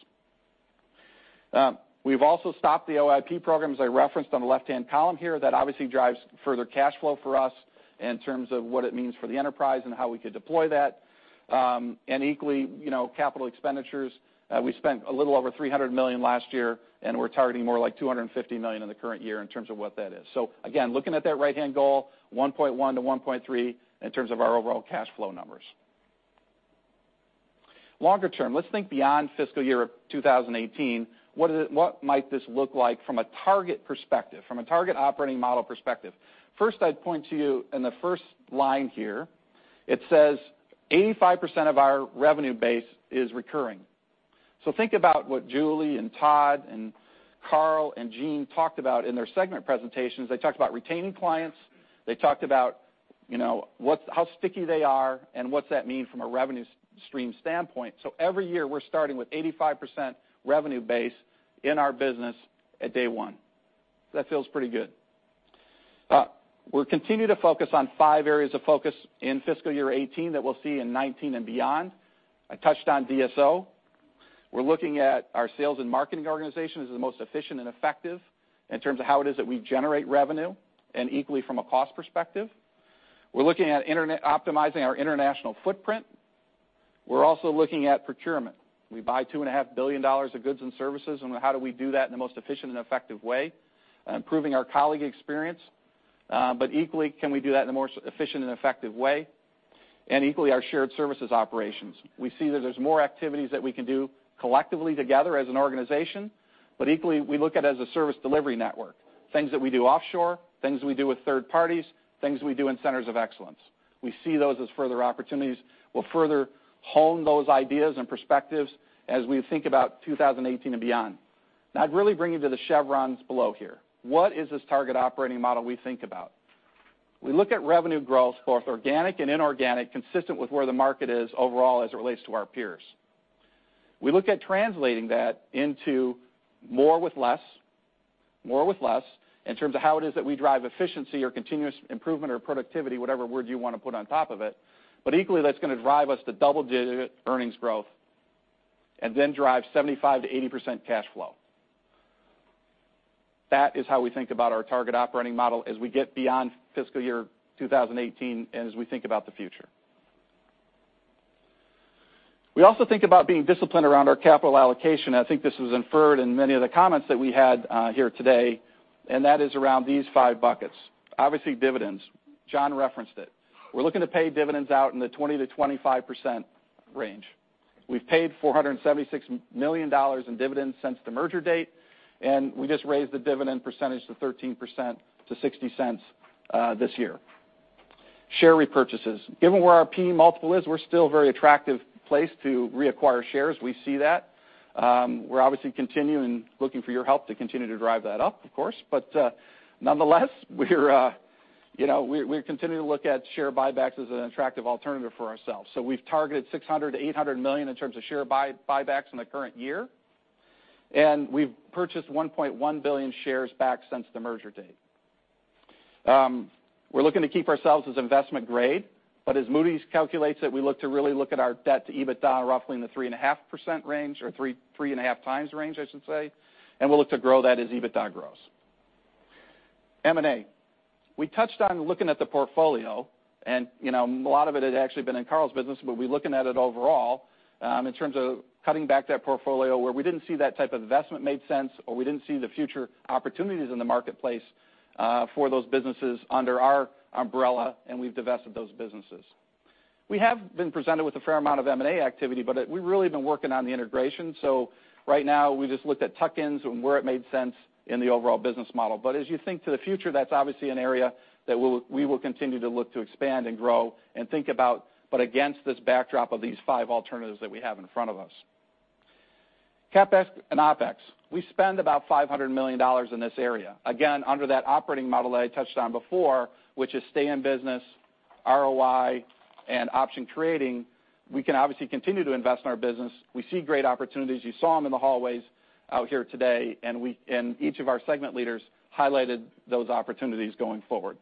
We've also stopped the OIP programs I referenced on the left-hand column here. That obviously drives further cash flow for us in terms of what it means for the enterprise and how we could deploy that. Equally, capital expenditures, we spent a little over $300 million last year, and we're targeting more like $250 million in the current year in terms of what that is. Again, looking at that right-hand goal, $1.1-$1.3 in terms of our overall cash flow numbers. Longer term, let's think beyond fiscal year 2018. What might this look like from a target perspective, from a target operating model perspective? First, I'd point to you in the first line here, it says 85% of our revenue base is recurring. Think about what Julie and Todd and Carl and Gene talked about in their segment presentations. They talked about retaining clients. They talked about how sticky they are and what's that mean from a revenue stream standpoint. Every year, we're starting with 85% revenue base in our business at day one. That feels pretty good. We'll continue to focus on five areas of focus in fiscal year 2018 that we'll see in 2019 and beyond. I touched on DSO. We're looking at our sales and marketing organization as the most efficient and effective in terms of how it is that we generate revenue and equally from a cost perspective. We're looking at optimizing our international footprint. We're also looking at procurement. We buy $2.5 billion of goods and services. How do we do that in the most efficient and effective way? Improving our colleague experience. Equally, can we do that in a more efficient and effective way? Equally, our shared services operations. We see that there's more activities that we can do collectively together as an organization, but equally, we look at it as a service delivery network, things that we do offshore, things we do with third parties, things we do in centers of excellence. We see those as further opportunities. We'll further hone those ideas and perspectives as we think about 2018 and beyond. I'd really bring you to the chevrons below here. What is this target operating model we think about? We look at revenue growth, both organic and inorganic, consistent with where the market is overall as it relates to our peers. We look at translating that into more with less, more with less in terms of how it is that we drive efficiency or continuous improvement or productivity, whatever word you want to put on top of it. Equally, that's going to drive us to double-digit earnings growth and then drive 75%-80% cash flow. That is how we think about our target operating model as we get beyond fiscal year 2018, and as we think about the future. We also think about being disciplined around our capital allocation. I think this was inferred in many of the comments that we had here today, and that is around these five buckets. Obviously, dividends. John referenced it. We're looking to pay dividends out in the 20%-25% range. We've paid $476 million in dividends since the merger date, and we just raised the dividend percentage to 13% to $0.60 this year. Share repurchases. Given where our P/E multiple is, we're still a very attractive place to reacquire shares. We see that. We're obviously continuing looking for your help to continue to drive that up, of course. We're continuing to look at share buybacks as an attractive alternative for ourselves. We've targeted $600 million-$800 million in terms of share buybacks in the current year. We've purchased $1.1 billion shares back since the merger date. We're looking to keep ourselves as investment grade, as Moody's calculates it, we look to really look at our debt to EBITDA roughly in the 3.5% range or 3.5x range, I should say. We'll look to grow that as EBITDA grows. M&A. We touched on looking at the portfolio, a lot of it had actually been in Carl's business, we're looking at it overall in terms of cutting back that portfolio where we didn't see that type of investment made sense, or we didn't see the future opportunities in the marketplace for those businesses under our umbrella, we've divested those businesses. We have been presented with a fair amount of M&A activity, we've really been working on the integration. Right now, we just looked at tuck-ins and where it made sense in the overall business model. As you think to the future, that's obviously an area that we will continue to look to expand and grow and think about, against this backdrop of these five alternatives that we have in front of us. CapEx and OpEx. We spend about $500 million in this area. Again, under that operating model that I touched on before, which is stay in business, ROI, and option creating, we can obviously continue to invest in our business. We see great opportunities. You saw them in the hallways out here today, each of our segment leaders highlighted those opportunities going forward.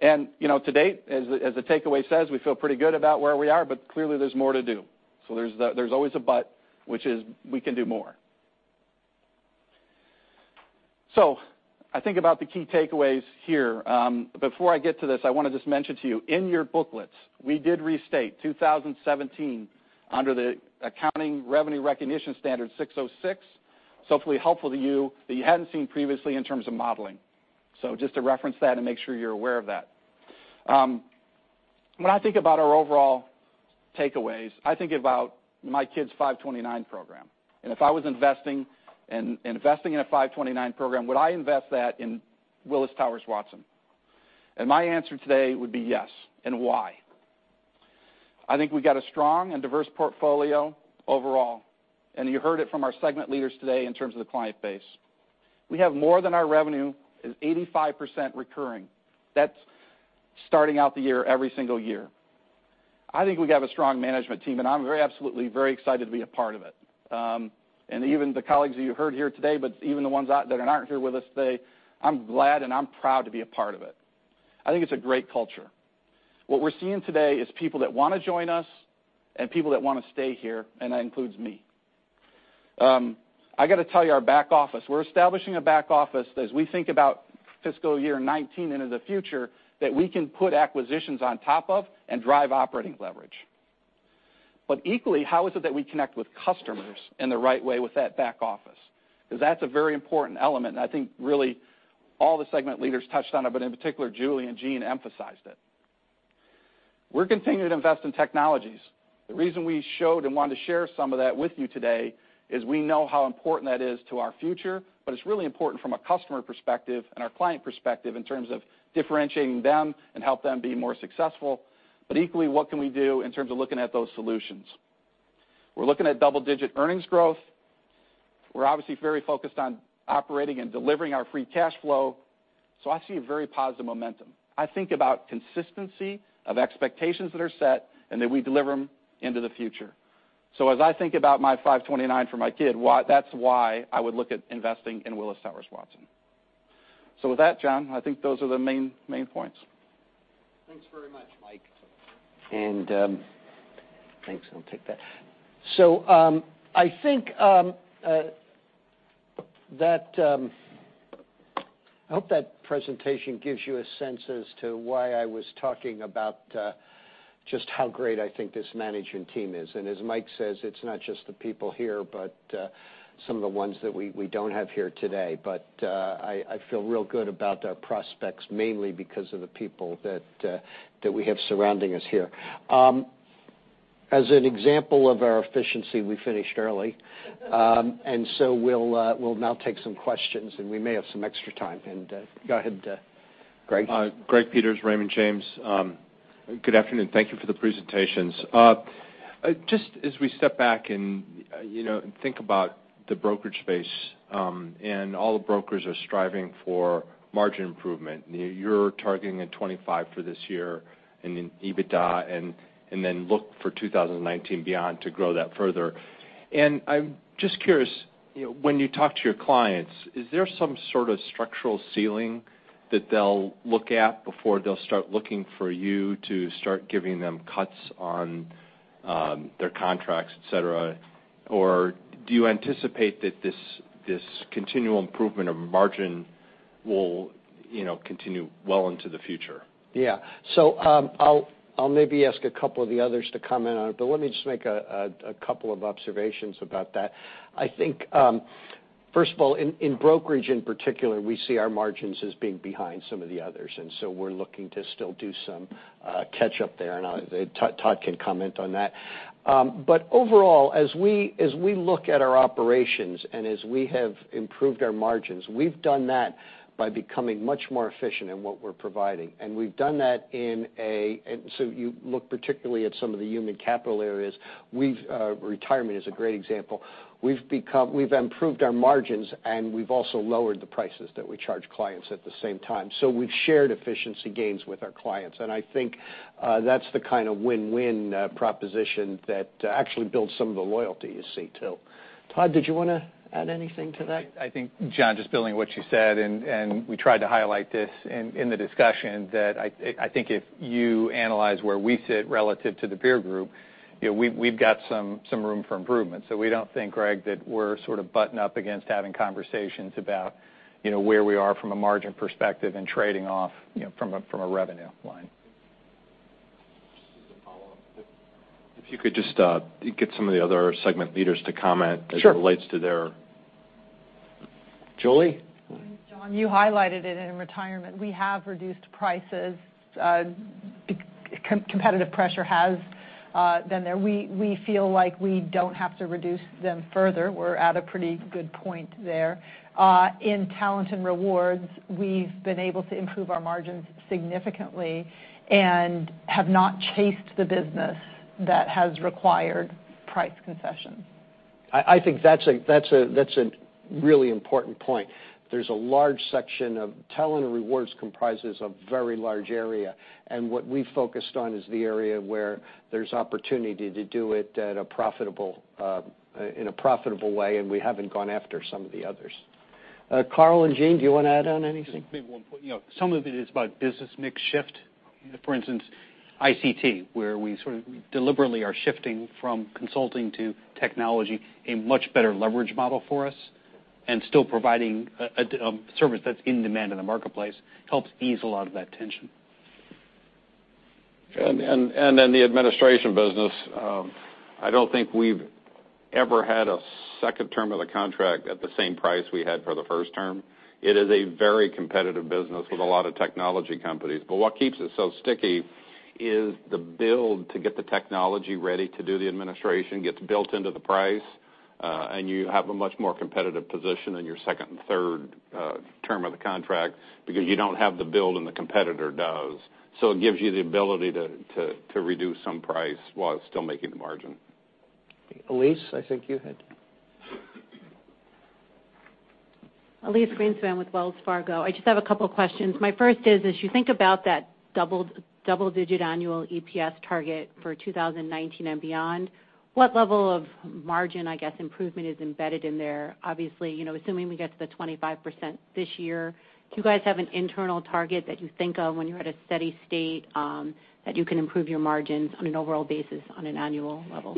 To date, as the takeaway says, we feel pretty good about where we are, clearly, there's more to do. There's always a but, which is we can do more. I think about the key takeaways here. Before I get to this, I want to just mention to you, in your booklets, we did restate 2017 under the accounting revenue recognition standard 606. It's hopefully helpful to you that you hadn't seen previously in terms of modeling. Just to reference that and make sure you're aware of that. When I think about our overall takeaways, I think about my kids' 529 program. If I was investing in a 529 program, would I invest that in Willis Towers Watson? My answer today would be yes. Why? I think we got a strong and diverse portfolio overall, you heard it from our segment leaders today in terms of the client base. We have more than our revenue is 85% recurring. That's starting out the year every single year. I think we have a strong management team, I'm absolutely very excited to be a part of it. Even the colleagues that you heard here today, but even the ones that aren't here with us today, I'm glad and I'm proud to be a part of it. I think it's a great culture. What we're seeing today is people that want to join us and people that want to stay here, and that includes me. I got to tell you, our back office. We're establishing a back office as we think about fiscal year 2019 into the future that we can put acquisitions on top of and drive operating leverage. Equally, how is it that we connect with customers in the right way with that back office? That's a very important element, I think really all the segment leaders touched on it, but in particular, Julie and Gene emphasized it. We're continuing to invest in technologies. The reason we showed and wanted to share some of that with you today is we know how important that is to our future, but it's really important from a customer perspective and our client perspective in terms of differentiating them and help them be more successful. Equally, what can we do in terms of looking at those solutions? We're looking at double-digit earnings growth. We're obviously very focused on operating and delivering our free cash flow. I see a very positive momentum. I think about consistency of expectations that are set and that we deliver them into the future. As I think about my 529 for my kid, that's why I would look at investing in Willis Towers Watson. With that, John, I think those are the main points. Thanks very much, Mike. Thanks, I'll take that. I hope that presentation gives you a sense as to why I was talking about just how great I think this management team is. As Mike says, it's not just the people here, but some of the ones that we don't have here today. I feel real good about our prospects, mainly because of the people that we have surrounding us here. As an example of our efficiency, we finished early. We'll now take some questions, and we may have some extra time. Go ahead, Greg. Greg Peters, Raymond James. Good afternoon. Thank you for the presentations. Just as we step back and think about the brokerage space and all the brokers are striving for margin improvement. You're targeting a 25 for this year and then EBITDA. Look for 2019 beyond to grow that further. I'm just curious, when you talk to your clients, is there some sort of structural ceiling that they'll look at before they'll start looking for you to start giving them cuts on their contracts, et cetera? Do you anticipate that this continual improvement of margin will continue well into the future? Yeah. I'll maybe ask a couple of the others to comment on it, but let me just make a couple of observations about that. I think, first of all, in brokerage in particular, we see our margins as being behind some of the others. We're looking to still do some catch-up there, and Todd can comment on that. Overall, as we look at our operations and as we have improved our margins, we've done that by becoming much more efficient in what we're providing. We've done that. You look particularly at some of the human capital areas. Retirement is a great example. We've improved our margins, and we've also lowered the prices that we charge clients at the same time. We've shared efficiency gains with our clients, and I think that's the kind of win-win proposition that actually builds some of the loyalty you see, too. Todd, did you want to add anything to that? I think, John, just building on what you said. We tried to highlight this in the discussion that I think if you analyze where we sit relative to the peer group, we've got some room for improvement. We don't think, Greg, that we're sort of butting up against having conversations about where we are from a margin perspective and trading off from a revenue line. Just as a follow-up, if you could just get some of the other segment leaders to comment. Sure As it relates to their Julie? John, you highlighted it in retirement. We have reduced prices. Competitive pressure has been there. We feel like we don't have to reduce them further. We're at a pretty good point there. In Talent and Rewards, we've been able to improve our margins significantly and have not chased the business that has required price concessions. I think that's a really important point. There's a large section of Talent and Rewards comprises a very large area, and what we've focused on is the area where there's opportunity to do it in a profitable way, and we haven't gone after some of the others. Carl and Gene, do you want to add on anything? Just maybe one point. Some of it is about business mix shift. For instance, ICT, where we sort of deliberately are shifting from consulting to technology, a much better leverage model for us, and still providing a service that's in demand in the marketplace helps ease a lot of that tension. The administration business, I don't think we've ever had a second term of the contract at the same price we had for the first term. It is a very competitive business with a lot of technology companies. What keeps it so sticky is the build to get the technology ready to do the administration gets built into the price, and you have a much more competitive position in your second and third term of the contract because you don't have the build and the competitor does. It gives you the ability to reduce some price while still making the margin. Elyse, I think you had- Elyse Greenspan with Wells Fargo. I just have a couple questions. My first is, as you think about that double-digit annual EPS target for 2019 and beyond, what level of margin, I guess, improvement is embedded in there? Obviously, assuming we get to the 25% this year, do you guys have an internal target that you think of when you're at a steady state that you can improve your margins on an overall basis on an annual level?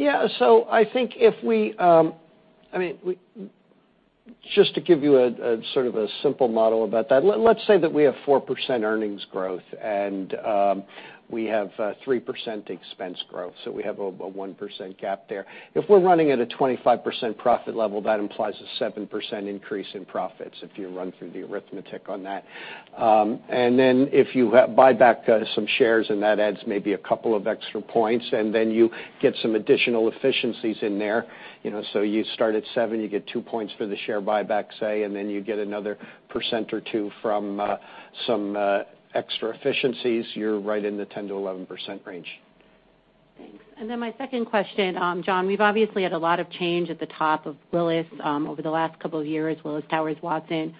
Just to give you a simple model about that, let's say that we have 4% earnings growth and we have 3% expense growth, so we have a 1% gap there. If we're running at a 25% profit level, that implies a 7% increase in profits, if you run through the arithmetic on that. If you buy back some shares and that adds maybe a couple of extra points, and then you get some additional efficiencies in there. You start at seven, you get two points for the share buyback, say, and then you get another percent or two from some extra efficiencies, you're right in the 10-11% range. Thanks. My second question, John, we've obviously had a lot of change at the top of Willis over the last couple of years, Willis Towers Watson.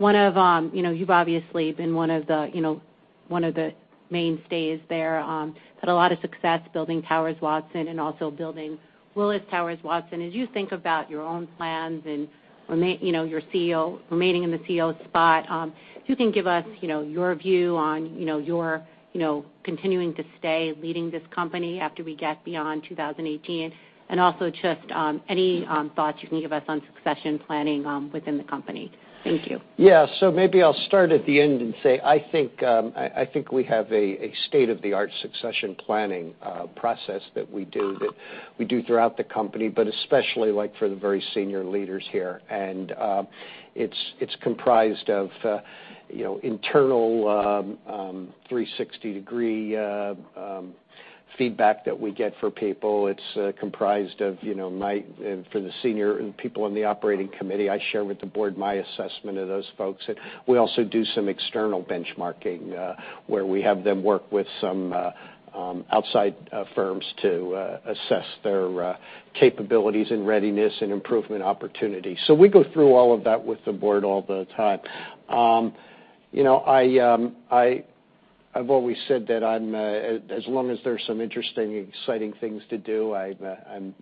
You've obviously been one of the mainstays there. Had a lot of success building Towers Watson and also building Willis Towers Watson. As you think about your own plans and remaining in the CEO spot, if you can give us your view on continuing to stay leading this company after we get beyond 2018, and also just any thoughts you can give us on succession planning within the company. Thank you. Maybe I'll start at the end and say, I think we have a state-of-the-art succession planning process that we do throughout the company, but especially like for the very senior leaders here. It's comprised of internal 360-degree feedback that we get for people. It's comprised of for the senior people in the operating committee, I share with the board my assessment of those folks. We also do some external benchmarking, where we have them work with some outside firms to assess their capabilities and readiness and improvement opportunities. We go through all of that with the board all the time. I've always said that as long as there's some interesting, exciting things to do, I'm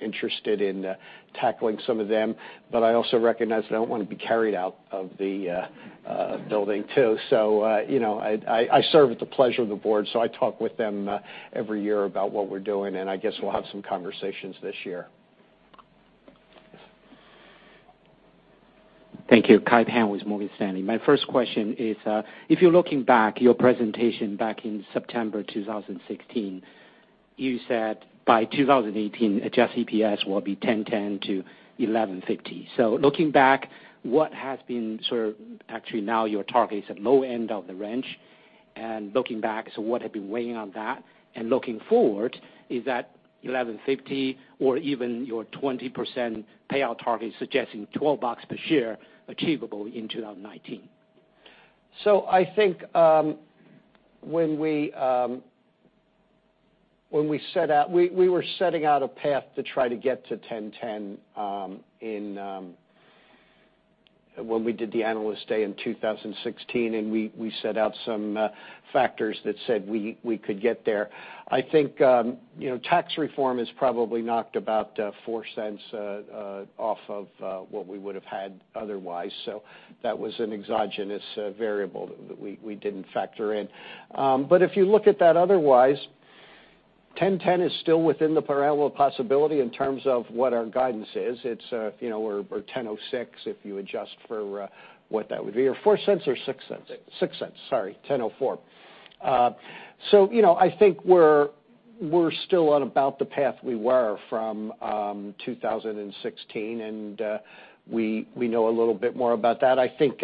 interested in tackling some of them. I also recognize that I don't want to be carried out of the building, too. I serve at the pleasure of the board, so I talk with them every year about what we're doing, and I guess we'll have some conversations this year. Thank you. Kai Pan with Morgan Stanley. My first question is, if you're looking back, your presentation back in September 2016, you said by 2018, adjusted EPS will be $10.10-$11.50. Looking back, what has been sort of actually now your target is at low end of the range. Looking back, what have been weighing on that? Looking forward, is that $11.50 or even your 20% payout target suggesting $12 per share achievable in 2019? I think we were setting out a path to try to get to $10.10 when we did the Analyst Day in 2016. We set out some factors that said we could get there. I think tax reform has probably knocked about $0.04 off of what we would have had otherwise. That was an exogenous variable that we didn't factor in. If you look at that otherwise, $10.10 is still within the parallel of possibility in terms of what our guidance is. Or $10.06, if you adjust for what that would be. Or $0.04 or $0.06? $0.06, sorry, $10.04. I think we're still on about the path we were from 2016. We know a little bit more about that. I think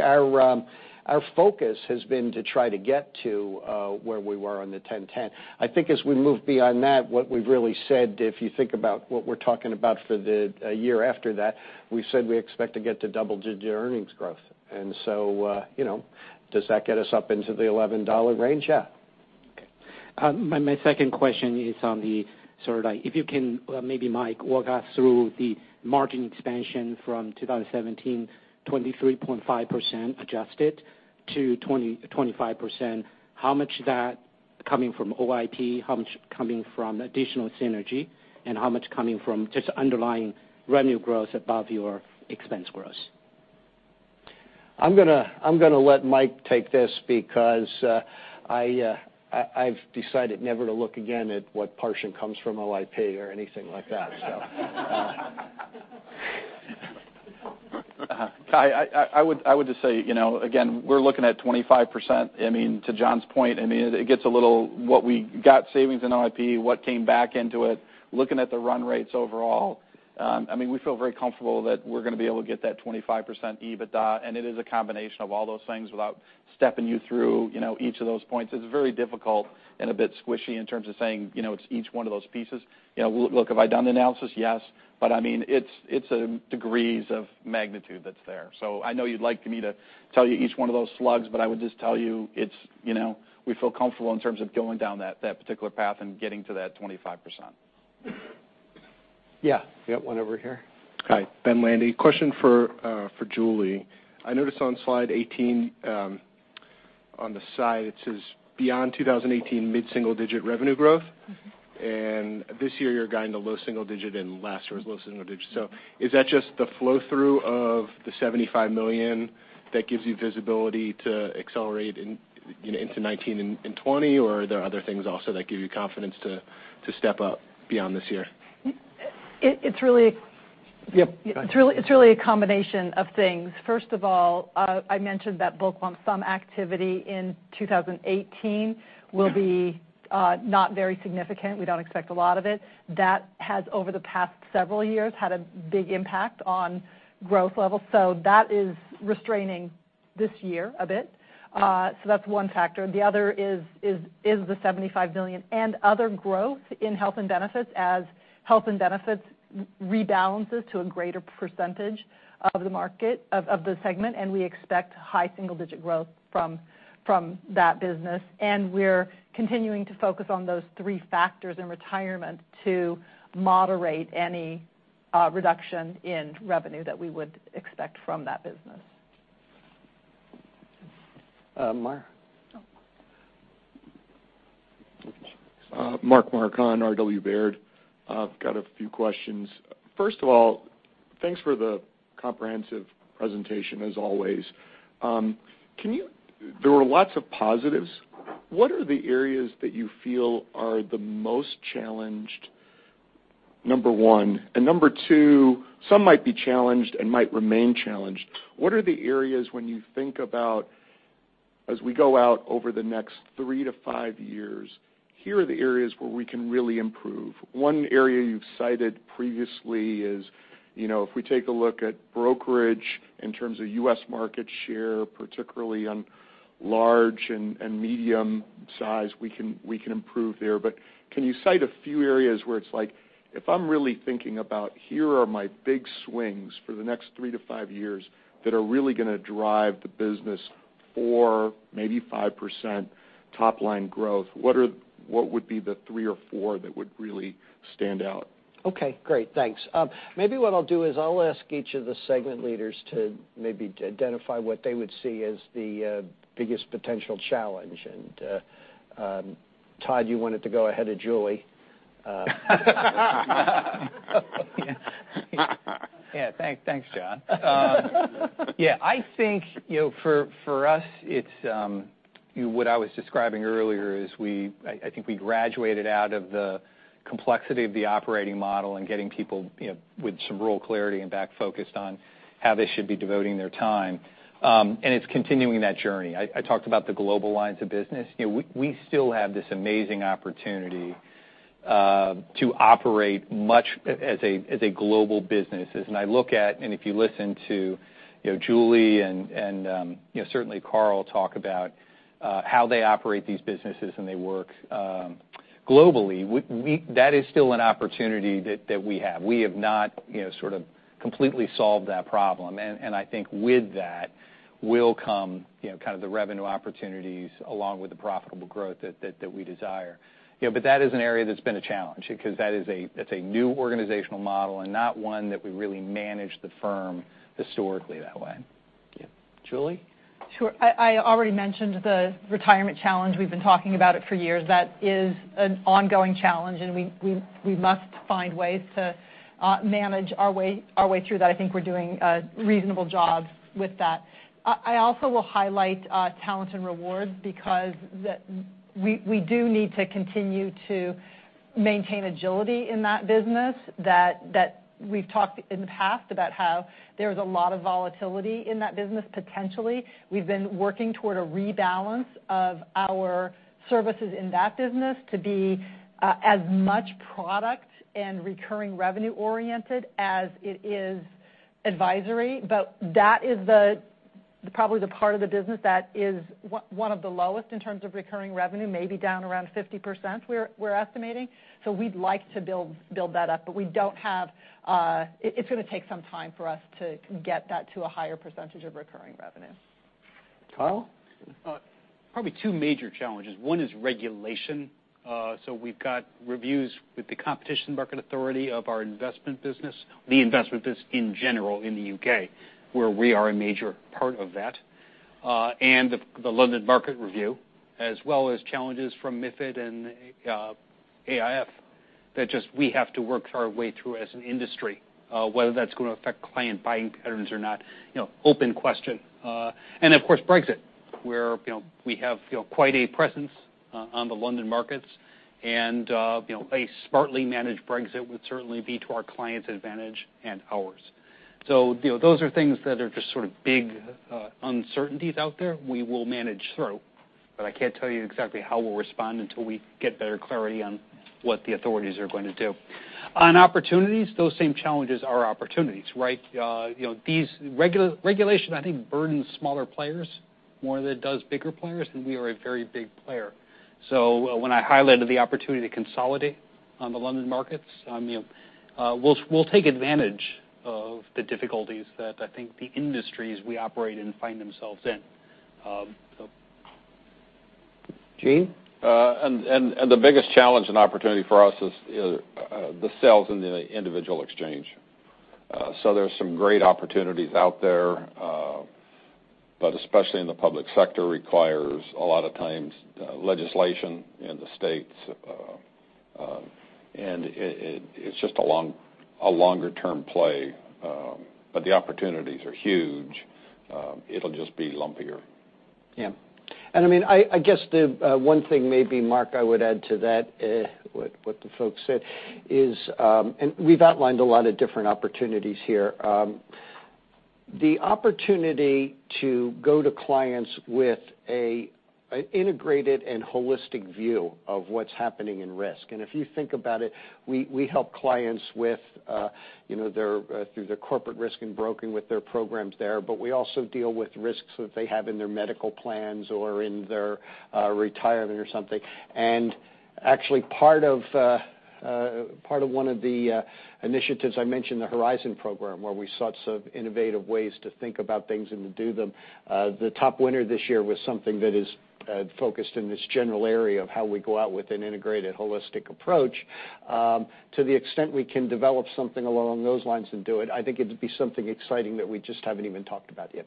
our focus has been to try to get to where we were on the $10.10. I think as we move beyond that, what we've really said, if you think about what we're talking about for the year after that, we said we expect to get to double-digit earnings growth. Does that get us up into the $11 range? Yeah. Okay. My second question is on the, if you can maybe, Mike, walk us through the margin expansion from 2017, 23.5% adjusted to 25%. How much of that coming from OIP, how much coming from additional synergy, how much coming from just underlying revenue growth above your expense growth? I'm going to let Mike take this because I've decided never to look again at what portion comes from OIP or anything like that. Kai, I would just say, again, we're looking at 25%. To John's point, what we got savings in OIP, what came back into it, looking at the run rates overall. We feel very comfortable that we're going to be able to get that 25% EBITDA, it is a combination of all those things without stepping you through each of those points. It's very difficult and a bit squishy in terms of saying it's each one of those pieces. Look, have I done the analysis? Yes. It's degrees of magnitude that's there. I know you'd like me to tell you each one of those slugs, I would just tell you, we feel comfortable in terms of going down that particular path and getting to that 25%. Yeah. We got one over here. Hi. Ben Landy. Question for Julie. I noticed on slide 18, on the side it says, "Beyond 2018, mid-single-digit revenue growth." This year you're guiding to low single digit and last year was low single digit. Is that just the flow-through of the $75 million that gives you visibility to accelerate into 2019 and 2020, or are there other things also that give you confidence to step up beyond this year? It's. Yep, go ahead it's really a combination of things. First of all, I mentioned that bulk lump sum activity in 2018 will be not very significant. We don't expect a lot of it. That has, over the past several years, had a big impact on growth levels. That is restraining this year a bit. That's one factor. The other is the $75 million and other growth in health and benefits as health and benefits rebalances to a greater percentage of the market, of the segment, and we expect high single-digit growth from that business. We're continuing to focus on those three factors in retirement to moderate any reduction in revenue that we would expect from that business. Mark? Mark Marcon, RW Baird. I've got a few questions. First of all, thanks for the comprehensive presentation, as always. There were lots of positives. What are the areas that you feel are the most challenged, number one? Number two, some might be challenged and might remain challenged. What are the areas when you think about as we go out over the next three to five years, here are the areas where we can really improve? One area you've cited previously is, if we take a look at brokerage in terms of U.S. market share, particularly on large and medium size, we can improve there. Can you cite a few areas where it's like, if I'm really thinking about here are my big swings for the next three to five years that are really going to drive the business 4%, maybe 5% top-line growth, what would be the three or four that would really stand out? Okay, great. Thanks. Maybe what I'll do is I'll ask each of the segment leaders to maybe to identify what they would see as the biggest potential challenge. Todd, you wanted to go ahead of Julie. Yeah, thanks, John. I think, for us, it's what I was describing earlier is I think we graduated out of the complexity of the operating model and getting people with some role clarity and back focused on how they should be devoting their time. It's continuing that journey. I talked about the global lines of business. We still have this amazing opportunity to operate much as a global business. As I look at, if you listen to Julie and certainly Carl talk about how they operate these businesses and they work globally, that is still an opportunity that we have. We have not sort of completely solved that problem. I think with that will come kind of the revenue opportunities along with the profitable growth that we desire. That is an area that's been a challenge because that's a new organizational model and not one that we really manage the firm historically that way. Yeah. Julie? Sure. I already mentioned the retirement challenge. We've been talking about it for years. That is an ongoing challenge, and we must find ways to manage our way through that. I think we're doing a reasonable job with that. I also will highlight Talent and Rewards because we do need to continue to maintain agility in that business, that we've talked in the past about how there's a lot of volatility in that business, potentially. We've been working toward a rebalance of our services in that business to be as much product and recurring revenue oriented as it is advisory. That is probably the part of the business that is one of the lowest in terms of recurring revenue, maybe down around 50%, we're estimating. We'd like to build that up, but it's going to take some time for us to get that to a higher percentage of recurring revenue. Carl? Probably two major challenges. One is regulation. We've got reviews with the Competition and Markets Authority of our investment business, the investment business in general in the U.K., where we are a major part of that. The London Market Review, as well as challenges from MiFID and AIF that just we have to work our way through as an industry, whether that's going to affect client buying patterns or not, open question. Of course, Brexit, where we have quite a presence on the London markets, and a smartly managed Brexit would certainly be to our clients' advantage and ours. Those are things that are just sort of big uncertainties out there we will manage through, but I can't tell you exactly how we'll respond until we get better clarity on what the authorities are going to do. On opportunities, those same challenges are opportunities, right? Regulation, I think, burdens smaller players more than it does bigger players, and we are a very big player. When I highlighted the opportunity to consolidate on the London markets, we'll take advantage of the difficulties that I think the industries we operate in find themselves in. Gene? The biggest challenge and opportunity for us is the sales in the individual exchange. There's some great opportunities out there, but especially in the public sector, requires a lot of times legislation in the states. It's just a longer-term play, but the opportunities are huge. It'll just be lumpier. Yeah. I guess the one thing maybe, Mark, I would add to that, what the folks said is, we've outlined a lot of different opportunities here. The opportunity to go to clients with an integrated and holistic view of what's happening in risk. If you think about it, we help clients through their Corporate Risk and Broking with their programs there, but we also deal with risks that they have in their medical plans or in their retirement or something. Actually, part of one of the initiatives I mentioned, the Horizon program, where we sought some innovative ways to think about things and to do them. The top winner this year was something that is focused in this general area of how we go out with an integrated holistic approach. To the extent we can develop something along those lines and do it, I think it'd be something exciting that we just haven't even talked about yet.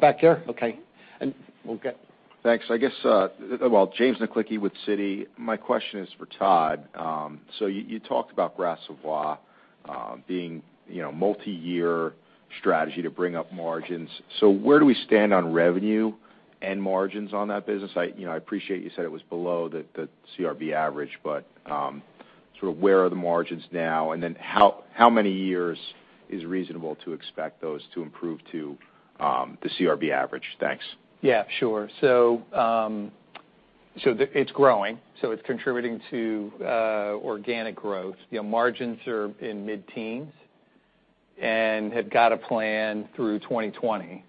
Back there? Okay. Thanks. James Naklicki with Citi. My question is for Todd. You talked about Gras Savoye being multi-year strategy to bring up margins. Where do we stand on revenue and margins on that business? I appreciate you said it was below the CRB average, but sort of where are the margins now, and then how many years is reasonable to expect those to improve to the CRB average? Thanks. Yeah. Sure. It's growing. It's contributing to organic growth. Margins are in mid-teens, and have got a plan through 2020.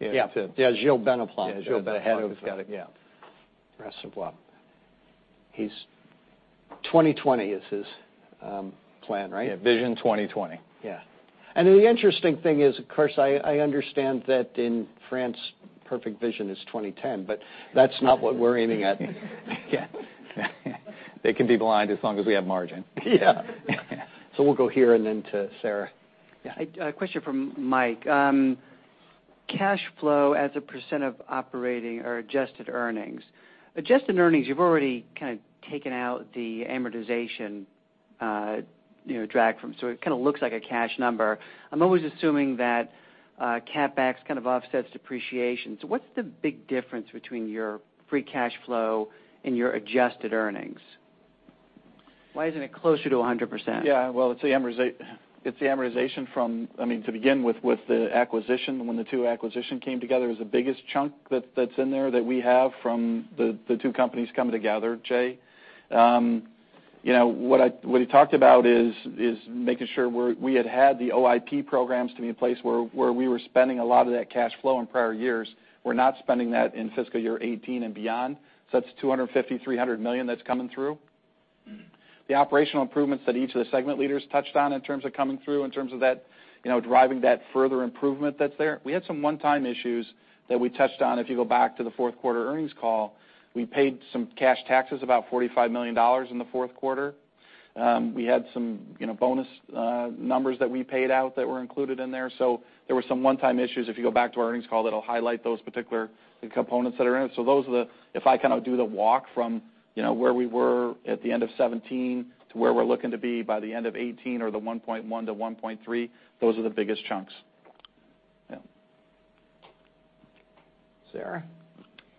Yeah. Gilles Bénéplanc, the head of- Gilles Bénéplanc. He's got it, yeah. Gras Savoye. 2020 is his plan, right? Yeah. Vision 2020. Yeah. The interesting thing is, of course, I understand that in France, perfect vision is 2010, but that's not what we're aiming at. They can be blind as long as we have margin. Yeah. We'll go here, and then to Sarah. Yeah. A question from Mike. Cash flow as a % of operating or adjusted earnings. Adjusted earnings, you've already kind of taken out the amortization drag from, it kind of looks like a cash number. I'm always assuming that CapEx kind of offsets depreciation. What's the big difference between your free cash flow and your adjusted earnings? Why isn't it closer to 100%? Yeah. Well, it's the amortization from, to begin with, the acquisition, when the two acquisition came together is the biggest chunk that's in there that we have from the two companies coming together, Jay. What he talked about is making sure we had had the OIP programs to be in place where we were spending a lot of that cash flow in prior years. We're not spending that in fiscal year 2018 and beyond. That's $250 million-$300 million that's coming through. The operational improvements that each of the segment leaders touched on in terms of coming through, in terms of driving that further improvement that's there. We had some one-time issues that we touched on. If you go back to the fourth quarter earnings call, we paid some cash taxes, about $45 million in the fourth quarter. We had some bonus numbers that we paid out that were included in there. There were some one-time issues. If you go back to our earnings call, it'll highlight those particular components that are in it. If I kind of do the walk from where we were at the end of 2017 to where we're looking to be by the end of 2018 or the 1.1 to 1.3, those are the biggest chunks. Yeah. Sarah.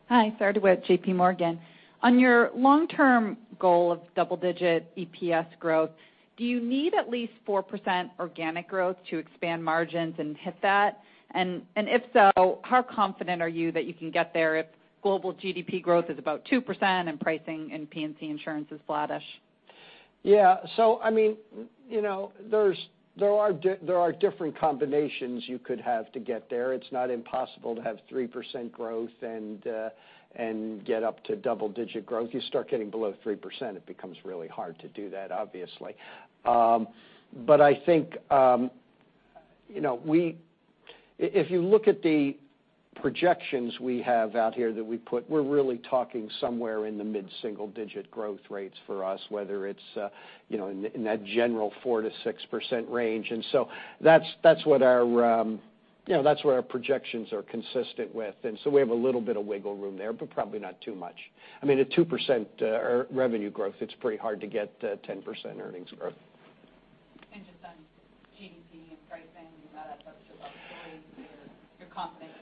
Hi, Sarah DeWitt, J.P. Morgan. On your long-term goal of double-digit EPS growth, do you need at least 4% organic growth to expand margins and hit that? If so, how confident are you that you can get there if global GDP growth is about 2% and pricing in P&C insurance is flattish? Yeah. There are different combinations you could have to get there. It's not impossible to have 3% growth and get up to double-digit growth. You start getting below 3%, it becomes really hard to do that, obviously. I think, if you look at the projections we have out here that we put, we're really talking somewhere in the mid-single digit growth rates for us, whether it's in that general 4%-6% range. That's what our projections are consistent with. We have a little bit of wiggle room there, but probably not too much. At 2% revenue growth, it's pretty hard to get 10% earnings growth. Just on GDP and pricing, you're not up to your confidence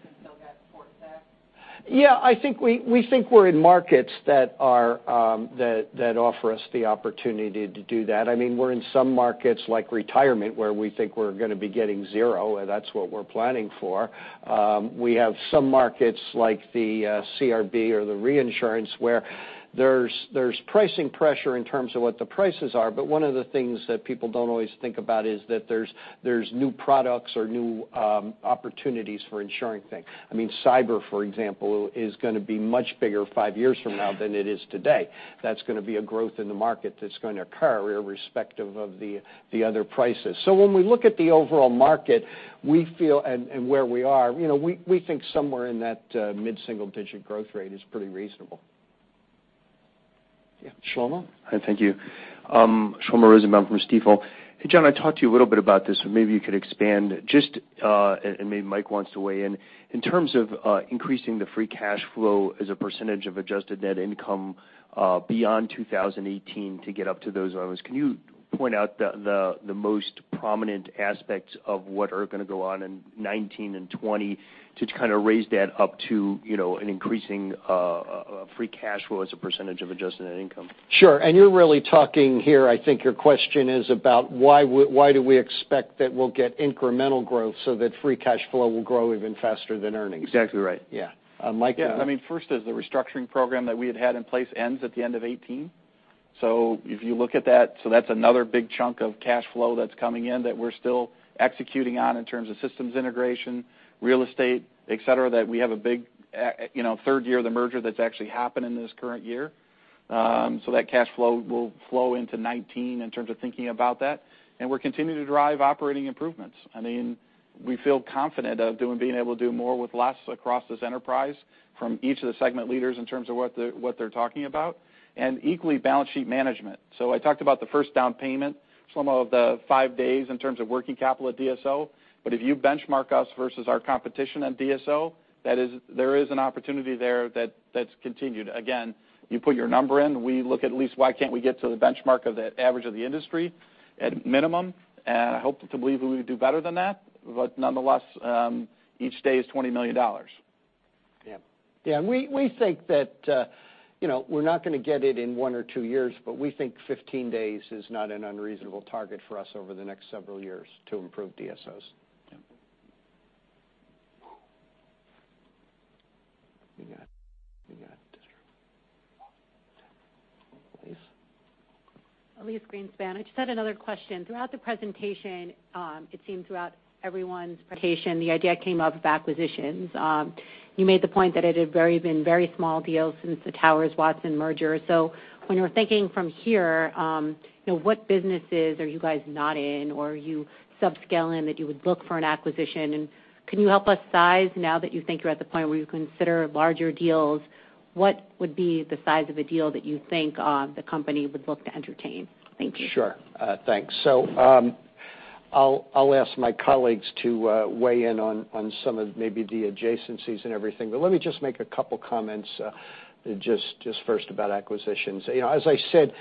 you can still get towards that? We think we're in markets that offer us the opportunity to do that. We're in some markets like retirement where we think we're going to be getting zero, and that's what we're planning for. We have some markets like the CRB or the reinsurance where there's pricing pressure in terms of what the prices are. One of the things that people don't always think about is that there's new products or new opportunities for insuring things. Cyber, for example, is going to be much bigger five years from now than it is today. That's going to be a growth in the market that's going to occur irrespective of the other prices. When we look at the overall market and where we are, we think somewhere in that mid-single digit growth rate is pretty reasonable. Shlomo? Hi. Thank you. Shlomo Rosenbaum from Stifel. Hey, John, I talked to you a little bit about this, maybe you could expand just, and maybe Mike wants to weigh in. In terms of increasing the free cash flow as a percentage of adjusted net income beyond 2018 to get up to those levels, can you point out the most prominent aspects of what are going to go on in 2019 and 2020 to kind of raise that up to an increasing free cash flow as a percentage of adjusted net income? Sure. You're really talking here, I think your question is about why do we expect that we'll get incremental growth that free cash flow will grow even faster than earnings. Exactly right. Yeah. Mike? Yeah, first is the restructuring program that we had had in place ends at the end of 2018. If you look at that's another big chunk of cash flow that's coming in that we're still executing on in terms of systems integration, real estate, et cetera, that we have a big third year of the merger that's actually happened in this current year. That cash flow will flow into 2019 in terms of thinking about that. We're continuing to drive operating improvements. We feel confident of being able to do more with less across this enterprise from each of the segment leaders in terms of what they're talking about. Equally, balance sheet management. I talked about the first down payment, Shlomo, of the five days in terms of working capital at DSO. If you benchmark us versus our competition at DSO, there is an opportunity there that's continued. Again, you put your number in, we look at least why can't we get to the benchmark of the average of the industry at minimum. I hope to believe that we would do better than that. Nonetheless, each day is $20 million. Yeah. We think that we're not going to get it in one or two years, but we think 15 days is not an unreasonable target for us over the next several years to improve DSOs. Yeah. We got. [inaudible] Elyse? Elyse Greenspan. I just had another question. Throughout the presentation, it seemed throughout everyone's presentation, the idea came up of acquisitions. You made the point that it had been very small deals since the Towers Watson merger. When you're thinking from here, what businesses are you guys not in, or are you sub-scale in that you would look for an acquisition? Can you help us size now that you think you're at the point where you consider larger deals, what would be the size of a deal that you think the company would look to entertain? Thank you. Sure. Thanks. I'll ask my colleagues to weigh in on some of maybe the adjacencies and everything, but let me just make a couple comments just first about acquisitions. As I said,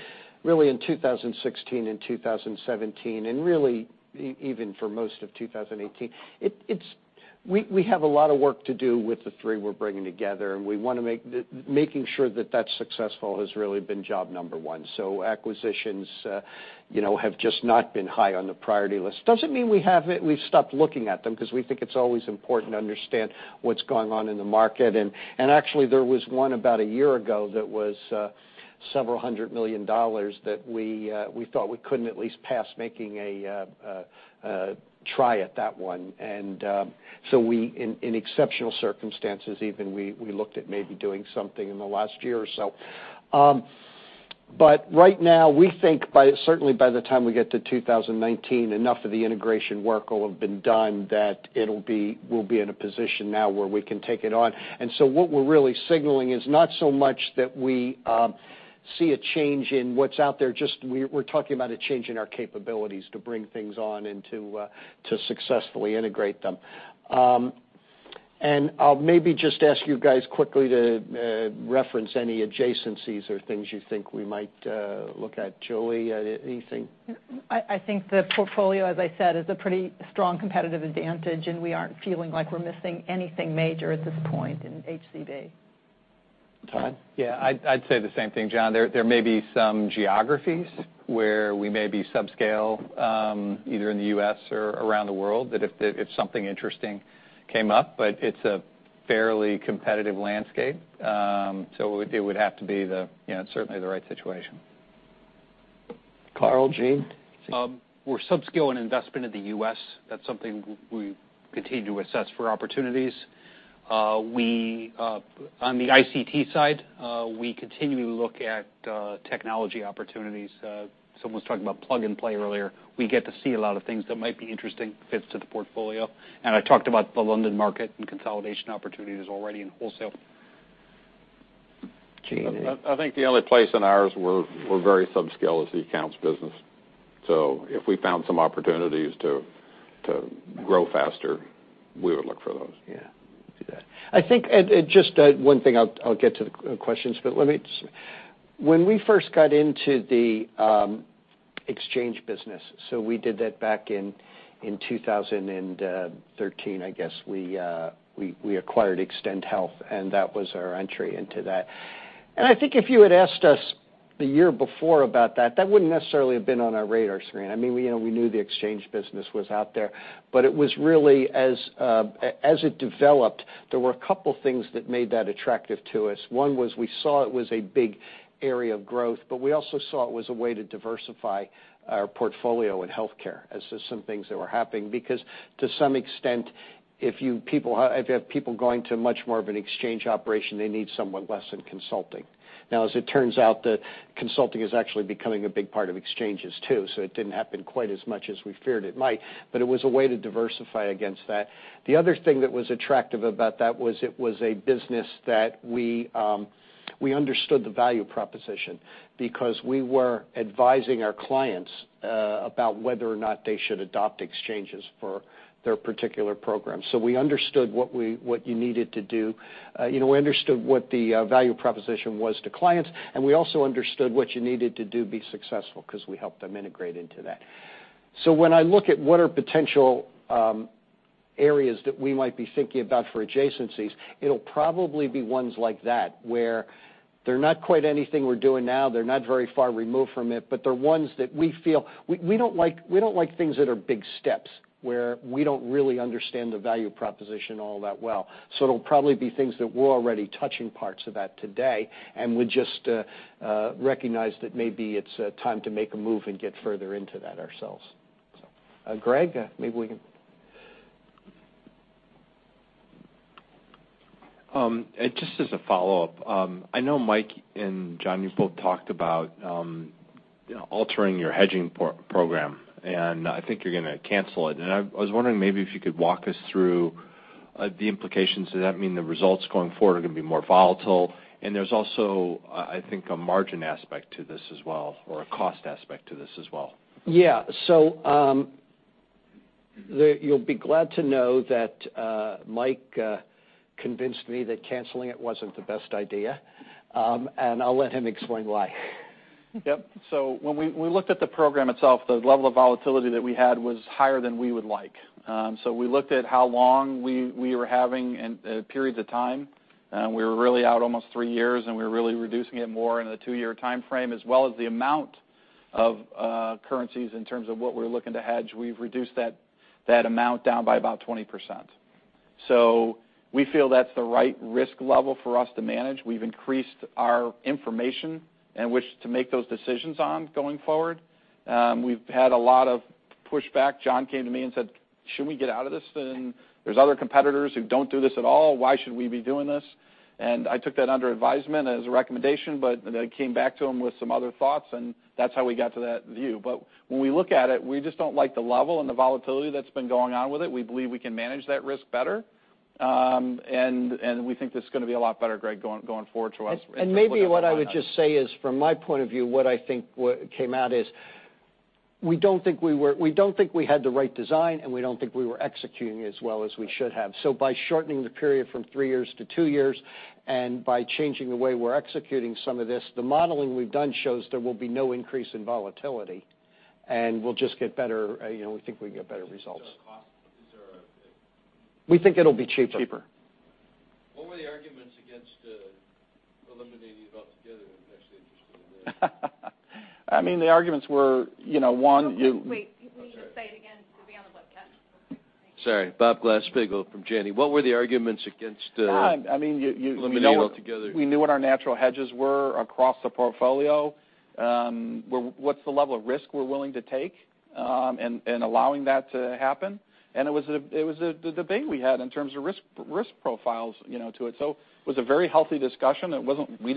really in 2016 and 2017, and really even for most of 2018, we have a lot of work to do with the three we're bringing together, and making sure that that's successful has really been job number one. Acquisitions have just not been high on the priority list. Doesn't mean we've stopped looking at them because we think it's always important to understand what's going on in the market, and actually there was one about a year ago that was $several hundred million that we thought we couldn't at least pass making a try at that one. In exceptional circumstances even, we looked at maybe doing something in the last year or so. Right now, we think certainly by the time we get to 2019, enough of the integration work will have been done that we'll be in a position now where we can take it on. What we're really signaling is not so much that we see a change in what's out there, just we're talking about a change in our capabilities to bring things on and to successfully integrate them. I'll maybe just ask you guys quickly to reference any adjacencies or things you think we might look at. Julie, anything? I think the portfolio, as I said, is a pretty strong competitive advantage. We aren't feeling like we're missing anything major at this point in HCB. Todd? Yeah, I'd say the same thing, John. There may be some geographies where we may be sub-scale, either in the U.S. or around the world, that if something interesting came up. It's a fairly competitive landscape. It would have to be certainly the right situation. Carl, Gene? We're sub-scale in investment in the U.S. That's something we continue to assess for opportunities. On the ICT side, we continue to look at technology opportunities. Someone was talking about Plug and Play earlier. We get to see a lot of things that might be interesting fits to the portfolio. I talked about the London market and consolidation opportunities already in wholesale. Okay. I think the only place in ours we're very sub-scale is the accounts business. If we found some opportunities to grow faster, we would look for those. Yeah. Do that. I think, just one thing, I'll get to the questions, but let me just. When we first got into the exchange business, we did that back in 2013, I guess. We acquired Extend Health, that was our entry into that. I think if you had asked us the year before about that wouldn't necessarily have been on our radar screen. We knew the exchange business was out there, but it was really as it developed, there were a couple things that made that attractive to us. One was we saw it was a big area of growth. We also saw it was a way to diversify our portfolio in healthcare as to some things that were happening. Because to some extent, if you have people going to much more of an exchange operation, they need somewhat less in consulting. Now, as it turns out, the consulting is actually becoming a big part of exchanges, too, so it didn't happen quite as much as we feared it might, but it was a way to diversify against that. The other thing that was attractive about that was it was a business that we understood the value proposition because we were advising our clients about whether or not they should adopt exchanges for their particular program. We understood what you needed to do. We understood what the value proposition was to clients, and we also understood what you needed to do be successful because we helped them integrate into that. When I look at what are potential areas that we might be thinking about for adjacencies, it'll probably be ones like that, where they're not quite anything we're doing now, they're not very far removed from it, but they're ones that we feel. We don't like things that are big steps, where we don't really understand the value proposition all that well. It'll probably be things that we're already touching parts of that today, we just recognize that maybe it's time to make a move and get further into that ourselves. Greg, maybe we can Just as a follow-up. I know Mike and John, you both talked about altering your hedging program, I think you're going to cancel it. I was wondering maybe if you could walk us through the implications. Does that mean the results going forward are going to be more volatile? There's also, I think, a margin aspect to this as well, or a cost aspect to this as well. Yeah. You'll be glad to know that Mike convinced me that canceling it wasn't the best idea. I'll let him explain why. Yep. When we looked at the program itself, the level of volatility that we had was higher than we would like. We looked at how long we were having periods of time. We were really out almost three years, and we were really reducing it more in a two-year timeframe, as well as the amount of currencies in terms of what we're looking to hedge. We've reduced that amount down by about 20%. We feel that's the right risk level for us to manage. We've increased our information in which to make those decisions on going forward. We've had a lot of pushback. John came to me and said, "Should we get out of this thing? There's other competitors who don't do this at all. Why should we be doing this?" I took that under advisement as a recommendation, I came back to him with some other thoughts, that's how we got to that view. When we look at it, we just don't like the level and the volatility that's been going on with it. We believe we can manage that risk better. We think this is going to be a lot better, Greg, going forward to us if we put those behind us. Maybe what I would just say is, from my point of view, what I think what came out is we don't think we had the right design, and we don't think we were executing it as well as we should have. By shortening the period from three years to two years, and by changing the way we're executing some of this, the modeling we've done shows there will be no increase in volatility, and we'll just get better. We think we can get better results. Is there a cost? We think it'll be cheaper. Cheaper. What were the arguments against eliminating it altogether and actually just doing this? The arguments were, Wait. You need to say it again to be on the webcast. Sorry. Bob Glasspiegel from Janney. What were the arguments against- I mean, eliminating it altogether? We knew what our natural hedges were across the portfolio. What's the level of risk we're willing to take in allowing that to happen? It was the debate we had in terms of risk profiles to it. It was a very healthy discussion. It wasn't we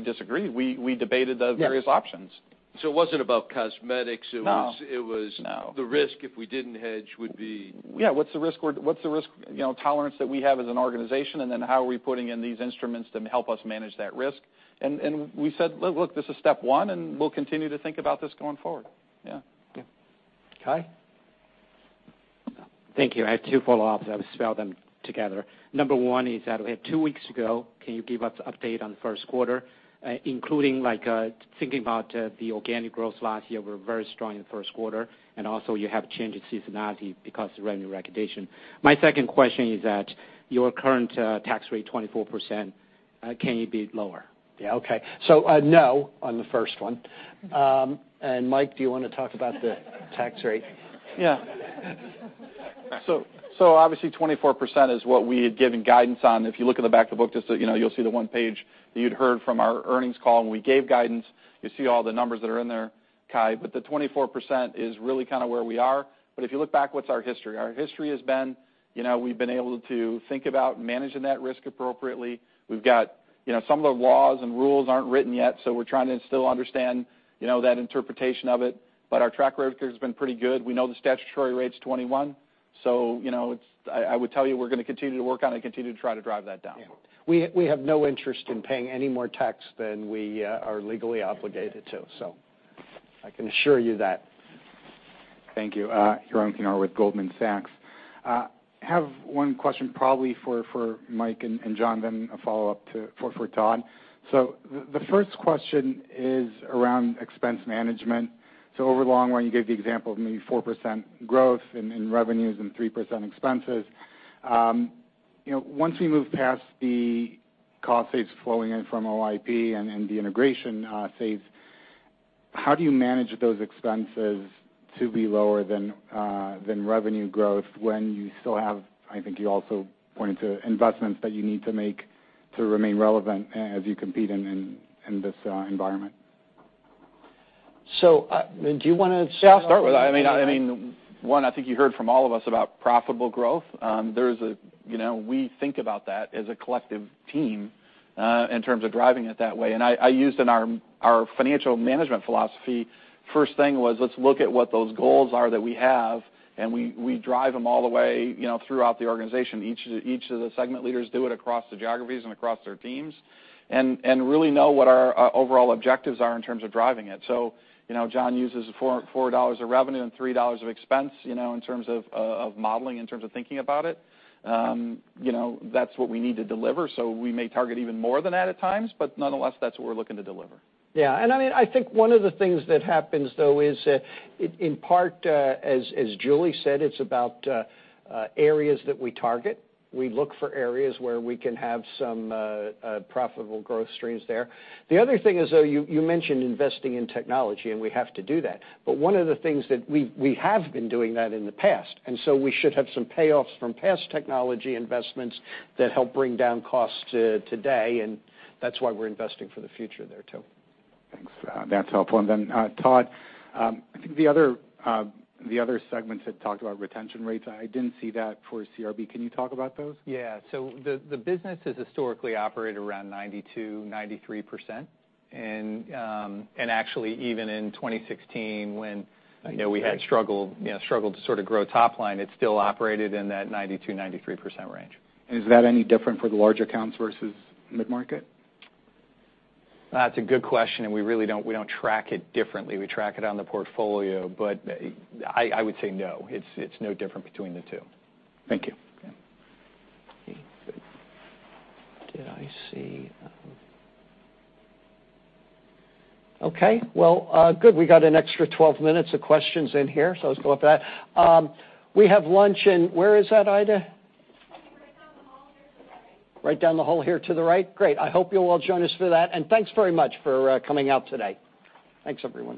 disagreed. We debated the various options. Yes. It wasn't about cosmetics. No. It was the risk if we didn't hedge would be Yeah, what's the risk tolerance that we have as an organization, and then how are we putting in these instruments to help us manage that risk? We said, "Look, this is step one, and we'll continue to think about this going forward." Yeah. Yeah. Kai? Thank you. I have two follow-ups. I will spell them together. Number one, we had two weeks ago, can you give us update on the first quarter, including thinking about the organic growth last year were very strong in the first quarter, and also you have change in seasonality because of revenue recognition. My second question is that your current tax rate, 24%, can it be lower? Yeah. Okay. No on the first one. Mike, do you want to talk about the tax rate? Yeah. Obviously, 24% is what we had given guidance on. If you look at the back of the book, you'll see the one page that you'd heard from our earnings call when we gave guidance. You see all the numbers that are in there, Kai. The 24% is really kind of where we are. If you look back, what's our history? Our history has been we've been able to think about managing that risk appropriately. We've got some of the laws and rules aren't written yet, so we're trying to still understand that interpretation of it. Our track record has been pretty good. We know the statutory rate's 21. I would tell you we're going to continue to work on it, continue to try to drive that down. Yeah. We have no interest in paying any more tax than we are legally obligated to, I can assure you that. Thank you. [Hiren Pinor] with Goldman Sachs. I have one question probably for Mike and John, then a follow-up for Todd. The first question is around expense management. Over the long run, you gave the example of maybe 4% growth in revenues and 3% expenses. Once we move past the cost saves flowing in from OIP and the integration saves, how do you manage those expenses to be lower than revenue growth when you still have, I think you also pointed to investments that you need to make to remain relevant as you compete in this environment? Do you want to start with it? Yeah, I'll start with it. One, I think you heard from all of us about profitable growth. We think about that as a collective team in terms of driving it that way. I used in our financial management philosophy, first thing was let's look at what those goals are that we have, and we drive them all the way throughout the organization. Each of the segment leaders do it across the geographies and across their teams and really know what our overall objectives are in terms of driving it. John uses $4 of revenue and $3 of expense in terms of modeling, in terms of thinking about it. That's what we need to deliver. We may target even more than that at times, but nonetheless, that's what we're looking to deliver. Yeah. I think one of the things that happens, though, is in part, as Julie said, it's about areas that we target. We look for areas where we can have some profitable growth streams there. The other thing is, though, you mentioned investing in technology, and we have to do that. One of the things that we have been doing that in the past, we should have some payoffs from past technology investments that help bring down costs today, and that's why we're investing for the future there, too. Thanks. Then Todd, I think the other segments had talked about retention rates. I didn't see that for CRB. Can you talk about those? Yeah. The business has historically operated around 92, 93%. Actually, even in 2016 when we had struggled to sort of grow top line, it still operated in that 92, 93% range. Is that any different for the large accounts versus mid-market? That's a good question, we really don't track it differently. We track it on the portfolio. I would say no, it's no different between the two. Thank you. Okay. Well, good. We got an extra 12 minutes of questions in here, let's go with that. We have lunch in, where is that, Ida? Right down the hall here to the right. Right down the hall here to the right? Great. I hope you'll all join us for that. Thanks very much for coming out today. Thanks, everyone.